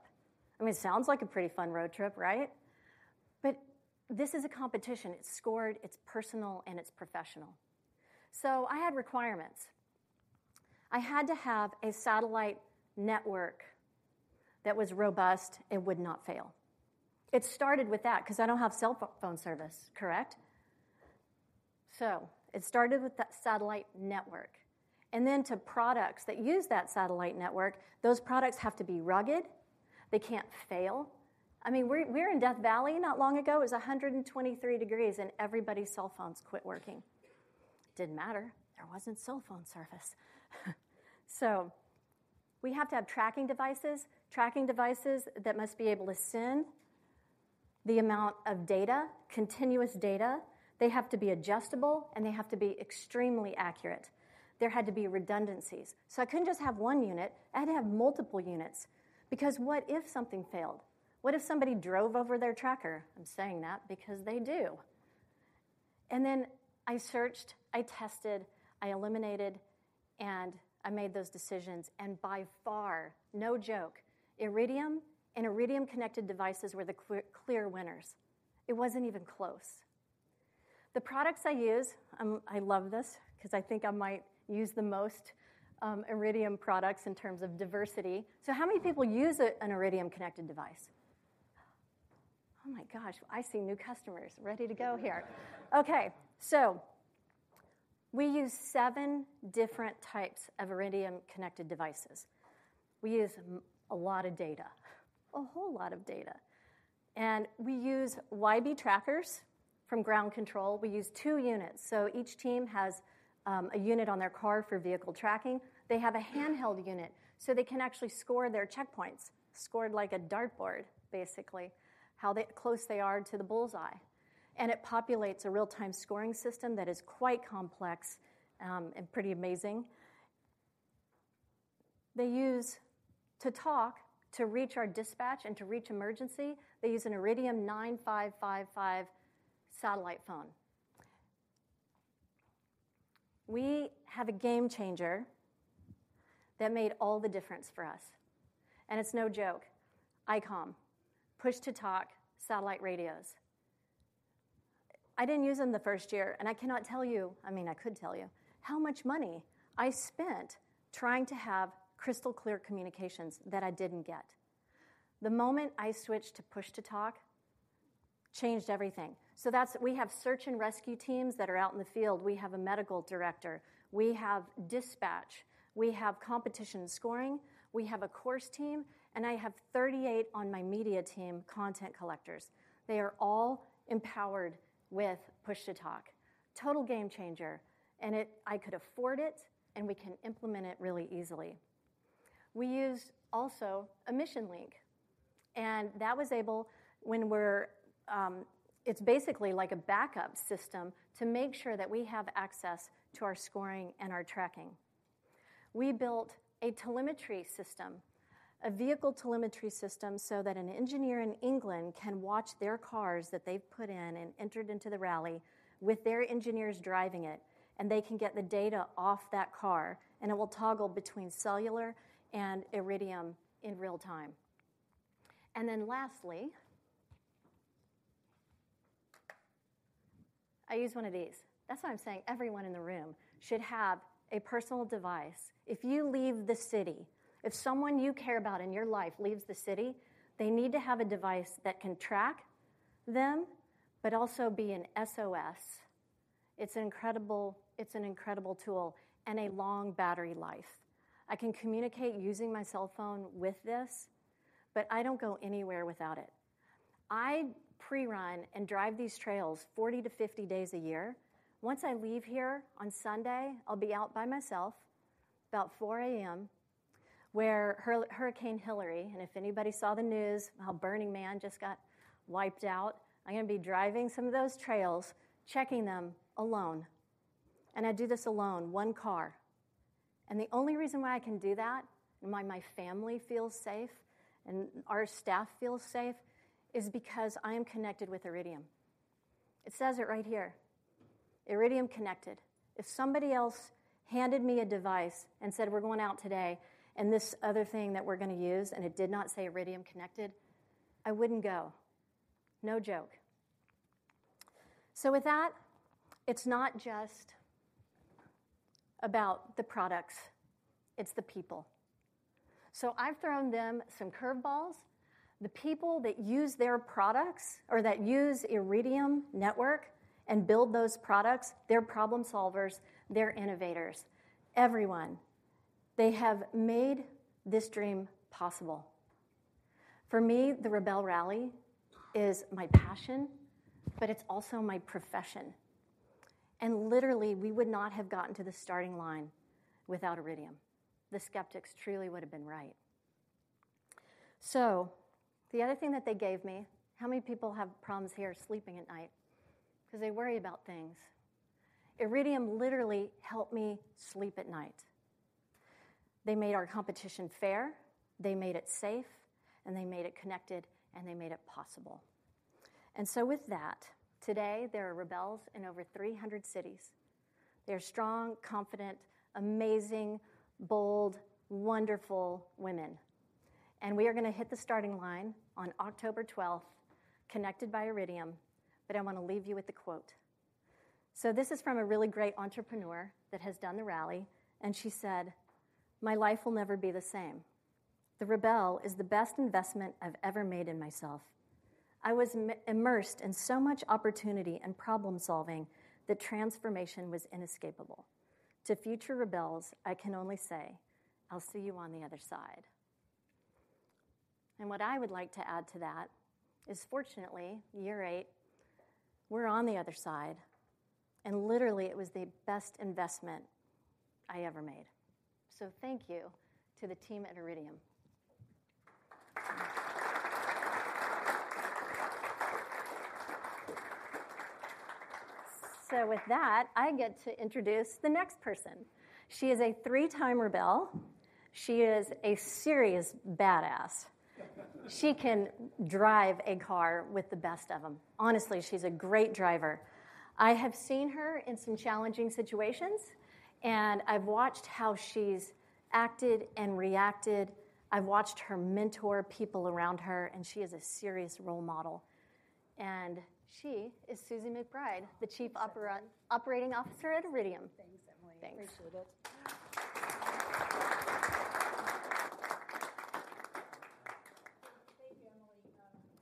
I mean, it sounds like a pretty fun road trip, right? This is a competition. It's scored, it's personal, and it's professional. I had requirements. I had to have a satellite network that was robust and would not fail. It started with that, 'cause I don't have cellph- phone service, correct? It started with that satellite network, and then to products that use that satellite network. Those products have to be rugged. They can't fail. I mean, we were, we were in Death Valley not long ago. It was 123 degrees Fahrenheit, and everybody's cell phones quit working. Didn't matter, there wasn't cell phone service. So we have to have tracking devices, tracking devices that must be able to send the amount of data, continuous data. They have to be adjustable, and they have to be extremely accurate. There had to be redundancies. So I couldn't just have one unit, I had to have multiple units, because what if something failed? What if somebody drove over their tracker? I'm saying that because they do. And then I searched, I tested, I eliminated, and I made those decisions, and by far, no joke, Iridium and Iridium-connected devices were the clear, clear winners. It wasn't even close. The products I use, I love this, 'cause I think I might use the most, Iridium products in terms of diversity. So how many people use an Iridium Connected device? Oh, my gosh, I see new customers ready to go here. Okay, so we use seven different types of Iridium Connected devices. We use a lot of data, a whole lot of data, and we use YB trackers from Ground Control. We use two units, so each team has a unit on their car for vehicle tracking. They have a handheld unit, so they can actually score their checkpoints, scored like a dartboard, basically, how close they are to the bull's-eye. And it populates a real-time scoring system that is quite complex and pretty amazing. They use to talk, to reach our dispatch and to reach emergency, they use an Iridium 9555 satellite phone. We have a game changer that made all the difference for us, and it's no joke. Icom push-to-talk satellite radios. I didn't use them the first year, and I cannot tell you-- I mean, I could tell you, how much money I spent trying to have crystal-clear communications that I didn't get. The moment I switched to push-to-talk, changed everything. So that's-- We have search and rescue teams that are out in the field. We have a medical director. We have dispatch. We have competition scoring. We have a course team, and I have 38 on my media team, content collectors. They are all empowered with push-to-talk. Total game changer, and it, I could afford it, and we can implement it really easily.... We used also a MissionLINK, and that was able, when we're, it's basically like a backup system to make sure that we have access to our scoring and our tracking. We built a telemetry system, a vehicle telemetry system, so that an engineer in England can watch their cars that they've put in and entered into the rally with their engineers driving it, and they can get the data off that car, and it will toggle between cellular and Iridium in real time. Then lastly, I use one of these. That's why I'm saying everyone in the room should have a personal device. If you leave the city, if someone you care about in your life leaves the city, they need to have a device that can track them, but also be an SOS. It's incredible. It's an incredible tool and a long battery life. I can communicate using my cell phone with this, but I don't go anywhere without it. I pre-run and drive these trails 40-50 days a year. Once I leave here on Sunday, I'll be out by myself, about 4:00AM, where Hurricane Hilary, and if anybody saw the news, how Burning Man just got wiped out. I'm gonna be driving some of those trails, checking them alone, and I do this alone, one car. And the only reason why I can do that, and why my family feels safe and our staff feels safe, is because I am connected with Iridium. It says it right here, Iridium connected. If somebody else handed me a device and said, "We're going out today, and this other thing that we're gonna use," and it did not say Iridium connected, I wouldn't go. No joke. So with that, it's not just about the products, it's the people. So I've thrown them some curveballs. The people that use their products or that use Iridium Network and build those products, they're problem solvers, they're innovators, everyone. They have made this dream possible. For me, the Rebelle Rally is my passion, but it's also my profession, and literally, we would not have gotten to the starting line without Iridium. The skeptics truly would have been right. So the other thing that they gave me, how many people have problems here sleeping at night? 'Cause they worry about things. Iridium literally helped me sleep at night. They made our competition fair, they made it safe, and they made it connected, and they made it possible. And so with that, today there are Rebelles in over 300 cities. They're strong, confident, amazing, bold, wonderful women, and we are gonna hit the starting line on October twelfth, connected by Iridium. But I want to leave you with a quote. So this is from a really great entrepreneur that has done the rally, and she said, "My life will never be the same. The Rebelle is the best investment I've ever made in myself. I was immersed in so much opportunity and problem-solving, that transformation was inescapable. To future Rebelles, I can only say, I'll see you on the other side." And what I would like to add to that is, fortunately, year eight, we're on the other side, and literally, it was the best investment I ever made. So thank you to the team at Iridium. So with that, I get to introduce the next person. She is a three-time Rebelle. She is a serious badass. She can drive a car with the best of them. Honestly, she's a great driver. I have seen her in some challenging situations, and I've watched how she's acted and reacted. I've watched her mentor people around her, and she is a serious role model. And she is Suzi McBride, the Chief Operating Officer at Iridium. Thanks, Emily. Thanks. Appreciate it.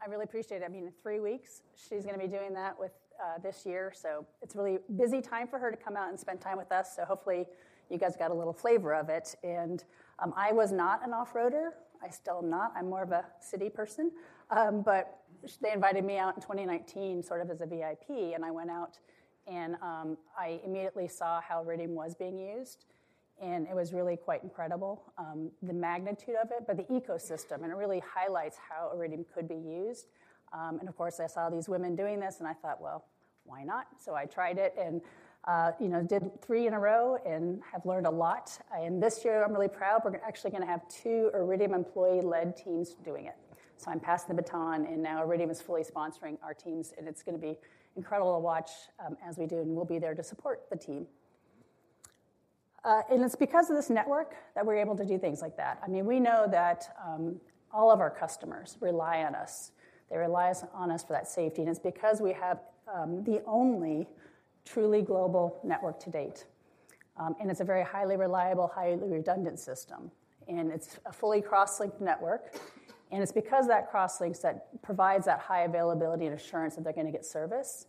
Thank you, Emily. I really appreciate it. I mean, in three weeks, she's gonna be doing that with this year, so it's a really busy time for her to come out and spend time with us, so hopefully, you guys got a little flavor of it. I was not an off-roader. I still am not. I'm more of a city person. But they invited me out in 2019, sort of as a VIP, and I went out and I immediately saw how Iridium was being used, and it was really quite incredible, the magnitude of it, but the ecosystem, and it really highlights how Iridium could be used. And of course, I saw these women doing this, and I thought, "Well, why not?" So I tried it and, you know, did three in a row and have learned a lot. And this year I'm really proud, we're actually gonna have two Iridium employee-led teams doing it. So I'm passing the baton, and now Iridium is fully sponsoring our teams, and it's gonna be incredible to watch, as we do, and we'll be there to support the team. And it's because of this network that we're able to do things like that. I mean, we know that, all of our customers rely on us. They rely on us for that safety, and it's because we have, the only truly global network to date. And it's a very highly reliable, highly redundant system, and it's a fully cross-linked network, and it's because of that cross-links that provides that high availability and assurance that they're gonna get service.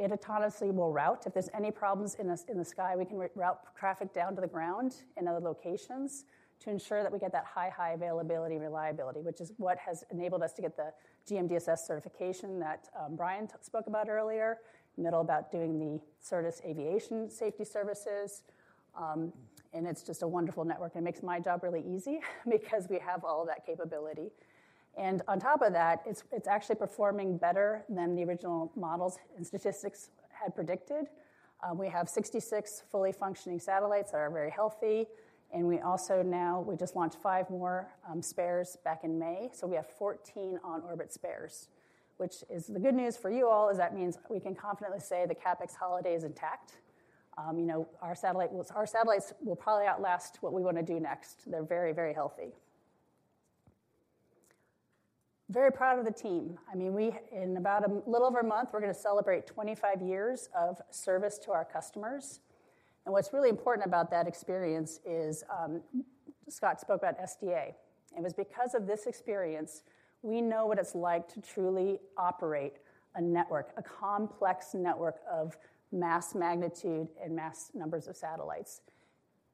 It autonomously will route. If there's any problems in the sky, we can route traffic down to the ground in other locations to ensure that we get that high, high availability, reliability, which is what has enabled us to get the GMDSS certification that Bryan spoke about earlier, Matt about doing the Certus aviation safety services. And it's just a wonderful network, and it makes my job really easy because we have all of that capability. And on top of that, it's actually performing better than the original models and statistics had predicted. We have 66 fully functioning satellites that are very healthy, and we also now—we just launched five more spares back in May. So we have 14 on-orbit spares, which is the good news for you all, is that means we can confidently say the CapEx holiday is intact. You know, our satellites will probably outlast what we want to do next. They're very, very healthy. Very proud of the team. I mean, in about a little over a month, we're gonna celebrate 25 years of service to our customers, and what's really important about that experience is, Scott spoke about SDA. It was because of this experience, we know what it's like to truly operate a network, a complex network of mass magnitude and mass numbers of satellites.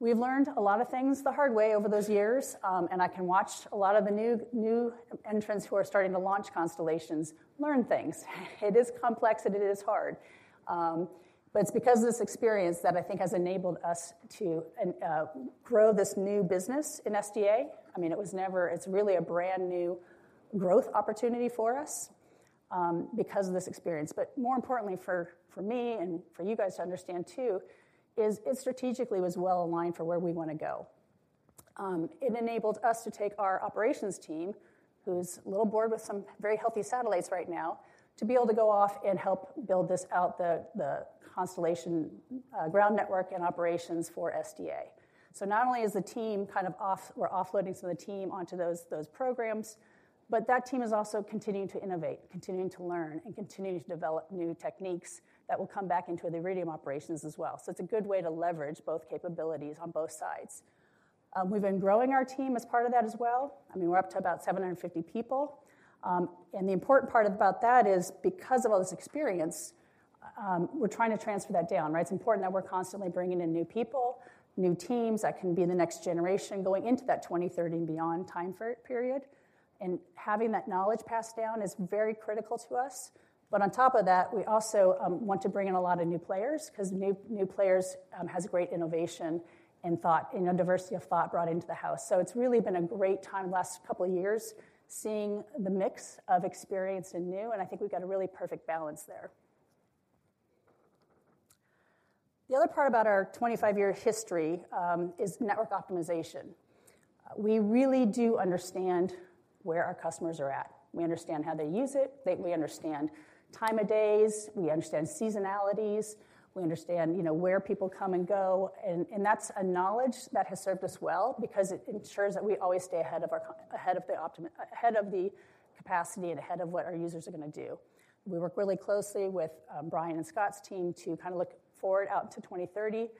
We've learned a lot of things the hard way over those years, and I can watch a lot of the new, new entrants who are starting to launch constellations, learn things. It is complex, and it is hard. But it's because of this experience that I think has enabled us to grow this new business in SDA. I mean, it was never—it's really a brand-new growth opportunity for us, because of this experience. But more importantly, for me and for you guys to understand, too, is it strategically was well-aligned for where we want to go. It enabled us to take our operations team, who's a little bored with some very healthy satellites right now, to be able to go off and help build this out, the constellation, ground network and operations for SDA. So not only is the team kind of offloading some of the team onto those, those programs, but that team is also continuing to innovate, continuing to learn, and continuing to develop new techniques that will come back into the Iridium operations as well. So it's a good way to leverage both capabilities on both sides. We've been growing our team as part of that as well. I mean, we're up to about 750 people. And the important part about that is because of all this experience, we're trying to transfer that down, right? It's important that we're constantly bringing in new people, new teams that can be the next generation going into that 2030 and beyond timeframe, period, and having that knowledge passed down is very critical to us. On top of that, we also want to bring in a lot of new players, 'cause new, new players has great innovation and thought, you know, diversity of thought brought into the house. It's really been a great time the last couple of years, seeing the mix of experienced and new, and I think we've got a really perfect balance there. The other part about our 25-year history is network optimization. We really do understand where our customers are at. We understand how they use it. We understand time of days, we understand seasonalities, we understand, you know, where people come and go, and that's a knowledge that has served us well because it ensures that we always stay ahead of our co-- ahead of the optimum, ahead of the capacity and ahead of what our users are gonna do. We work really closely with Bryan and Scott's team to kind of look forward out to 2030,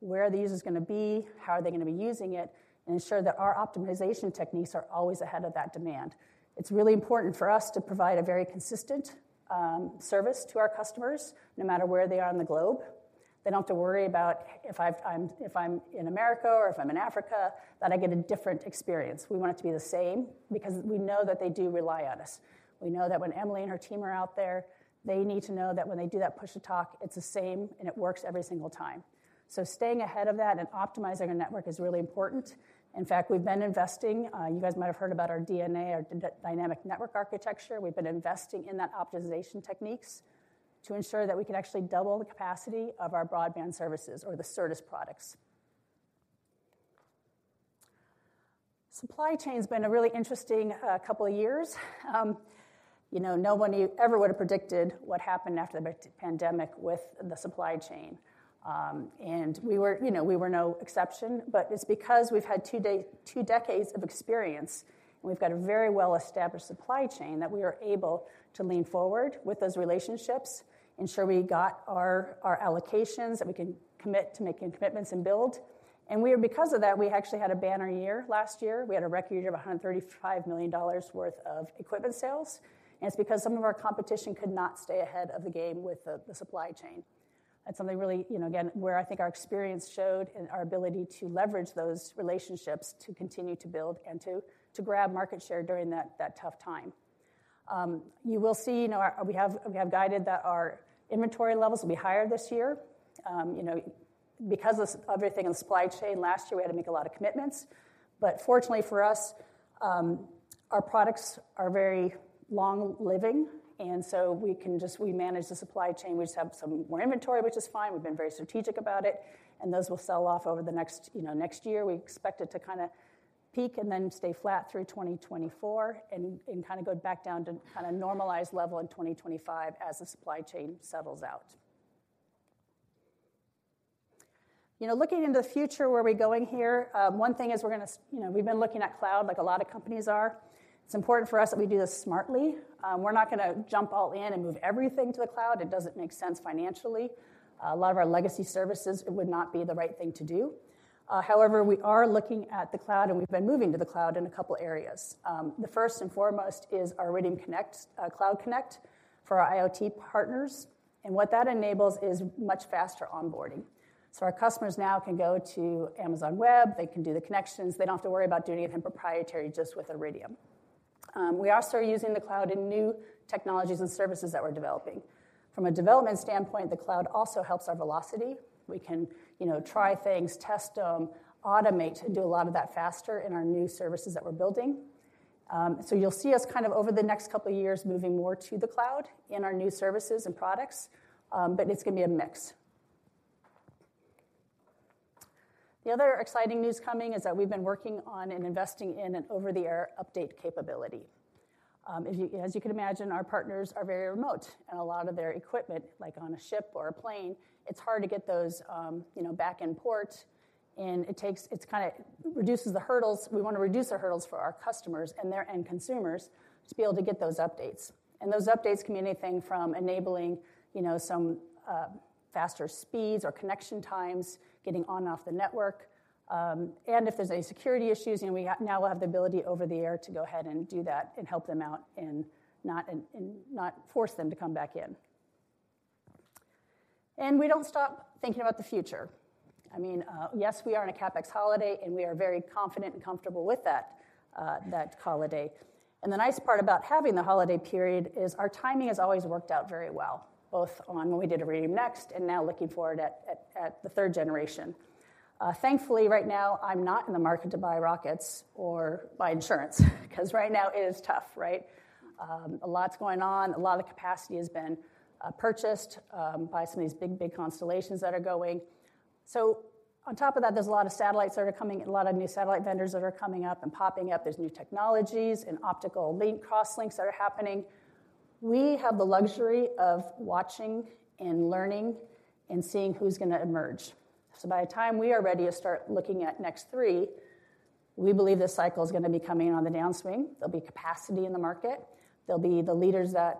where are the users gonna be? How are they gonna be using it? And ensure that our optimization techniques are always ahead of that demand. It's really important for us to provide a very consistent service to our customers, no matter where they are on the globe. They don't have to worry about if I'm in America or if I'm in Africa, that I get a different experience. We want it to be the same because we know that they do rely on us. We know that when Emily and her team are out there, they need to know that when they do that push-to-talk, it's the same, and it works every single time. So staying ahead of that and optimizing our network is really important. In fact, we've been investing. You guys might have heard about our DNA, our Dynamic Network Architecture. We've been investing in that Optimization Techniques to ensure that we can actually double the capacity of our broadband services or the Certus Products. Supply chain's been a really interesting couple of years. You know, no one ever would have predicted what happened after the pandemic with the supply chain. And we were, you know, we were no exception, but it's because we've had two decades of experience, and we've got a very well-established supply chain that we are able to lean forward with those relationships, ensure we got our, our allocations, that we can commit to making commitments and build. Because of that, we actually had a banner year last year. We had a record year of $135 million worth of equipment sales, and it's because some of our competition could not stay ahead of the game with the supply chain. That's something really, you know, again, where I think our experience showed in our ability to leverage those relationships to continue to build and to grab market share during that tough time. You will see, you know, our... We have guided that our inventory levels will be higher this year. You know, because of everything in supply chain last year, we had to make a lot of commitments. But fortunately for us, our products are very long-living, and so we can just, we manage the supply chain. We just have some more inventory, which is fine. We've been very strategic about it, and those will sell off over the next, you know, next year. We expect it to kinda peak and then stay flat through 2024 and, and kind of go back down to kind of normalized level in 2025 as the supply chain settles out. You know, looking into the future, where are we going here? One thing is we're gonna you know, we've been looking at cloud like a lot of companies are. It's important for us that we do this smartly. We're not gonna jump all in and move everything to the cloud. It doesn't make sense financially. A lot of our legacy services, it would not be the right thing to do. However, we are looking at the cloud, and we've been moving to the cloud in a couple areas. The first and foremost is our Iridium Cloud Connect for our IoT partners, and what that enables is much faster onboarding. So our customers now can go to Amazon Web, they can do the connections. They don't have to worry about doing anything proprietary just with Iridium. We are also using the cloud in new technologies and services that we're developing. From a development standpoint, the cloud also helps our velocity. We can, you know, try things, test them, automate, and do a lot of that faster in our new services that we're building. So you'll see us kind of over the next couple of years, moving more to the cloud in our new services and products, but it's gonna be a mix. The other exciting news coming is that we've been working on and investing in an over-the-air update capability. As you, as you can imagine, our partners are very remote, and a lot of their equipment, like on a ship or a plane, it's hard to get those, you know, back in port, and reduces the hurdles. We want to reduce the hurdles for our customers and their end consumers to be able to get those updates. And those updates can be anything from enabling, you know, some faster speeds or connection times, getting on and off the network, and if there's any security issues, you know, we now have the ability over the air to go ahead and do that and help them out and not force them to come back in. And we don't stop thinking about the future. I mean, yes, we are in a CapEx holiday, and we are very confident and comfortable with that, that holiday. And the nice part about having the holiday period is our timing has always worked out very well, both on when we did Iridium NEXT and now looking forward at the third generation. Thankfully, right now, I'm not in the market to buy rockets or buy insurance because right now it is tough, right? A lot's going on. A lot of the capacity has been purchased by some of these big, big constellations that are going. So on top of that, there's a lot of satellites that are coming, a lot of new satellite vendors that are coming up and popping up. There's new technologies and optical link, crosslinks that are happening. We have the luxury of watching and learning and seeing who's gonna emerge. So by the time we are ready to start looking at NEXT three, we believe this cycle is gonna be coming on the downswing. There'll be capacity in the market. There'll be the leaders that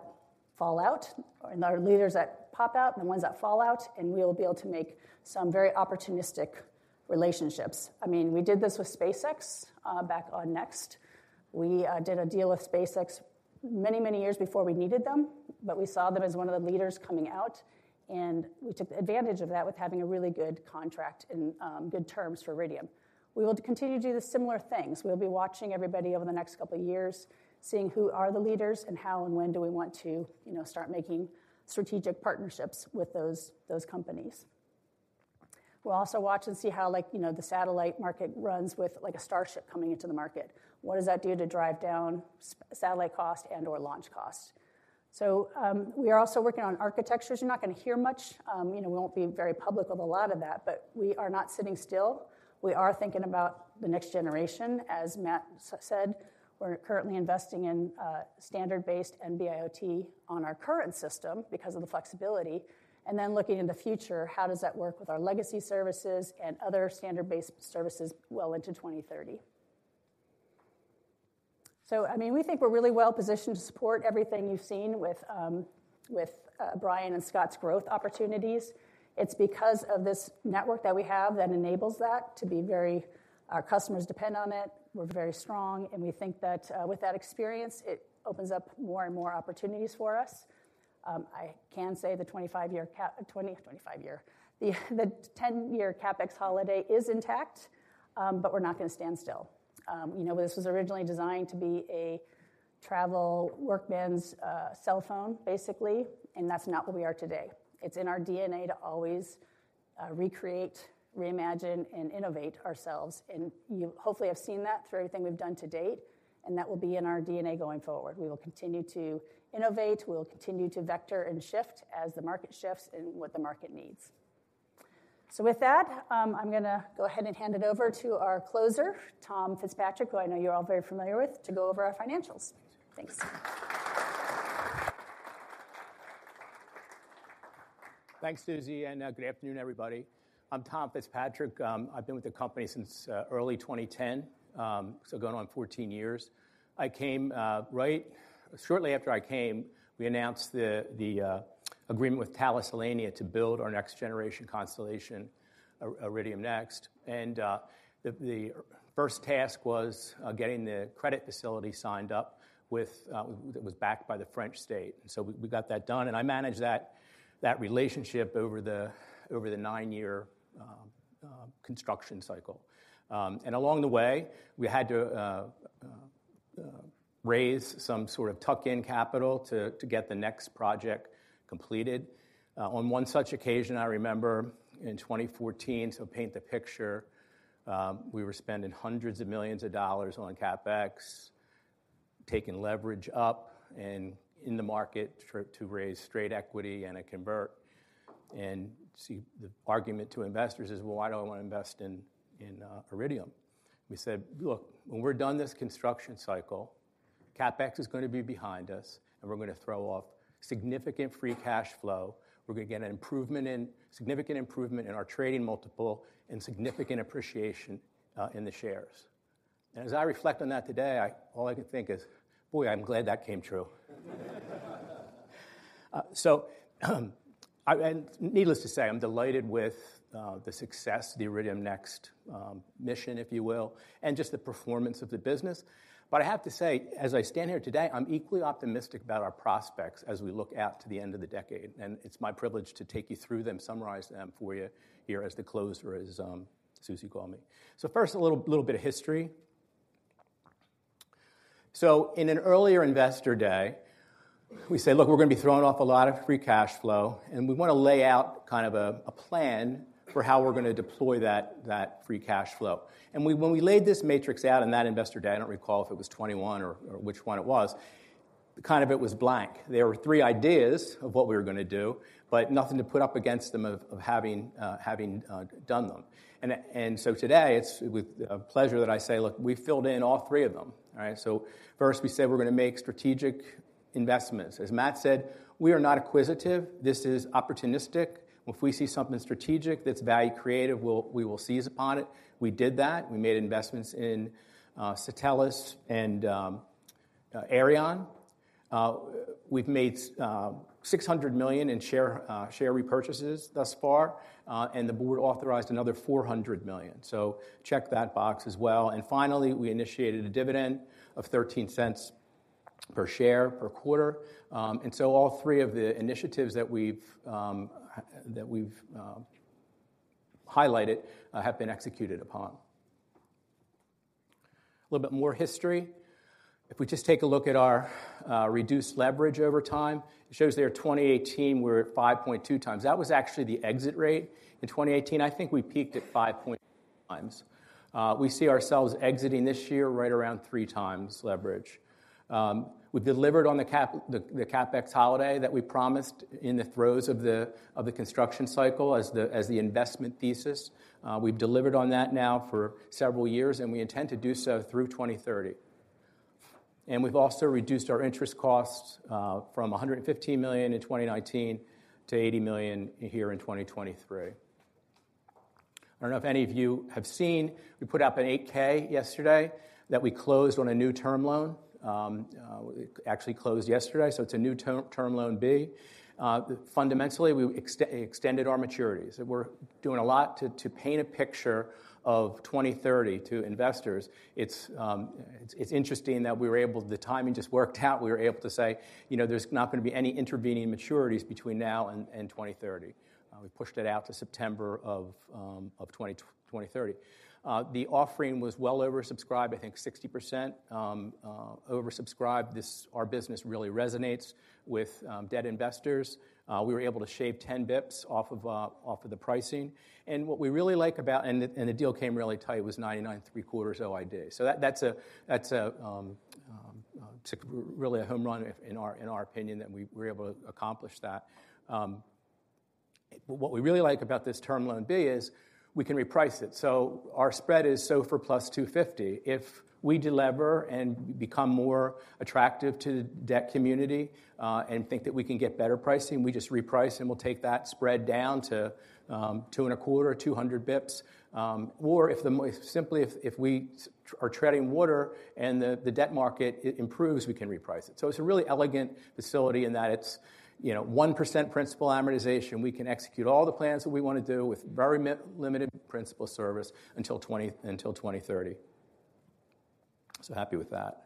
fall out, or the leaders that pop out and the ones that fall out, and we'll be able to make some very opportunistic relationships. I mean, we did this with SpaceX back on NEXT. We did a deal with SpaceX many, many years before we needed them, but we saw them as one of the leaders coming out, and we took advantage of that with having a really good contract and good terms for Iridium. We will continue to do the similar things. We'll be watching everybody over the next couple of years, seeing who are the leaders and how and when do we want to, you know, start making strategic partnerships with those, those companies. We'll also watch and see how like, you know, the satellite market runs with, like, a Starship coming into the market. What does that do to drive down satellite costs and/or launch costs? So, we are also working on architectures. You're not going to hear much. You know, we won't be very public with a lot of that, but we are not sitting still. We are thinking about the next generation, as Matt said. We're currently investing in standard-based NB-IoT on our current system because of the flexibility, and then looking in the future, how does that work with our legacy services and other standard-based services well into 2030? I mean, we think we're really well-positioned to support everything you've seen with Bryan and Scott's growth opportunities. It's because of this network that we have that enables that to be very... Our customers depend on it. We're very strong, and we think that with that experience, it opens up more and more opportunities for us. I can say the 25-year, the 10-year CapEx holiday is intact, but we're not gonna stand still. You know, this was originally designed to be a travel work bands cell phone, basically, and that's not what we are today. It's in our DNA to always recreate, reimagine, and innovate ourselves, and you hopefully have seen that through everything we've done to date, and that will be in our DNA going forward. We will continue to innovate. We'll continue to vector and shift as the market shifts and what the market needs. So with that, I'm gonna go ahead and hand it over to our closer, Tom Fitzpatrick, who I know you're all very familiar with, to go over our financials. Thanks. Thanks, Suzi, and good afternoon, everybody. I'm Tom Fitzpatrick. I've been with the company since early 2010, so going on 14 years. Shortly after I came, we announced the agreement with Thales Alenia to build our Next Generation Constellation, Iridium NEXT, and the first task was getting the credit facility signed up with that was backed by the French state. So we got that done, and I managed that relationship over the nine year Construction Cycle. And along the way, we had to raise some sort of tuck-in capital to get the next project completed. On one such occasion, I remember in 2014, to paint the picture, we were spending hundreds of millions of dollars on CapEx, taking leverage up and in the market to raise straight equity and a convert, and see, the argument to investors is, "Well, why do I want to invest in Iridium?" We said, "Look, when we're done this construction cycle, CapEx is gonna be behind us, and we're gonna throw off significant free cash flow. We're gonna get an improvement in, significant improvement in our trading multiple and significant appreciation in the shares." And as I reflect on that today, all I can think is, "Boy, I'm glad that came true." So, and needless to say, I'm delighted with the success, the Iridium NEXT mission, if you will, and just the performance of the business. But I have to say, as I stand here today, I'm equally optimistic about our prospects as we look out to the end of the decade, and it's my privilege to take you through them, summarize them for you here as the closer, as, Suzi called me. So first, a little, little bit of history. So in an earlier investor day, we said: Look, we're going to be throwing off a lot of free cash flow, and we want to lay out kind of a, a plan for how we're going to deploy that, that free cash flow. And we- when we laid this matrix out in that investor day, I don't recall if it was 21 or, or which one it was, kind of it was blank. There were three ideas of what we were going to do, but nothing to put up against them of having done them. So today, it's with pleasure that I say, look, we filled in all three of them, right? So first, we said we're going to make strategic investments. As Matt said, we are not acquisitive. This is opportunistic, and if we see something strategic that's value accretive, we'll- we will seize upon it. We did that. We made investments in Satelles and Aireon. We've made $600 million in share repurchases thus far, and the board authorized another $400 million. So check that box as well. And finally, we initiated a dividend of $0.13 per share per quarter. So all three of the initiatives that we've highlighted have been executed upon. A little bit more history. If we just take a look at our reduced leverage over time, it shows there 2018, we're at 5.2x. That was actually the exit rate. In 2018, I think we peaked at 5x. We see ourselves exiting this year right around 3x leverage. We delivered on the CapEx holiday that we promised in the throes of the construction cycle as the investment thesis. We've delivered on that now for several years, and we intend to do so through 2030. We've also reduced our interest costs from $115 million in 2019 to $80 million here in 2023. I don't know if any of you have seen, we put up an 8-K yesterday, that we closed on a new term loan. It actually closed yesterday, so it's a new Term Loan B. Fundamentally, we extended our maturities, and we're doing a lot to paint a picture of 2030 to investors. It's interesting that we were able. The timing just worked out. We were able to say, "You know, there's not going to be any intervening maturities between now and 2030." We pushed it out to September of 2030. The offering was well oversubscribed, I think 60% oversubscribed. Our business really resonates with debt investors. We were able to shave 10 bps off of the pricing. What we really like about the deal came really tight, it was 99.75 OID. So that's a really a home run, in our opinion, that we were able to accomplish that. What we really like about this term loan B is we can reprice it. So our spread is SOFR + 250. If we delever and become more attractive to the debt community, and think that we can get better pricing, we just reprice, and we'll take that spread down to 2.25, 200 basis points. Or if simply if we are treading water and the debt market improves, we can reprice it. So it's a really elegant facility in that it's, you know, 1% principal amortization. We can execute all the plans that we want to do with very limited principal service until 20, until 2030. So happy with that.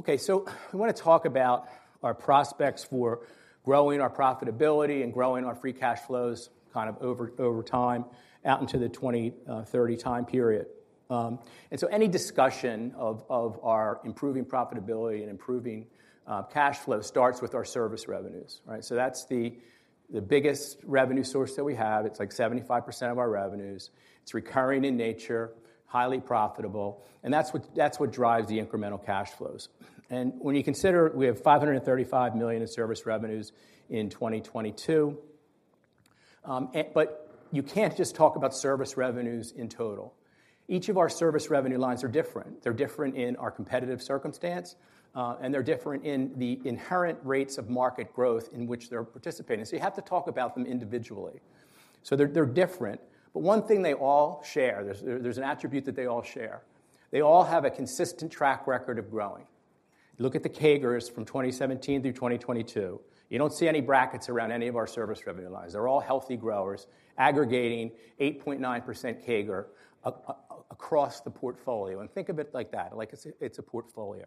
Okay, so I want to talk about our prospects for growing our profitability and growing our free cash flows kind of over, over time, out into the 2030 time period. And so any discussion of our improving profitability and improving cash flow starts with our service revenues, right? So that's the biggest revenue source that we have. It's like 75% of our revenues. It's recurring in nature, highly profitable, and that's what drives the incremental cash flows. And when you consider we have $535 million in service revenues in 2022, and but you can't just talk about service revenues in total. Each of our service revenue lines are different. They're different in our competitive circumstance, and they're different in the inherent rates of market growth in which they're participating. You have to talk about them individually. They're different, but one thing they all share, there's an attribute that they all share. They all have a consistent track record of growing. Look at the CAGRs from 2017 through 2022. You don't see any brackets around any of our service revenue lines. They're all healthy growers, aggregating 8.9% CAGR across the portfolio, and think of it like that, like it's a portfolio.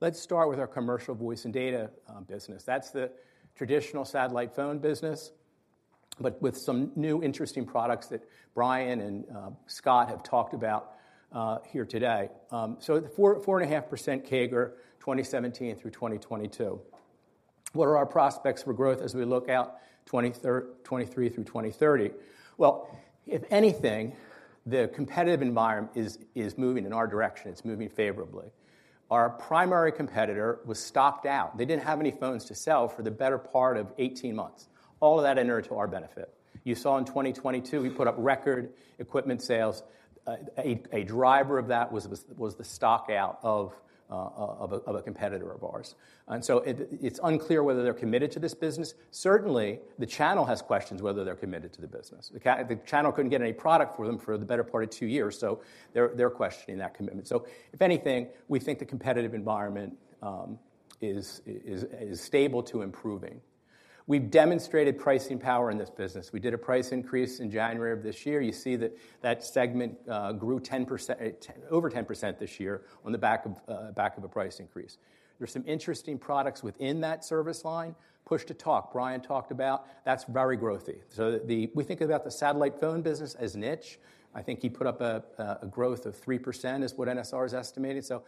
Let's start with our commercial voice and data business. That's the traditional satellite phone business, but with some new interesting products that Bryan and Scott have talked about here today. So the 4.5% CAGR, 2017 through 2022. What are our prospects for growth as we look out 2023 through 2030? Well, if anything, the competitive environment is moving in our direction. It's moving favorably. Our primary competitor was stocked out. They didn't have any phones to sell for the better part of 18 months. All of that inured to our benefit. You saw in 2022, we put up record equipment sales. A driver of that was the stock out of a competitor of ours. And so it's unclear whether they're committed to this business. Certainly, the channel has questions whether they're committed to the business. The channel couldn't get any product from them for the better part of two years, so they're questioning that commitment. So if anything, we think the competitive environment is stable to improving. We've demonstrated pricing power in this business. We did a price increase in January of this year. You see that segment grew 10%, over 10% this year on the back of a price increase. There are some interesting products within that service line. Push-to-talk, Bryan talked about, that's very growthy. So we think about the satellite phone business as niche. I think he put up a growth of 3% is what NSR is estimating. So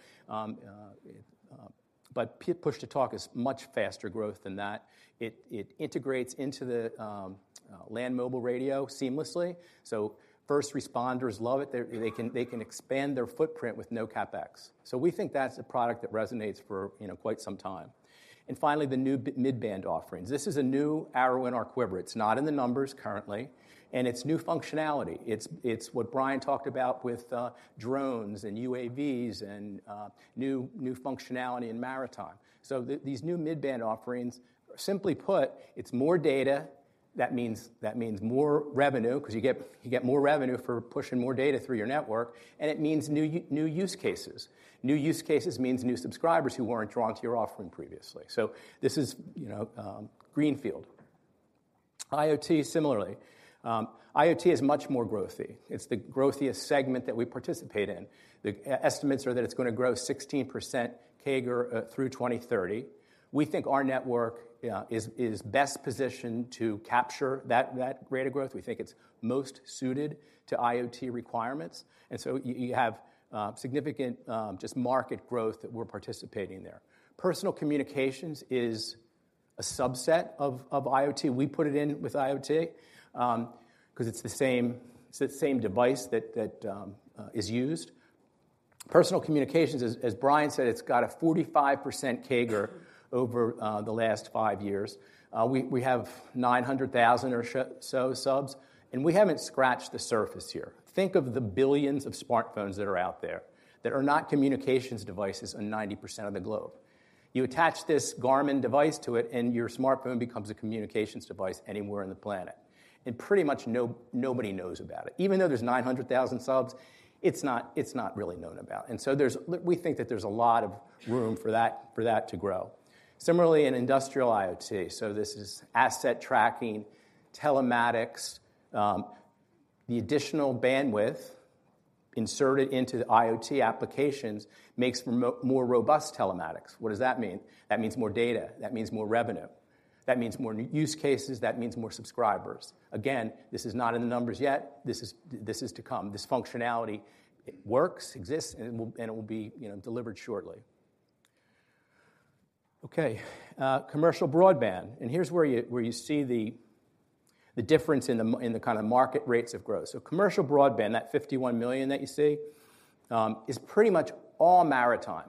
but push-to-talk is much faster growth than that. It integrates into the land mobile radio seamlessly, so first responders love it. They can expand their footprint with no CapEx. We think that's a product that resonates for quite some time. Finally, the new mid-band offerings. This is a new arrow in our quiver. It's not in the numbers currently, and it's new functionality. It's what Bryan talked about with drones and UAVs and new functionality in maritime. These new mid-band offerings, simply put, it's more data. That means more revenue, 'cause you get more revenue for pushing more data through your network, and it means new use cases. New use cases means new subscribers who weren't drawn to your offering previously. This is, you know, greenfield. IoT, similarly, IoT is much more growthy. It's the growthiest segment that we participate in. The estimates are that it's gonna grow 16% CAGR through 2030. We think our network is best positioned to capture that rate of growth. We think it's most suited to IoT requirements. And so you have significant just market growth that we're participating there. Personal communications is a subset of IoT. We put it in with IoT, 'cause it's the same, it's the same device that is used. Personal communications, as Brian said, it's got a 45% CAGR over the last five years. We have 900,000 or so subs, and we haven't scratched the surface here. Think of the billions of smartphones that are out there, that are not communications devices in 90% of the globe. You attach this Garmin device to it, and your smartphone becomes a communications device anywhere on the planet, and pretty much nobody knows about it. Even though there's 900,000 subs, it's not, it's not really known about. And so there's we think that there's a lot of room for that, for that to grow. Similarly, in industrial IoT, so this is asset tracking, telematics, the additional bandwidth inserted into the IoT applications makes more robust telematics. What does that mean? That means more data. That means more revenue. That means more use cases. That means more subscribers. Again, this is not in the numbers yet. This is, this is to come. This functionality, it works, exists, and it will, and it will be, you know, delivered shortly. Okay, commercial broadband, and here's where you see the difference in the kind of market rates of growth. So commercial broadband, that $51 million that you see is pretty much all maritime,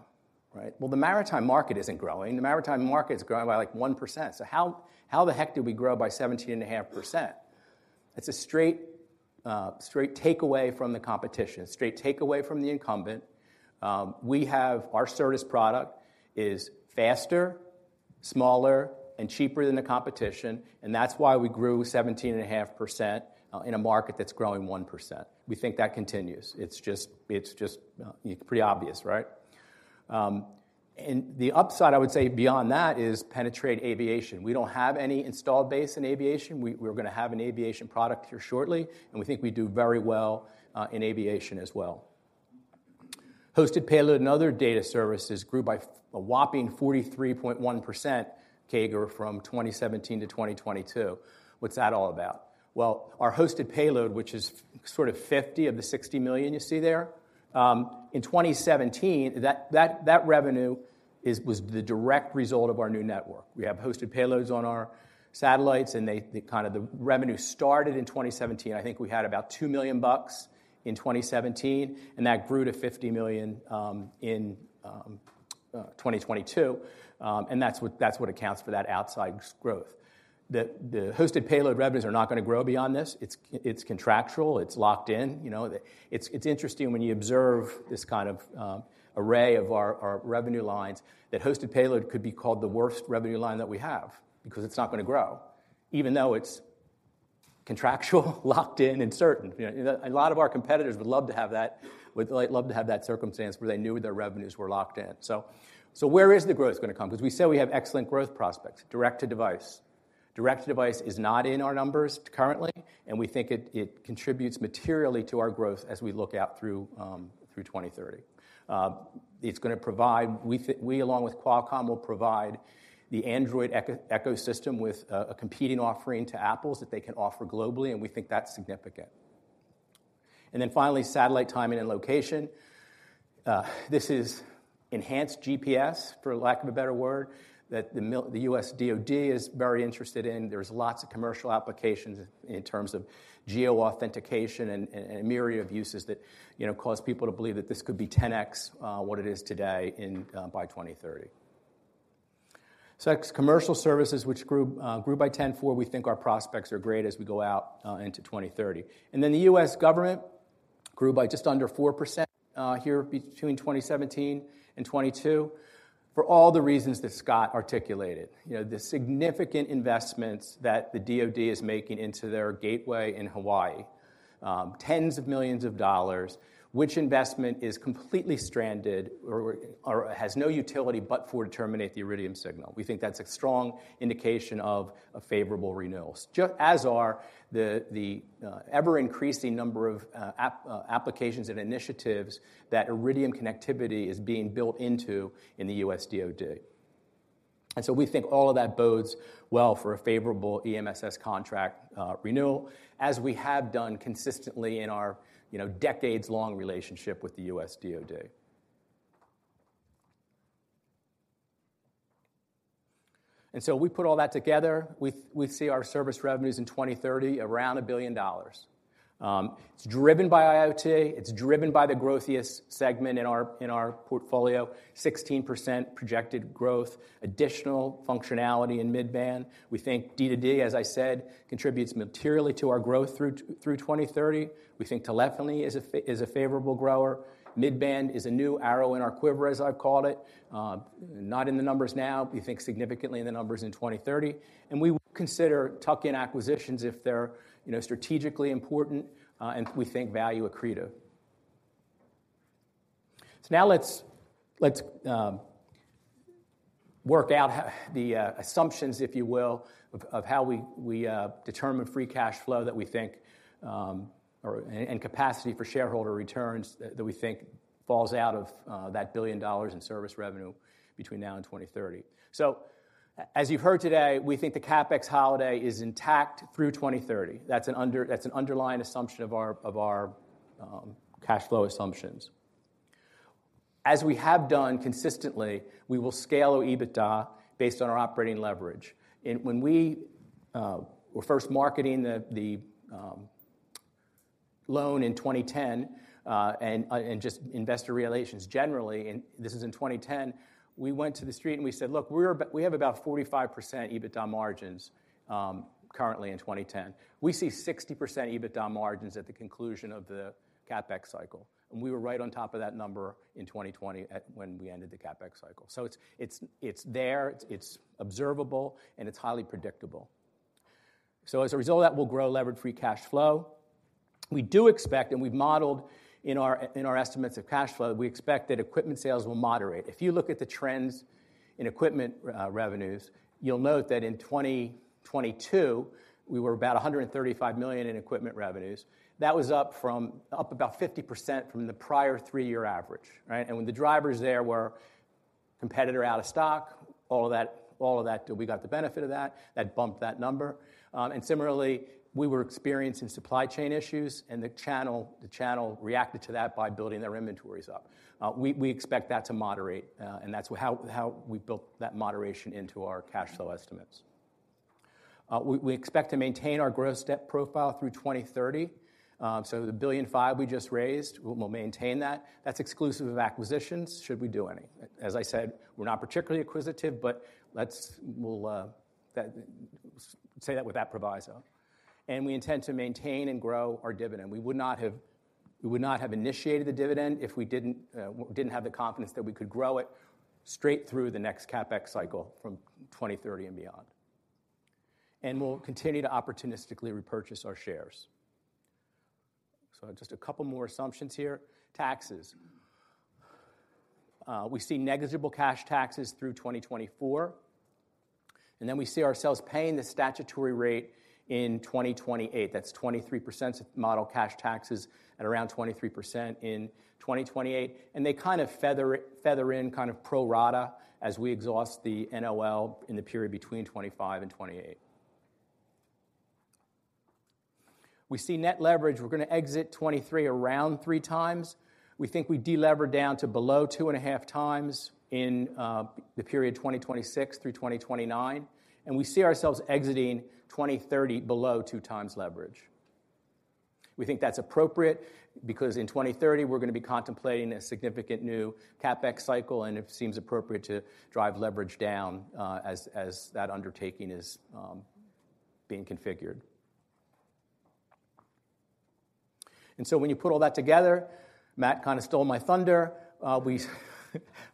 right? Well, the maritime market isn't growing. The maritime market is growing by, like, 1%. So how the heck did we grow by 17.5%? It's a straight takeaway from the competition, a straight takeaway from the incumbent. We have our service product is faster, smaller, and cheaper than the competition, and that's why we grew 17.5% in a market that's growing 1%. We think that continues. It's just pretty obvious, right? And the upside, I would say, beyond that, is penetrate aviation. We don't have any installed base in aviation. We, we're gonna have an aviation product here shortly, and we think we do very well in aviation as well. Hosted payload and other data services grew by a whopping 43.1% CAGR from 2017 to 2022. What's that all about? Well, our hosted payload, which is sort of $50 million of the $60 million you see there, in 2017, that revenue was the direct result of our new network. We have hosted payloads on our satellites, and they, the revenue started in 2017. I think we had about $2 million in 2017, and that grew to $50 million in 2022. And that's what accounts for that outsized growth. The hosted payload revenues are not gonna grow beyond this. It's contractual, it's locked in. You know, it's interesting when you observe this kind of array of our revenue lines, that hosted payload could be called the worst revenue line that we have because it's not gonna grow, even though it's contractual, locked in, and certain. You know, a lot of our competitors would love to have that, would love to have that circumstance where they knew their revenues were locked in. So where is the growth gonna come? 'Cause we say we have excellent growth prospects. Direct-to-device. Direct to device is not in our numbers currently, and we think it contributes materially to our growth as we look out through 2030. It's gonna provide, we, along with Qualcomm, will provide the Android ecosystem with a competing offering to Apple's that they can offer globally, and we think that's significant. And then finally, satellite timing and location. This is enhanced GPS, for lack of a better word, that the US DoD is very interested in. There's lots of commercial applications in terms of Geo-authentication and a myriad of uses that, you know, cause people to believe that this could be 10x what it is today by 2030. So, our commercial services, which grew by 10.4%, we think our prospects are great as we go out into 2030. Then the US government grew by just under 4%, here between 2017 and 2022, for all the reasons that Scott articulated. You know, the significant investments that the DoD is making into their gateway in Hawaii, tens of millions of dollars, which investment is completely stranded or has no utility but for to terminate the Iridium signal. We think that's a strong indication of a favorable renewals. Just as are the ever-increasing number of applications and initiatives that Iridium connectivity is being built into in the US DoD. So we think all of that bodes well for a favorable EMSS contract renewal, as we have done consistently in our, you know, decades-long relationship with the US DoD. We put all that together, we see our service revenues in 2030 around $1 billion. It's driven by IoT, it's driven by the growthiest segment in our portfolio, 16% projected growth, additional functionality in mid-band. We think D2D, as I said, contributes materially to our growth through 2030. We think telephony is a favorable grower. Mid-band is a new arrow in our quiver, as I've called it. Not in the numbers now, we think significantly in the numbers in 2030, and we will consider tuck-in acquisitions if they're, you know, strategically important, and we think value accretive. So now let's work out the assumptions, if you will, of how we determine free cash flow that we think and capacity for shareholder returns that we think falls out of that $1 billion in service revenue between now and 2030. So as you've heard today, we think the CapEx holiday is intact through 2030. That's an underlying assumption of our cash flow assumptions. As we have done consistently, we will scale our EBITDA based on our operating leverage. When we were first marketing the loan in 2010, and just investor relations generally, and this is in 2010, we went to the street, and we said, "Look, we're about, we have about 45% EBITDA margins, currently in 2010. We see 60% EBITDA margins at the conclusion of the CapEx cycle." We were right on top of that number in 2020 when we ended the CapEx cycle. So it's there, it's observable, and it's highly predictable. So as a result of that, we'll grow levered free cash flow. We do expect, and we've modeled in our estimates of cash flow, we expect that equipment sales will moderate. If you look at the trends in equipment revenues, you'll note that in 2022, we were about $135 million in equipment revenues. That was up about 50% from the prior 3-year average, right? And when the drivers there were competitor out of stock, all of that, all of that, we got the benefit of that. That bumped that number. And similarly, we were experiencing supply chain issues, and the channel, the channel reacted to that by building their inventories up. We expect that to moderate, and that's how, how we built that moderation into our cash flow estimates. We expect to maintain our gross debt profile through 2030. So the $1.5 billion we just raised, we will maintain that. That's exclusive of acquisitions, should we do any? As I said, we're not particularly acquisitive, but let's say that with that proviso. And we intend to maintain and grow our dividend. We would not have, we would not have initiated the dividend if we didn't have the confidence that we could grow it straight through the next CapEx cycle from 2030 and beyond. And we'll continue to opportunistically repurchase our shares. So just a couple more assumptions here. Taxes. We see negligible cash taxes through 2024, and then we see ourselves paying the statutory rate in 2028. That's 23% model cash taxes at around 23% in 2028, and they kind of feather it, feather in kind of pro rata as we exhaust the NOL in the period between 25 and 28. We see net leverage, we're gonna exit 2023 around 3x. We think we delever down to below 2.5 times in the period 2026 through 2029, and we see ourselves exiting 2030 below 2 times leverage. We think that's appropriate because in 2030, we're gonna be contemplating a significant new CapEx cycle, and it seems appropriate to drive leverage down, as that undertaking is being configured. And so when you put all that together, Matt kind of stole my thunder.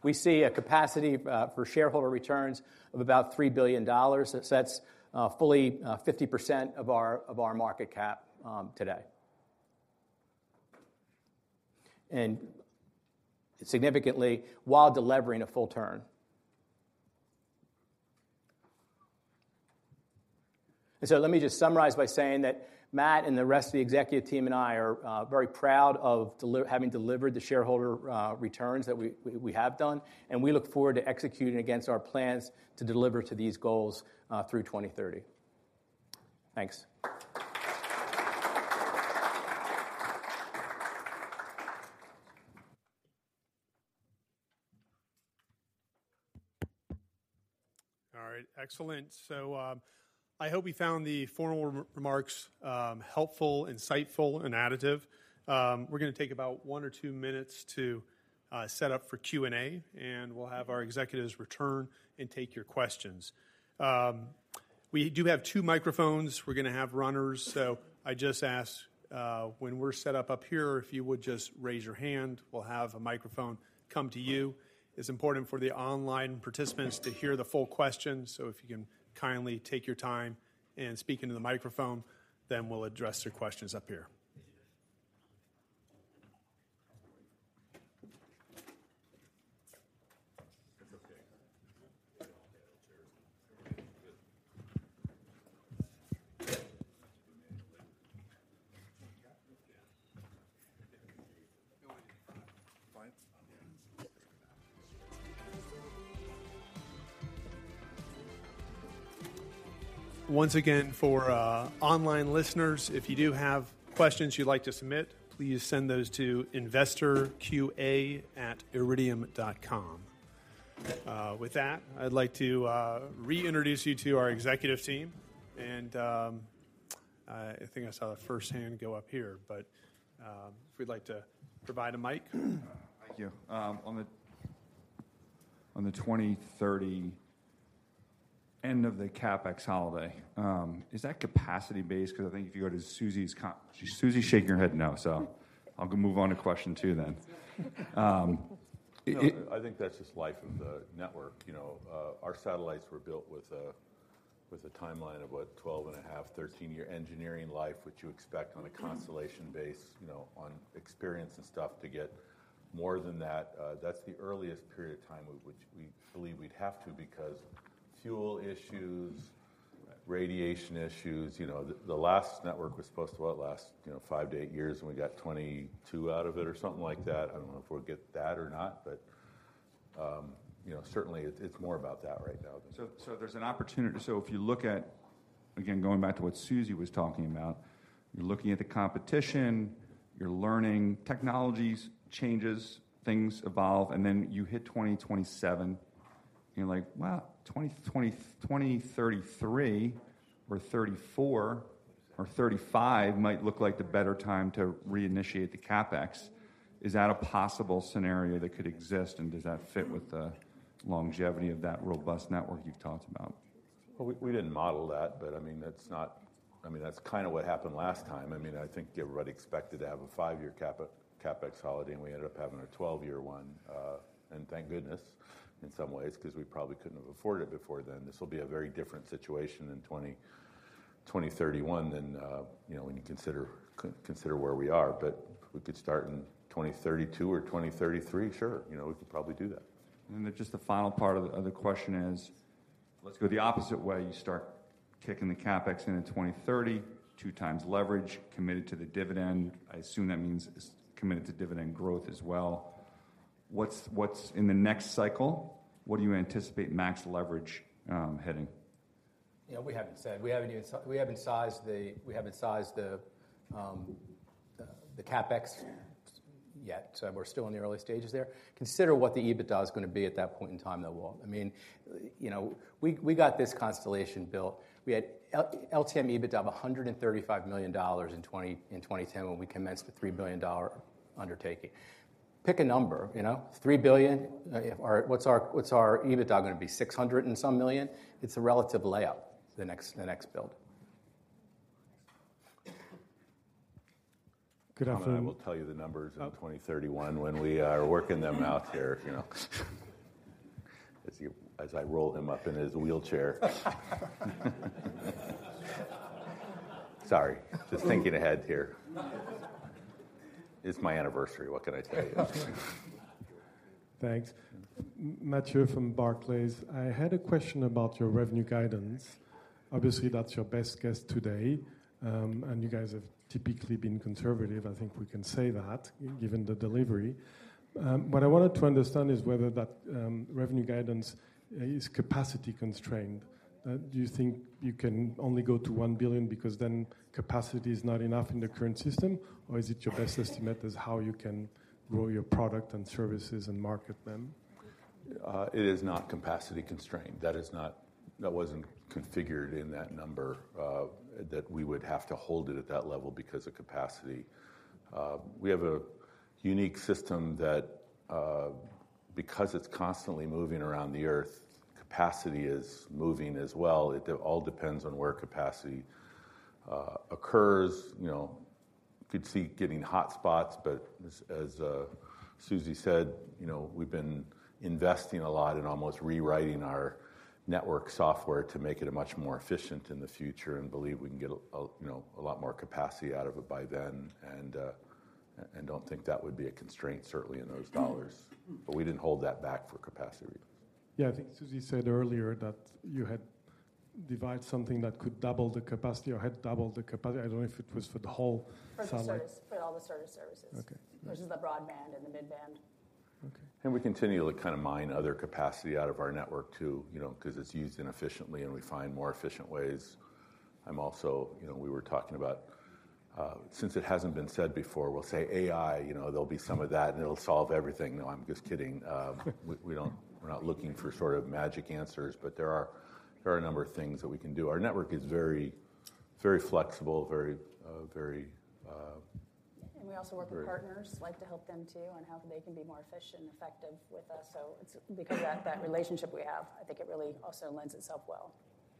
We see a capacity for shareholder returns of about $3 billion. That's fully 50% of our market cap today. And significantly, while delevering a full turn. So let me just summarize by saying that Matt and the rest of the executive team and I are very proud of having delivered the shareholder returns that we have done, and we look forward to executing against our plans to deliver to these goals through 2030. Thanks. All right, excellent. So, I hope you found the formal remarks helpful, insightful, and additive. We're gonna take about one or two minutes to set up for Q&A, and we'll have our executives return and take your questions. We do have two microphones. We're gonna have runners, so I just ask, when we're set up here, if you would just raise your hand, we'll have a microphone come to you. It's important for the online participants to hear the full question, so if you can kindly take your time and speak into the microphone, then we'll address your questions up here. Once again, for online listeners, if you do have questions you'd like to submit, please send those to investorQA@iridium.com. With that, I'd like to reintroduce you to our executive team, and I think I saw the first hand go up here, but if we'd like to provide a mic. Thank you. On the 2030 end of the CapEx holiday, is that capacity-based? Because I think if you go to Suzi's com... Suzi's shaking her head no, so I'll move on to question two then. It, No, I think that's just life of the network. You know, our satellites were built with a timeline of what? 12.5, 13-year engineering life, which you expect on a constellation base, you know, on experience and stuff, to get more than that. That's the earliest period of time of which we believe we'd have to, because fuel issues, radiation issues, you know, the last network was supposed to, what, last, you know, 5-8 years, and we got 22 out of it or something like that. I don't know if we'll get that or not, but, you know, certainly it, it's more about that right now. So there's an opportunity. So if you look at, again, going back to what Suzi was talking about, you're looking at the competition, you're learning technologies, changes, things evolve, and then you hit 2027, and you're like, "Well, 2020, 2033 or 2034 or 2035 might look like the better time to reinitiate the CapEx." Is that a possible scenario that could exist, and does that fit with the longevity of that robust network you've talked about? Well, we didn't model that, but I mean, that's not... I mean, that's kind of what happened last time. I mean, I think everybody expected to have a 5-year CapEx holiday, and we ended up having a 12-year one. And thank goodness, in some ways, because we probably couldn't have afforded it before then. This will be a very different situation in 2031 than, you know, when you consider where we are, but we could start in 2032 or 2033. Sure, you know, we could probably do that. Then just the final part of the other question is, let's go the opposite way. You start kicking the CapEx in in 2030, 2x leverage, committed to the dividend. I assume that means committed to dividend growth as well. What's in the next cycle? What do you anticipate max leverage heading? Yeah, we haven't said. We haven't even said we haven't sized the CapEx yet, so we're still in the early stages there. Consider what the EBITDA is gonna be at that point in time, though, Walt. I mean, you know, we got this constellation built. We had LTM EBITDA of $135 million in 2010, when we commenced the $3 billion undertaking. Pick a number, you know, $3 billion? If our, what's our EBITDA gonna be? $600 million or so? It's a relative layout, the next build. Good afternoon. I will tell you the numbers in 2031 when we are working them out here, you know. As you, as I roll him up in his wheelchair. Sorry, just thinking ahead here. It's my anniversary. What can I tell you? Thanks. Mathieu from Barclays. I had a question about your revenue guidance. Obviously, that's your best guess today, and you guys have typically been conservative. I think we can say that, given the delivery. What I wanted to understand is whether that, revenue guidance, is capacity constrained. Do you think you can only go to $1 billion because then capacity is not enough in the current system, or is it your best estimate as how you can grow your product and services and market them? It is not capacity constrained. That is not. That wasn't configured in that number that we would have to hold it at that level because of capacity. We have a unique system that because it's constantly moving around the Earth, capacity is moving as well. It all depends on where capacity occurs, you know. You could see getting hot spots, but as Suzi said, you know, we've been investing a lot in almost rewriting our network software to make it much more efficient in the future and believe we can get a lot more capacity out of it by then. And don't think that would be a constraint, certainly, in those dollars. But we didn't hold that back for capacity reasons. Yeah, I think Suzi said earlier that you had devised something that could double the capacity or had doubled the capacity. I don't know if it was for the whole satellite- For the service, for all the services. Okay. Versus the broadband and the mid-band. Okay. And we continue to kind of mine other capacity out of our network, too, you know, because it's used inefficiently, and we find more efficient ways. I'm also, you know, we were talking about, since it hasn't been said before, we'll say AI. You know, there'll be some of that, and it'll solve everything. No, I'm just kidding. We, we don't, we're not looking for sort of magic answers, but there are, there are a number of things that we can do. Our network is very, very flexible, very, very. We also work- Very-... with partners, like to help them too, on how they can be more efficient and effective with us. So it's because that, that relationship we have, I think it really also lends itself well.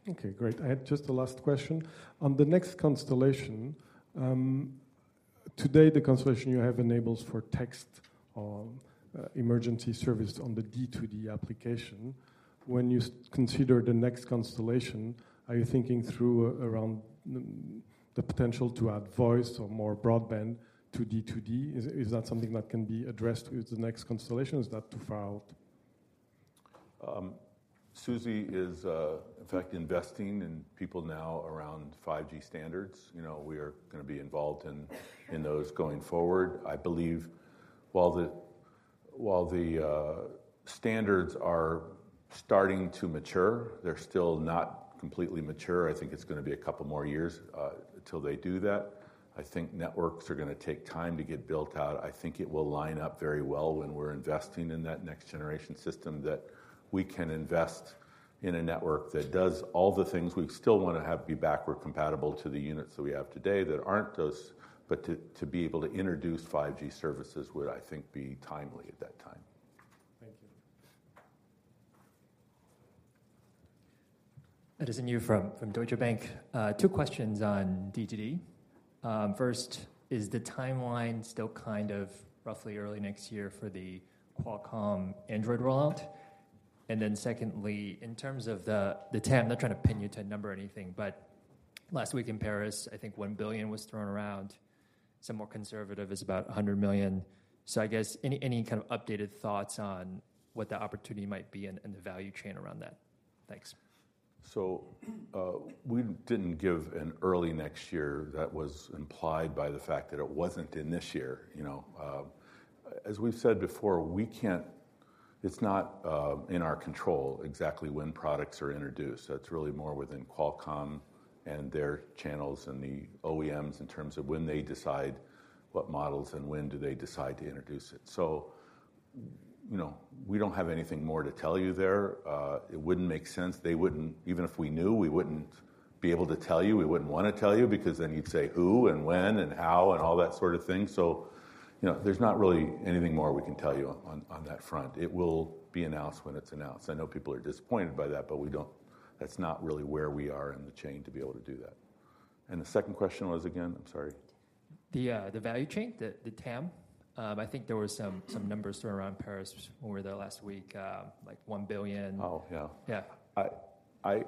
Okay, great. I had just a last question. On the next constellation, today, the constellation you have enables for text on emergency service on the D2D application. When you consider the next constellation, are you thinking through around the potential to add voice or more broadband to D2D? Is that something that can be addressed with the next constellation, or is that too far out?... Suzi is, in fact, investing in people now around 5G standards. You know, we are gonna be involved in, in those going forward. I believe while the, while the standards are starting to mature, they're still not completely mature. I think it's gonna be a couple more years, until they do that. I think networks are gonna take time to get built out. I think it will line up very well when we're investing in that next generation system, that we can invest in a network that does all the things we still want to have be backward compatible to the units that we have today that aren't those, but to, to be able to introduce 5G services would, I think, be timely at that time. Thank you. Edison Yu from Deutsche Bank. Two questions on D2D. First, is the timeline still kind of roughly early next year for the Qualcomm Android rollout? And then secondly, in terms of the TAM, not trying to pin you to a number or anything, but last week in Paris, I think 1 billion was thrown around. Some more conservative is about 100 million. So I guess kind of updated thoughts on what the opportunity might be and the value chain around that? Thanks. So, we didn't give an early next year. That was implied by the fact that it wasn't in this year, you know? As we've said before, we can't. It's not in our control exactly when products are introduced. That's really more within Qualcomm and their channels and the OEMs, in terms of when they decide what models and when do they decide to introduce it. So, you know, we don't have anything more to tell you there. It wouldn't make sense. They wouldn't... Even if we knew, we wouldn't be able to tell you. We wouldn't want to tell you because then you'd say, "Who, and when, and how?" And all that sort of thing. So, you know, there's not really anything more we can tell you on, on that front. It will be announced when it's announced. I know people are disappointed by that, but we don't. That's not really where we are in the chain to be able to do that. The second question was, again? I'm sorry. The value chain, the TAM. I think there were some numbers thrown around Paris when we were there last week, like $1 billion. Oh, yeah. Yeah.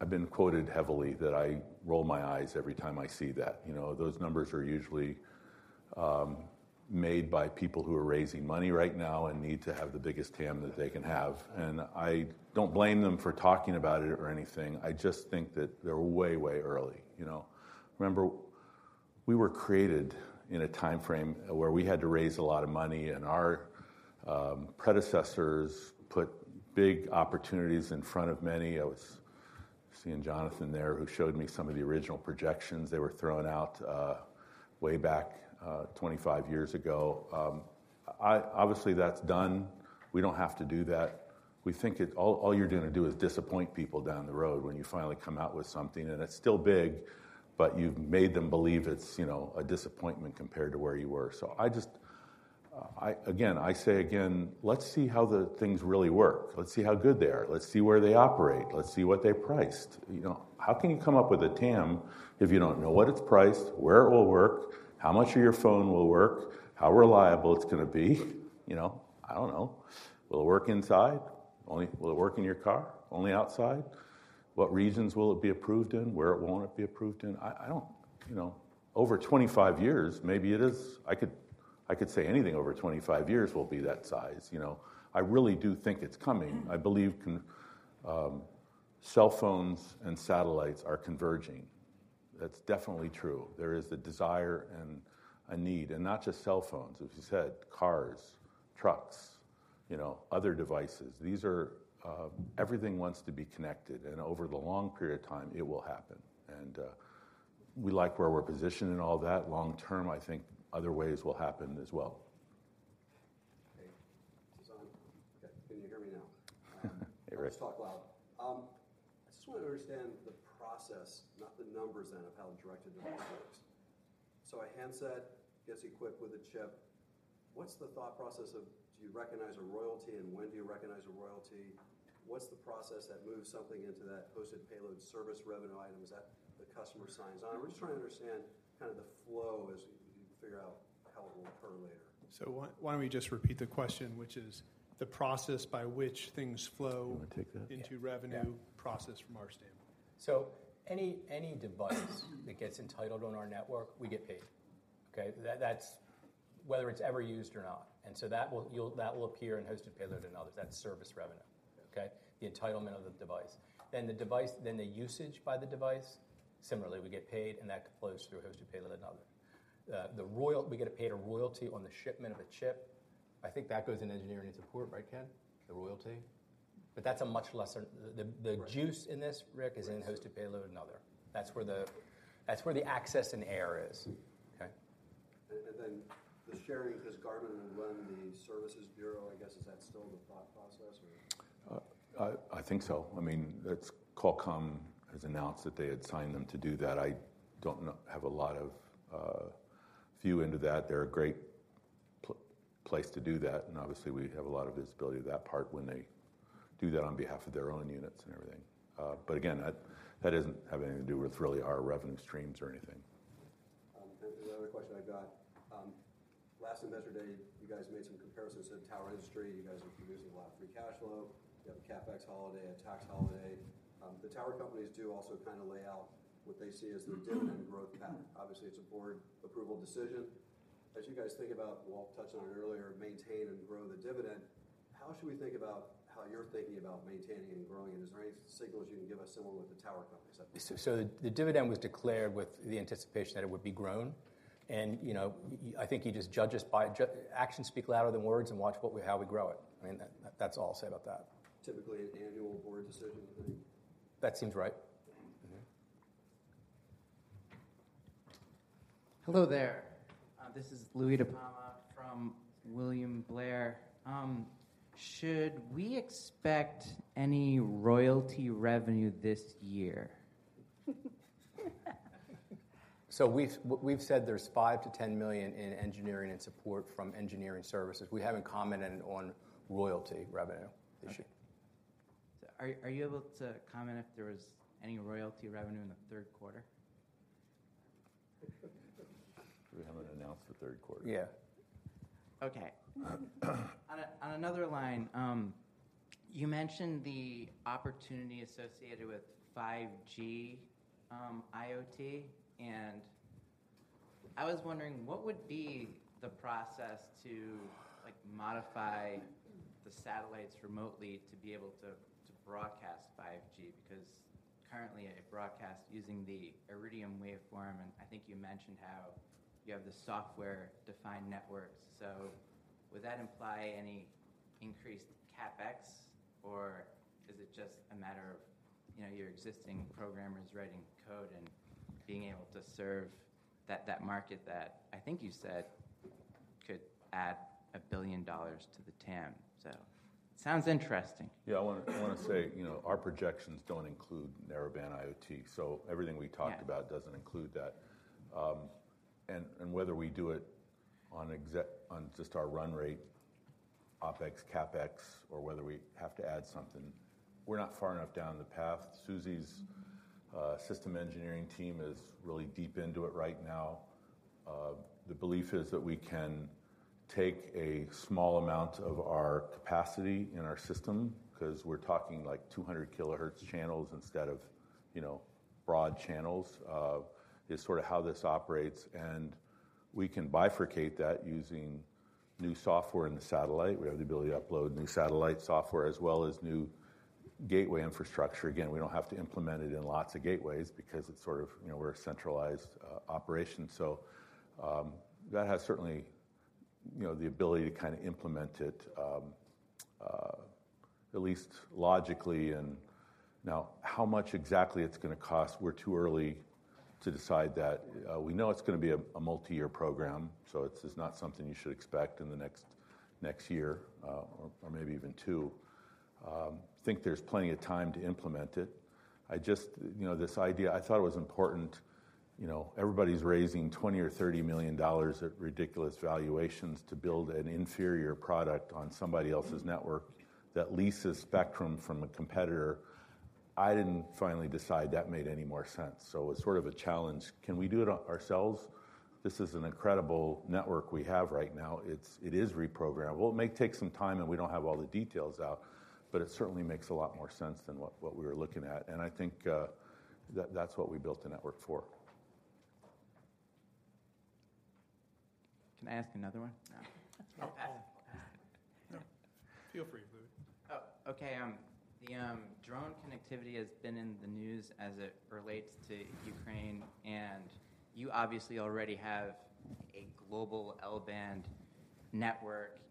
I've been quoted heavily that I roll my eyes every time I see that. You know, those numbers are usually made by people who are raising money right now and need to have the biggest TAM that they can have. And I don't blame them for talking about it or anything. I just think that they're way, way early, you know? Remember, we were created in a timeframe where we had to raise a lot of money, and our predecessors put big opportunities in front of many. I was seeing Jonathan there, who showed me some of the original projections that were thrown out way back 25 years ago. Obviously, that's done. We don't have to do that. We think it all, all you're gonna do is disappoint people down the road when you finally come out with something, and it's still big, but you've made them believe it's, you know, a disappointment compared to where you were. So I just again, I say again, let's see how the things really work. Let's see how good they are. Let's see where they operate. Let's see what they're priced. You know, how can you come up with a TAM if you don't know what it's priced, where it will work, how much of your phone will work, how reliable it's gonna be? You know, I don't know. Will it work inside? Only. Will it work in your car? Only outside? What regions will it be approved in? Where it won't be approved in? I don't. You know, over 25 years, maybe it is. I could, I could say anything over 25 years will be that size, you know. I really do think it's coming. I believe cell phones and satellites are converging. That's definitely true. There is the desire and a need, and not just cell phones, as you said, cars, trucks, you know, other devices. These are... Everything wants to be connected, and over the long period of time, it will happen. We like where we're positioned in all that. Long term, I think other ways will happen as well. Hey, is this on? Okay, can you hear me now? Hey, Rick. Let's talk loud. I just want to understand the process, not the numbers then, of how Directed Delivery works. So a handset gets equipped with a chip. What's the thought process of do you recognize a royalty, and when do you recognize a royalty? What's the process that moves something into that hosted payload service revenue item? Is that the customer signs on? Sure. I'm just trying to understand kind of the flow as you figure out how it will occur later. Why, why don't we just repeat the question, which is the process by which things flow- You want to take that? Yeah. Into revenue process from our standpoint. So any device that gets entitled on our network, we get paid. Okay? That's whether it's ever used or not, and so that will appear in hosted payload and others. That's service revenue, okay? The entitlement of the device. Then the usage by the device, similarly, we get paid, and that flows through hosted payload and other. We get paid a royalty on the shipment of a chip. I think that goes in engineering and support, right, Ken? The royalty. But that's a much lesser... Right. The juice in this, Rick- Right... is in hosted payload and other. That's where the Aireon is, okay? And then, the sharing, does Garmin run the services bureau? I guess, is that still the thought process or? I think so. I mean, that's Qualcomm has announced that they had signed them to do that. I don't know I have a lot of view into that. They're a great place to do that, and obviously, we have a lot of visibility to that part when they do that on behalf of their own units and everything. But again, that doesn't have anything to do with really our revenue streams or anything. The other question I've got, last Investor Day, you guys made some comparisons to the tower industry. You guys are producing a lot of free cash flow. You have a CapEx holiday, a tax holiday. The tower companies do also kind of lay out what they see as the dividend growth path. Obviously, it's a board approval decision. As you guys think about, Walt touched on it earlier, maintain and grow the dividend, how should we think about how you're thinking about maintaining and growing it? Is there any signals you can give us, similar with the tower companies? So, the dividend was declared with the anticipation that it would be grown, and, you know, I think you just judge us by actions speak louder than words, and watch what we, how we grow it. I mean, that's all I'll say about that. Typically, an annual board decision to make? That seems right. Mm-hmm. Hello there. This is Louis DiPalma from William Blair. Should we expect any royalty revenue this year? We've said there's $5 million-$10 million in engineering and support from engineering services. We haven't commented on royalty revenue this year. Are you able to comment if there was any royalty revenue in the third quarter? We haven't announced the third quarter. Yeah. Okay. On another line, you mentioned the opportunity associated with 5G, IoT, and I was wondering, what would be the process to, like, modify the satellites remotely to be able to, to broadcast 5G? Because currently, it broadcasts using the Iridium waveform, and I think you mentioned how you have the software-defined networks. So would that imply any increased CapEx, or is it just a matter of, you know, your existing programmers writing code and being able to serve that, that market that I think you said could add $1 billion to the TAM? So it sounds interesting. Yeah, I want to, I want to say, you know, our projections don't include Narrowband IoT. Yeah. So everything we talked about doesn't include that. And whether we do it on just our run rate, OpEx, CapEx, or whether we have to add something, we're not far enough down the path. Suzi's system engineering team is really deep into it right now. The belief is that we can take a small amount of our capacity in our system, 'cause we're talking like 200 kilohertz channels instead of, you know, broad channels, is sort of how this operates, and we can bifurcate that using new software in the satellite. We have the ability to upload new satellite software as well as new gateway infrastructure. Again, we don't have to implement it in lots of gateways because it's sort of... You know, we're a centralized operation. So, that has certainly, you know, the ability to kind of implement it, at least logically. And now, how much exactly it's going to cost, we're too early to decide that. We know it's going to be a multi-year program, so it's not something you should expect in the next year, or maybe even two. Think there's plenty of time to implement it. I just, you know, this idea, I thought it was important. You know, everybody's raising $20 million or $30 million at ridiculous valuations to build an inferior product on somebody else's network that leases spectrum from a competitor. I didn't finally decide that made any more sense, so it's sort of a challenge. Can we do it ourselves? This is an incredible network we have right now. It is reprogrammable. It may take some time, and we don't have all the details out, but it certainly makes a lot more sense than what we were looking at, and I think that that's what we built the network for. Can I ask another one? Oh, oh. Feel free, Louis. Oh, okay. The drone connectivity has been in the news as it relates to Ukraine, and you obviously already have a global L-band network,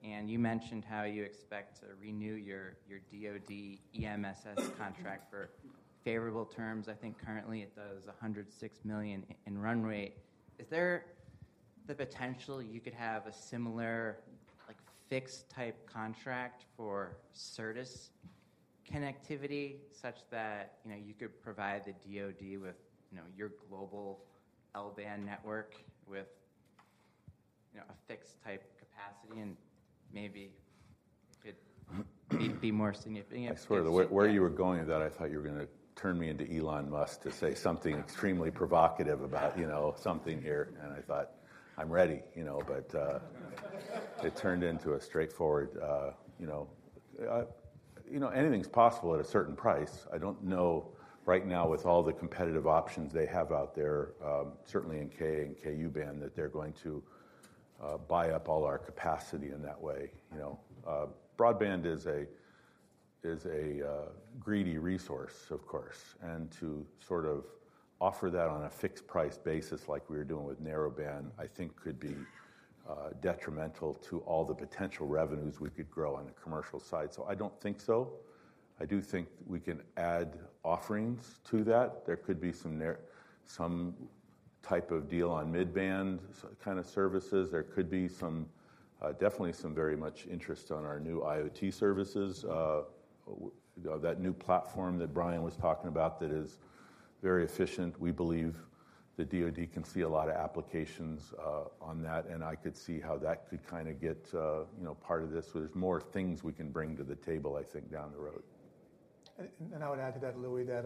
and you mentioned how you expect to renew your DoD EMSS contract for favorable terms. I think currently it does $106 million in run rate. Is there the potential you could have a similar, like, fixed-type contract for Certus connectivity, such that, you know, you could provide the DoD with, you know, your global L-band network with, you know, a fixed-type capacity and maybe it'd be more significant? I swear, the way you were going with that, I thought you were going to turn me into Elon Musk, to say something extremely provocative about, you know, something here, and I thought, "I'm ready," you know? But it turned into a straightforward, you know. You know, anything's possible at a certain price. I don't know right now, with all the competitive options they have out there, certainly in Ka-band and Ku-band, that they're going to buy up all our capacity in that way, you know. Broadband is a greedy resource, of course, and to sort of offer that on a fixed price basis like we were doing with Narrowband, I think could be detrimental to all the potential revenues we could grow on the commercial side. So I don't think so. I do think we can add offerings to that. There could be some type of deal on mid-band kind of services. There could be some, definitely some very much interest on our new IoT services. That new platform that Bryan was talking about that is very efficient, we believe the DoD can see a lot of applications on that, and I could see how that could kind of get, you know, part of this, where there's more things we can bring to the table, I think, down the road. I would add to that, Louis, that,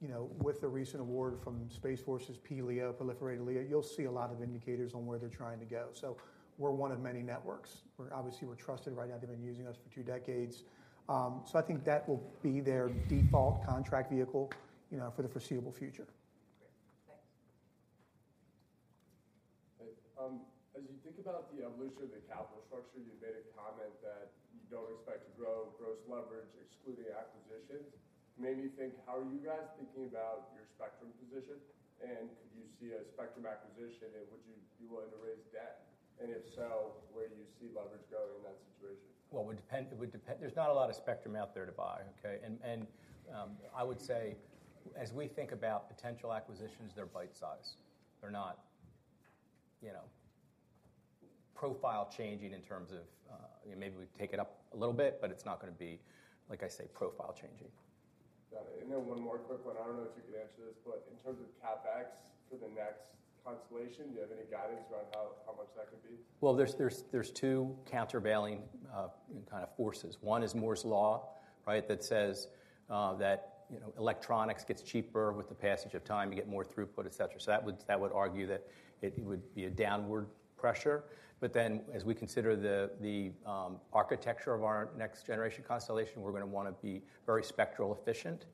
you know, with the recent award from Space Force's P-LEO, proliferated LEO, you'll see a lot of indicators on where they're trying to go. So we're one of many networks. We're obviously trusted right now. They've been using us for two decades. So I think that will be their default contract vehicle, you know, for the foreseeable future. As you think about the evolution of the capital structure, you made a comment that you don't expect to grow gross leverage, excluding acquisitions. Made me think, how are you guys thinking about your spectrum position? And could you see a spectrum acquisition, and would you be willing to raise debt? And if so, where do you see leverage going in that situation? Well, it would depend, it would depend. There's not a lot of spectrum out there to buy, okay? And I would say, as we think about potential acquisitions, they're bite-sized. They're not, you know, profile-changing in terms of... Maybe we take it up a little bit, but it's not gonna be, like I say, profile changing. Got it. And then one more quick one. I don't know if you can answer this, but in terms of CapEx for the next constellation, do you have any guidance around how much that could be? Well, there's two countervailing kind of forces. One is Moore's Law, right? That says that, you know, electronics gets cheaper with the passage of time. You get more throughput, et cetera. So that would argue that it would be a downward pressure. But then, as we consider the architecture of our next generation constellation, we're gonna wanna be very spectrum efficient.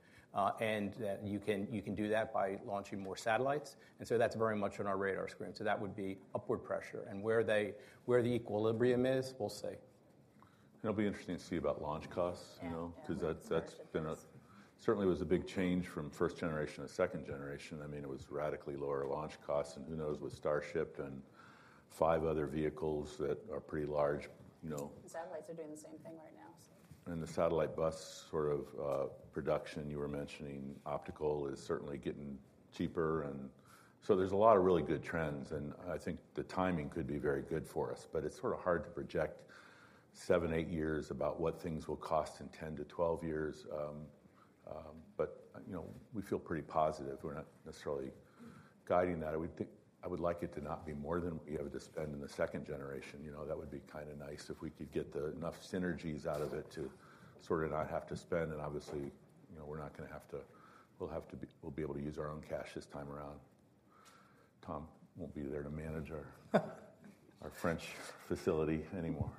And that you can do that by launching more satellites, and so that's very much on our radar screen. So that would be upward pressure. And where the equilibrium is, we'll see. It'll be interesting to see about launch costs, you know- Yeah. 'Cause that, that's been a certainly was a big change from first generation to second generation. I mean, it was radically lower launch costs, and who knows with Starship and five other vehicles that are pretty large, you know. The satellites are doing the same thing right now, so. And the satellite bus sort of production you were mentioning, optical is certainly getting cheaper, and so there's a lot of really good trends. And I think the timing could be very good for us, but it's sort of hard to project seven, eight years about what things will cost in 10-12 years. But, you know, we feel pretty positive. We're not necessarily guiding that. I would think- I would like it to not be more than we have to spend in the second generation, you know. That would be kind of nice if we could get the enough synergies out of it to sort of not have to spend, and obviously, you know, we're not gonna have to... We'll have to be- we'll be able to use our own cash this time around. Tom won't be there to manage our French facility anymore,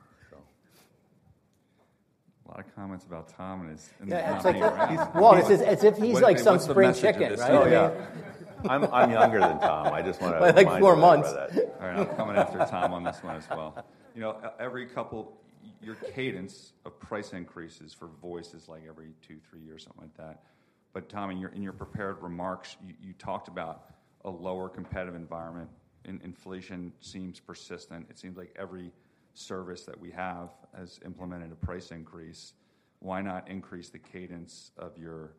so. A lot of comments about Tom and his, and the company, right? Well, it's as if he's like some French chicken, right? What's the message of this? Oh, yeah. I'm younger than Tom. I just want to remind you of that. By like four months. All right, I'm coming after Tom on this one as well. You know, every couple, your cadence of price increases for voice is, like, every two, three years, something like that. But Tom, in your prepared remarks, you talked about a lower competitive environment, and inflation seems persistent. It seems like every service that we have has implemented a price increase. Why not increase the cadence of your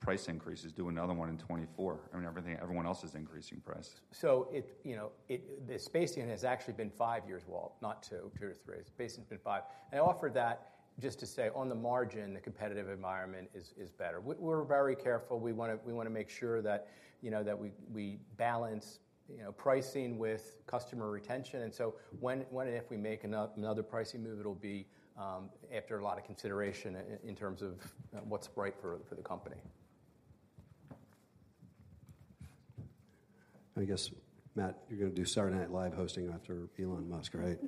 price increases? Do another one in 2024. I mean, everything, everyone else is increasing prices. So, you know, the spacing has actually been five years, Walt, not two, 2-3. The spacing's been five. I offered that just to say, on the margin, the competitive environment is better. We're very careful. We wanna make sure that, you know, we balance, you know, pricing with customer retention. And so when and if we make another pricing move, it'll be after a lot of consideration in terms of what's right for the company. I guess, Matt, you're gonna do Saturday Night Live hosting after Elon Musk, right?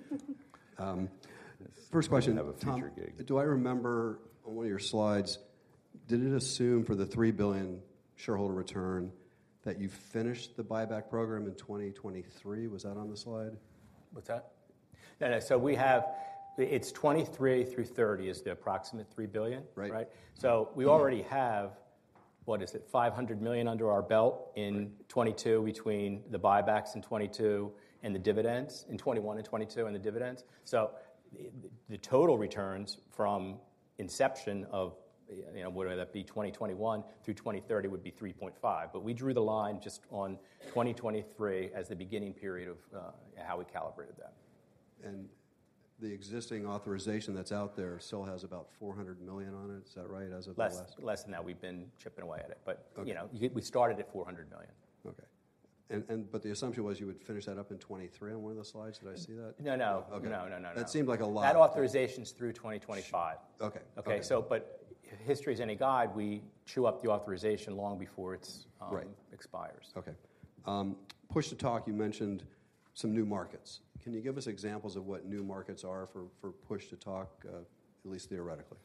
First question- I have a future gig. Tom, do I remember on one of your slides, did it assume for the $3 billion shareholder return, that you finished the buyback program in 2023? Was that on the slide? What's that? Yeah, so we have... It's 2023 through 2030 is the approximate $3 billion. Right. Right? So we already have, what is it? $500 million under our belt in- Right... 2022, between the buybacks in 2022 and the dividends, in 2021 and 2022, and the dividends. So the, the total returns from inception of, you know, whether that be 2021 through 2030, would be 3.5. But we drew the line just on 2023 as the beginning period of, how we calibrated that. The existing authorization that's out there still has about $400 million on it. Is that right, as of the last- Less, less than that. We've been chipping away at it. Okay. You know, we started at $400 million. Okay. But the assumption was you would finish that up in 2023 on one of the slides. Did I see that? No, no. Okay. No, no, no, no. That seemed like a lot. That authorization's through 2025. Okay. Okay. Okay. So but if history is any guide, we chew up the authorization long before it's, Right... expires. Okay. Push-to-talk, you mentioned some new markets. Can you give us examples of what new markets are for, for push-to-talk, at least theoretically?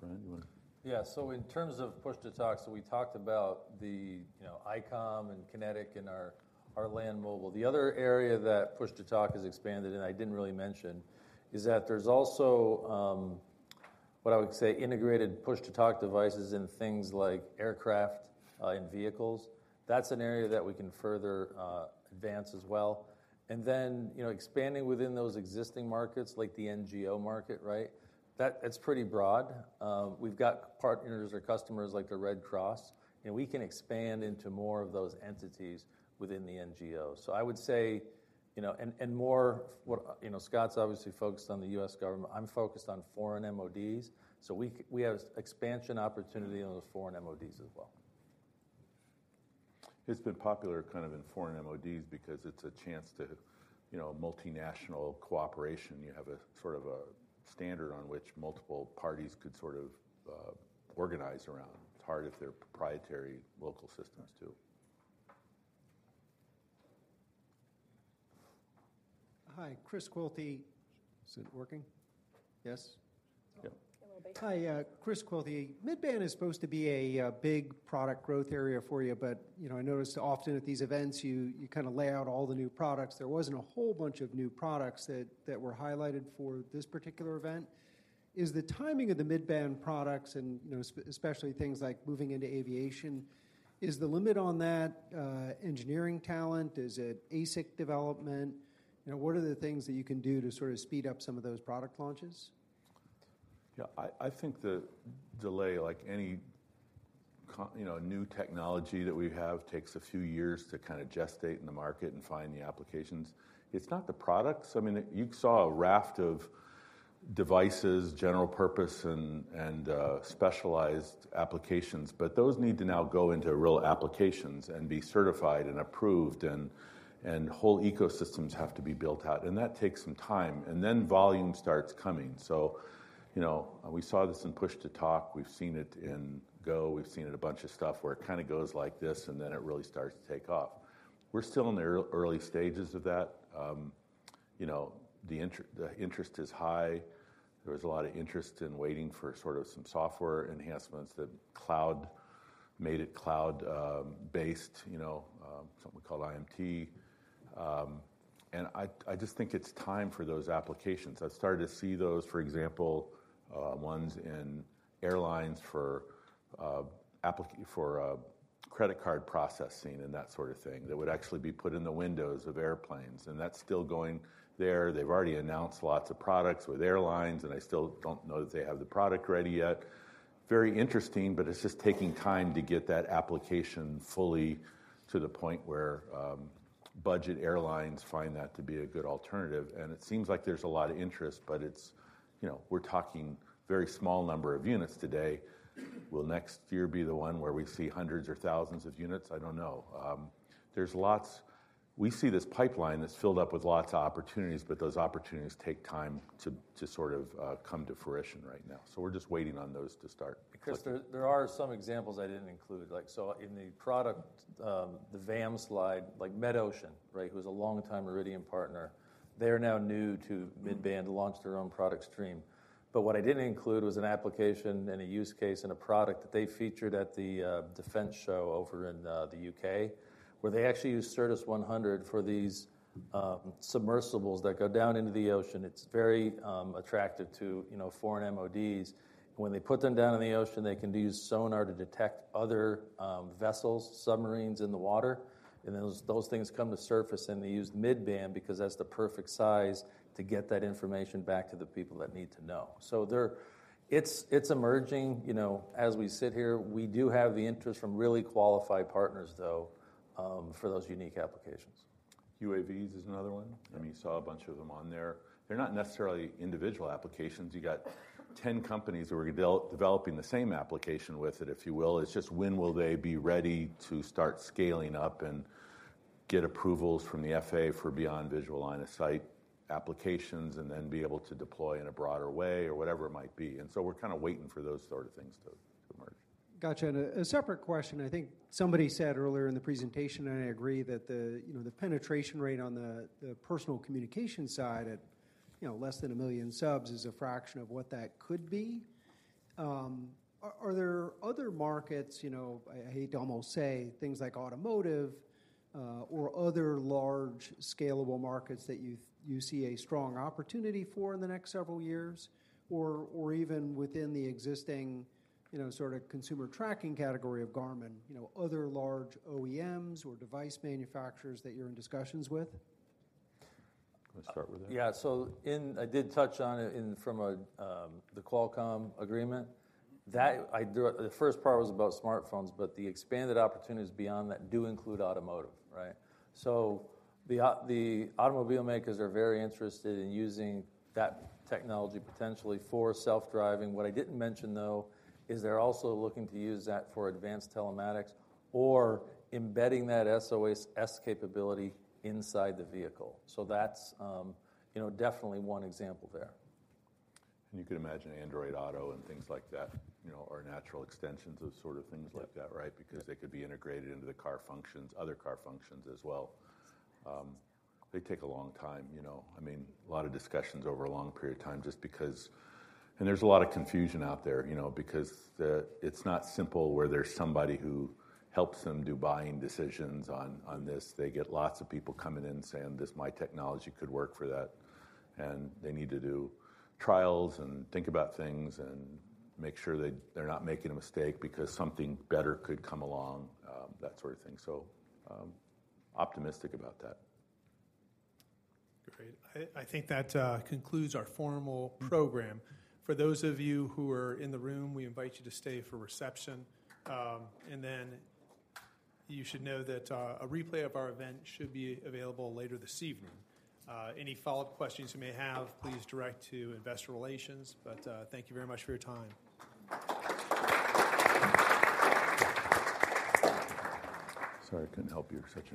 Bryan, you wanna- Yeah, so in terms of push-to-talk, so we talked about the, you know, Icom and Kinetic and our, our land mobile. The other area that push-to-talk has expanded, and I didn't really mention, is that there's also, what I would say, integrated push-to-talk devices in things like aircraft, and vehicles. That's an area that we can further, advance as well. And then, you know, expanding within those existing markets, like the NGO market, right? That, that's pretty broad. We've got partners or customers like the Red Cross, and we can expand into more of those entities within the NGO. So I would say, you know, and, and more, what... You know, Scott's obviously focused on the U.S. government. I'm focused on foreign MODs, so we have expansion opportunity on those foreign MODs as well. It's been popular kind of in foreign MODs because it's a chance to, you know, multinational cooperation. You have a sort of a standard on which multiple parties could sort of organize around. It's hard if they're proprietary local systems, too. Hi, Chris Quilty. Is it working? Yes? Yep. A little bit. Hi, Chris Quilty. Mid-band is supposed to be a big product growth area for you, but, you know, I notice often at these events, you kind of lay out all the new products. There wasn't a whole bunch of new products that were highlighted for this particular event. Is the timing of the mid-band products and, you know, especially things like moving into aviation, is the limit on that engineering talent? Is it ASIC development? You know, what are the things that you can do to sort of speed up some of those product launches? Yeah, I think the delay, like any new technology that we have, takes a few years to kind of gestate in the market and find the applications. It's not the products. I mean, you saw a raft of devices, general purpose and specialized applications, but those need to now go into real applications and be certified and approved, and whole ecosystems have to be built out, and that takes some time. And then volume starts coming. So, you know, we saw this in push-to-talk, we've seen it in Go, we've seen it in a bunch of stuff where it kind of goes like this, and then it really starts to take off. We're still in the early stages of that. You know, the interest is high. There was a lot of interest in waiting for sort of some software enhancements, that cloud, made it cloud, based, you know, something called IMT. And I just think it's time for those applications. I've started to see those, for example, ones in airlines for credit card processing and that sort of thing, that would actually be put in the windows of airplanes, and that's still going there. They've already announced lots of products with airlines, and I still don't know that they have the product ready yet. Very interesting, but it's just taking time to get that application fully to the point where budget airlines find that to be a good alternative, and it seems like there's a lot of interest, but it's, you know, we're talking very small number of units today. Will next year be the one where we see hundreds or thousands of units? I don't know. There's lots... We see this pipeline that's filled up with lots of opportunities, but those opportunities take time to sort of come to fruition right now. So we're just waiting on those to start clicking. Chris, there, there are some examples I didn't include. Like, so in the product, the VAM slide, like MetOcean, right, who's a longtime Iridium partner, they are now new to mid-band, launched their own product stream. But what I didn't include was an application and a use case and a product that they featured at the defense show over in the UK, where they actually used Certus 100 for these submersibles that go down into the ocean. It's very attractive to, you know, foreign MODs. When they put them down in the ocean, they can use sonar to detect other vessels, submarines in the water, and those, those things come to surface, and they use mid-band because that's the perfect size to get that information back to the people that need to know. So, it's emerging. You know, as we sit here, we do have the interest from really qualified partners, though, for those unique applications. UAVs is another one. Mm-hmm. I mean, you saw a bunch of them on there. They're not necessarily individual applications. You got 10 companies who are developing the same application with it, if you will. It's just, when will they be ready to start scaling up and get approvals from the FAA for beyond visual line of sight applications, and then be able to deploy in a broader way or whatever it might be, and so we're kind of waiting for those sort of things to merge. Gotcha, and a separate question, I think somebody said earlier in the presentation, and I agree, that the, you know, the penetration rate on the, the personal communication side at, you know, less than a million subs is a fraction of what that could be. Are there other markets, you know, I hate to almost say things like automotive or other large, scalable markets that you see a strong opportunity for in the next several years? Or even within the existing, you know, sort of consumer tracking category of Garmin, you know, other large OEMs or device manufacturers that you're in discussions with? You want to start with that? Yeah, so I did touch on it in the Qualcomm agreement. The first part was about smartphones, but the expanded opportunities beyond that do include automotive, right? So the automobile makers are very interested in using that technology potentially for self-driving. What I didn't mention, though, is they're also looking to use that for advanced telematics or embedding that SOS capability inside the vehicle. So that's, you know, definitely one example there. You could imagine Android Auto and things like that, you know, are natural extensions of sort of things like that- Yeah... right? Because they could be integrated into the car functions, other car functions as well. They take a long time, you know. I mean, a lot of discussions over a long period of time just because... There's a lot of confusion out there, you know, because it's not simple, where there's somebody who helps them do buying decisions on, on this. They get lots of people coming in and saying, "This my technology could work for that," and they need to do trials and think about things and make sure they, they're not making a mistake because something better could come along, that sort of thing. Optimistic about that. Great. I think that concludes our formal program. For those of you who are in the room, we invite you to stay for reception. Then you should know that a replay of our event should be available later this evening. Any follow-up questions you may have, please direct to investor relations, but thank you very much for your time. Sorry, I couldn't help you, you're such a nice-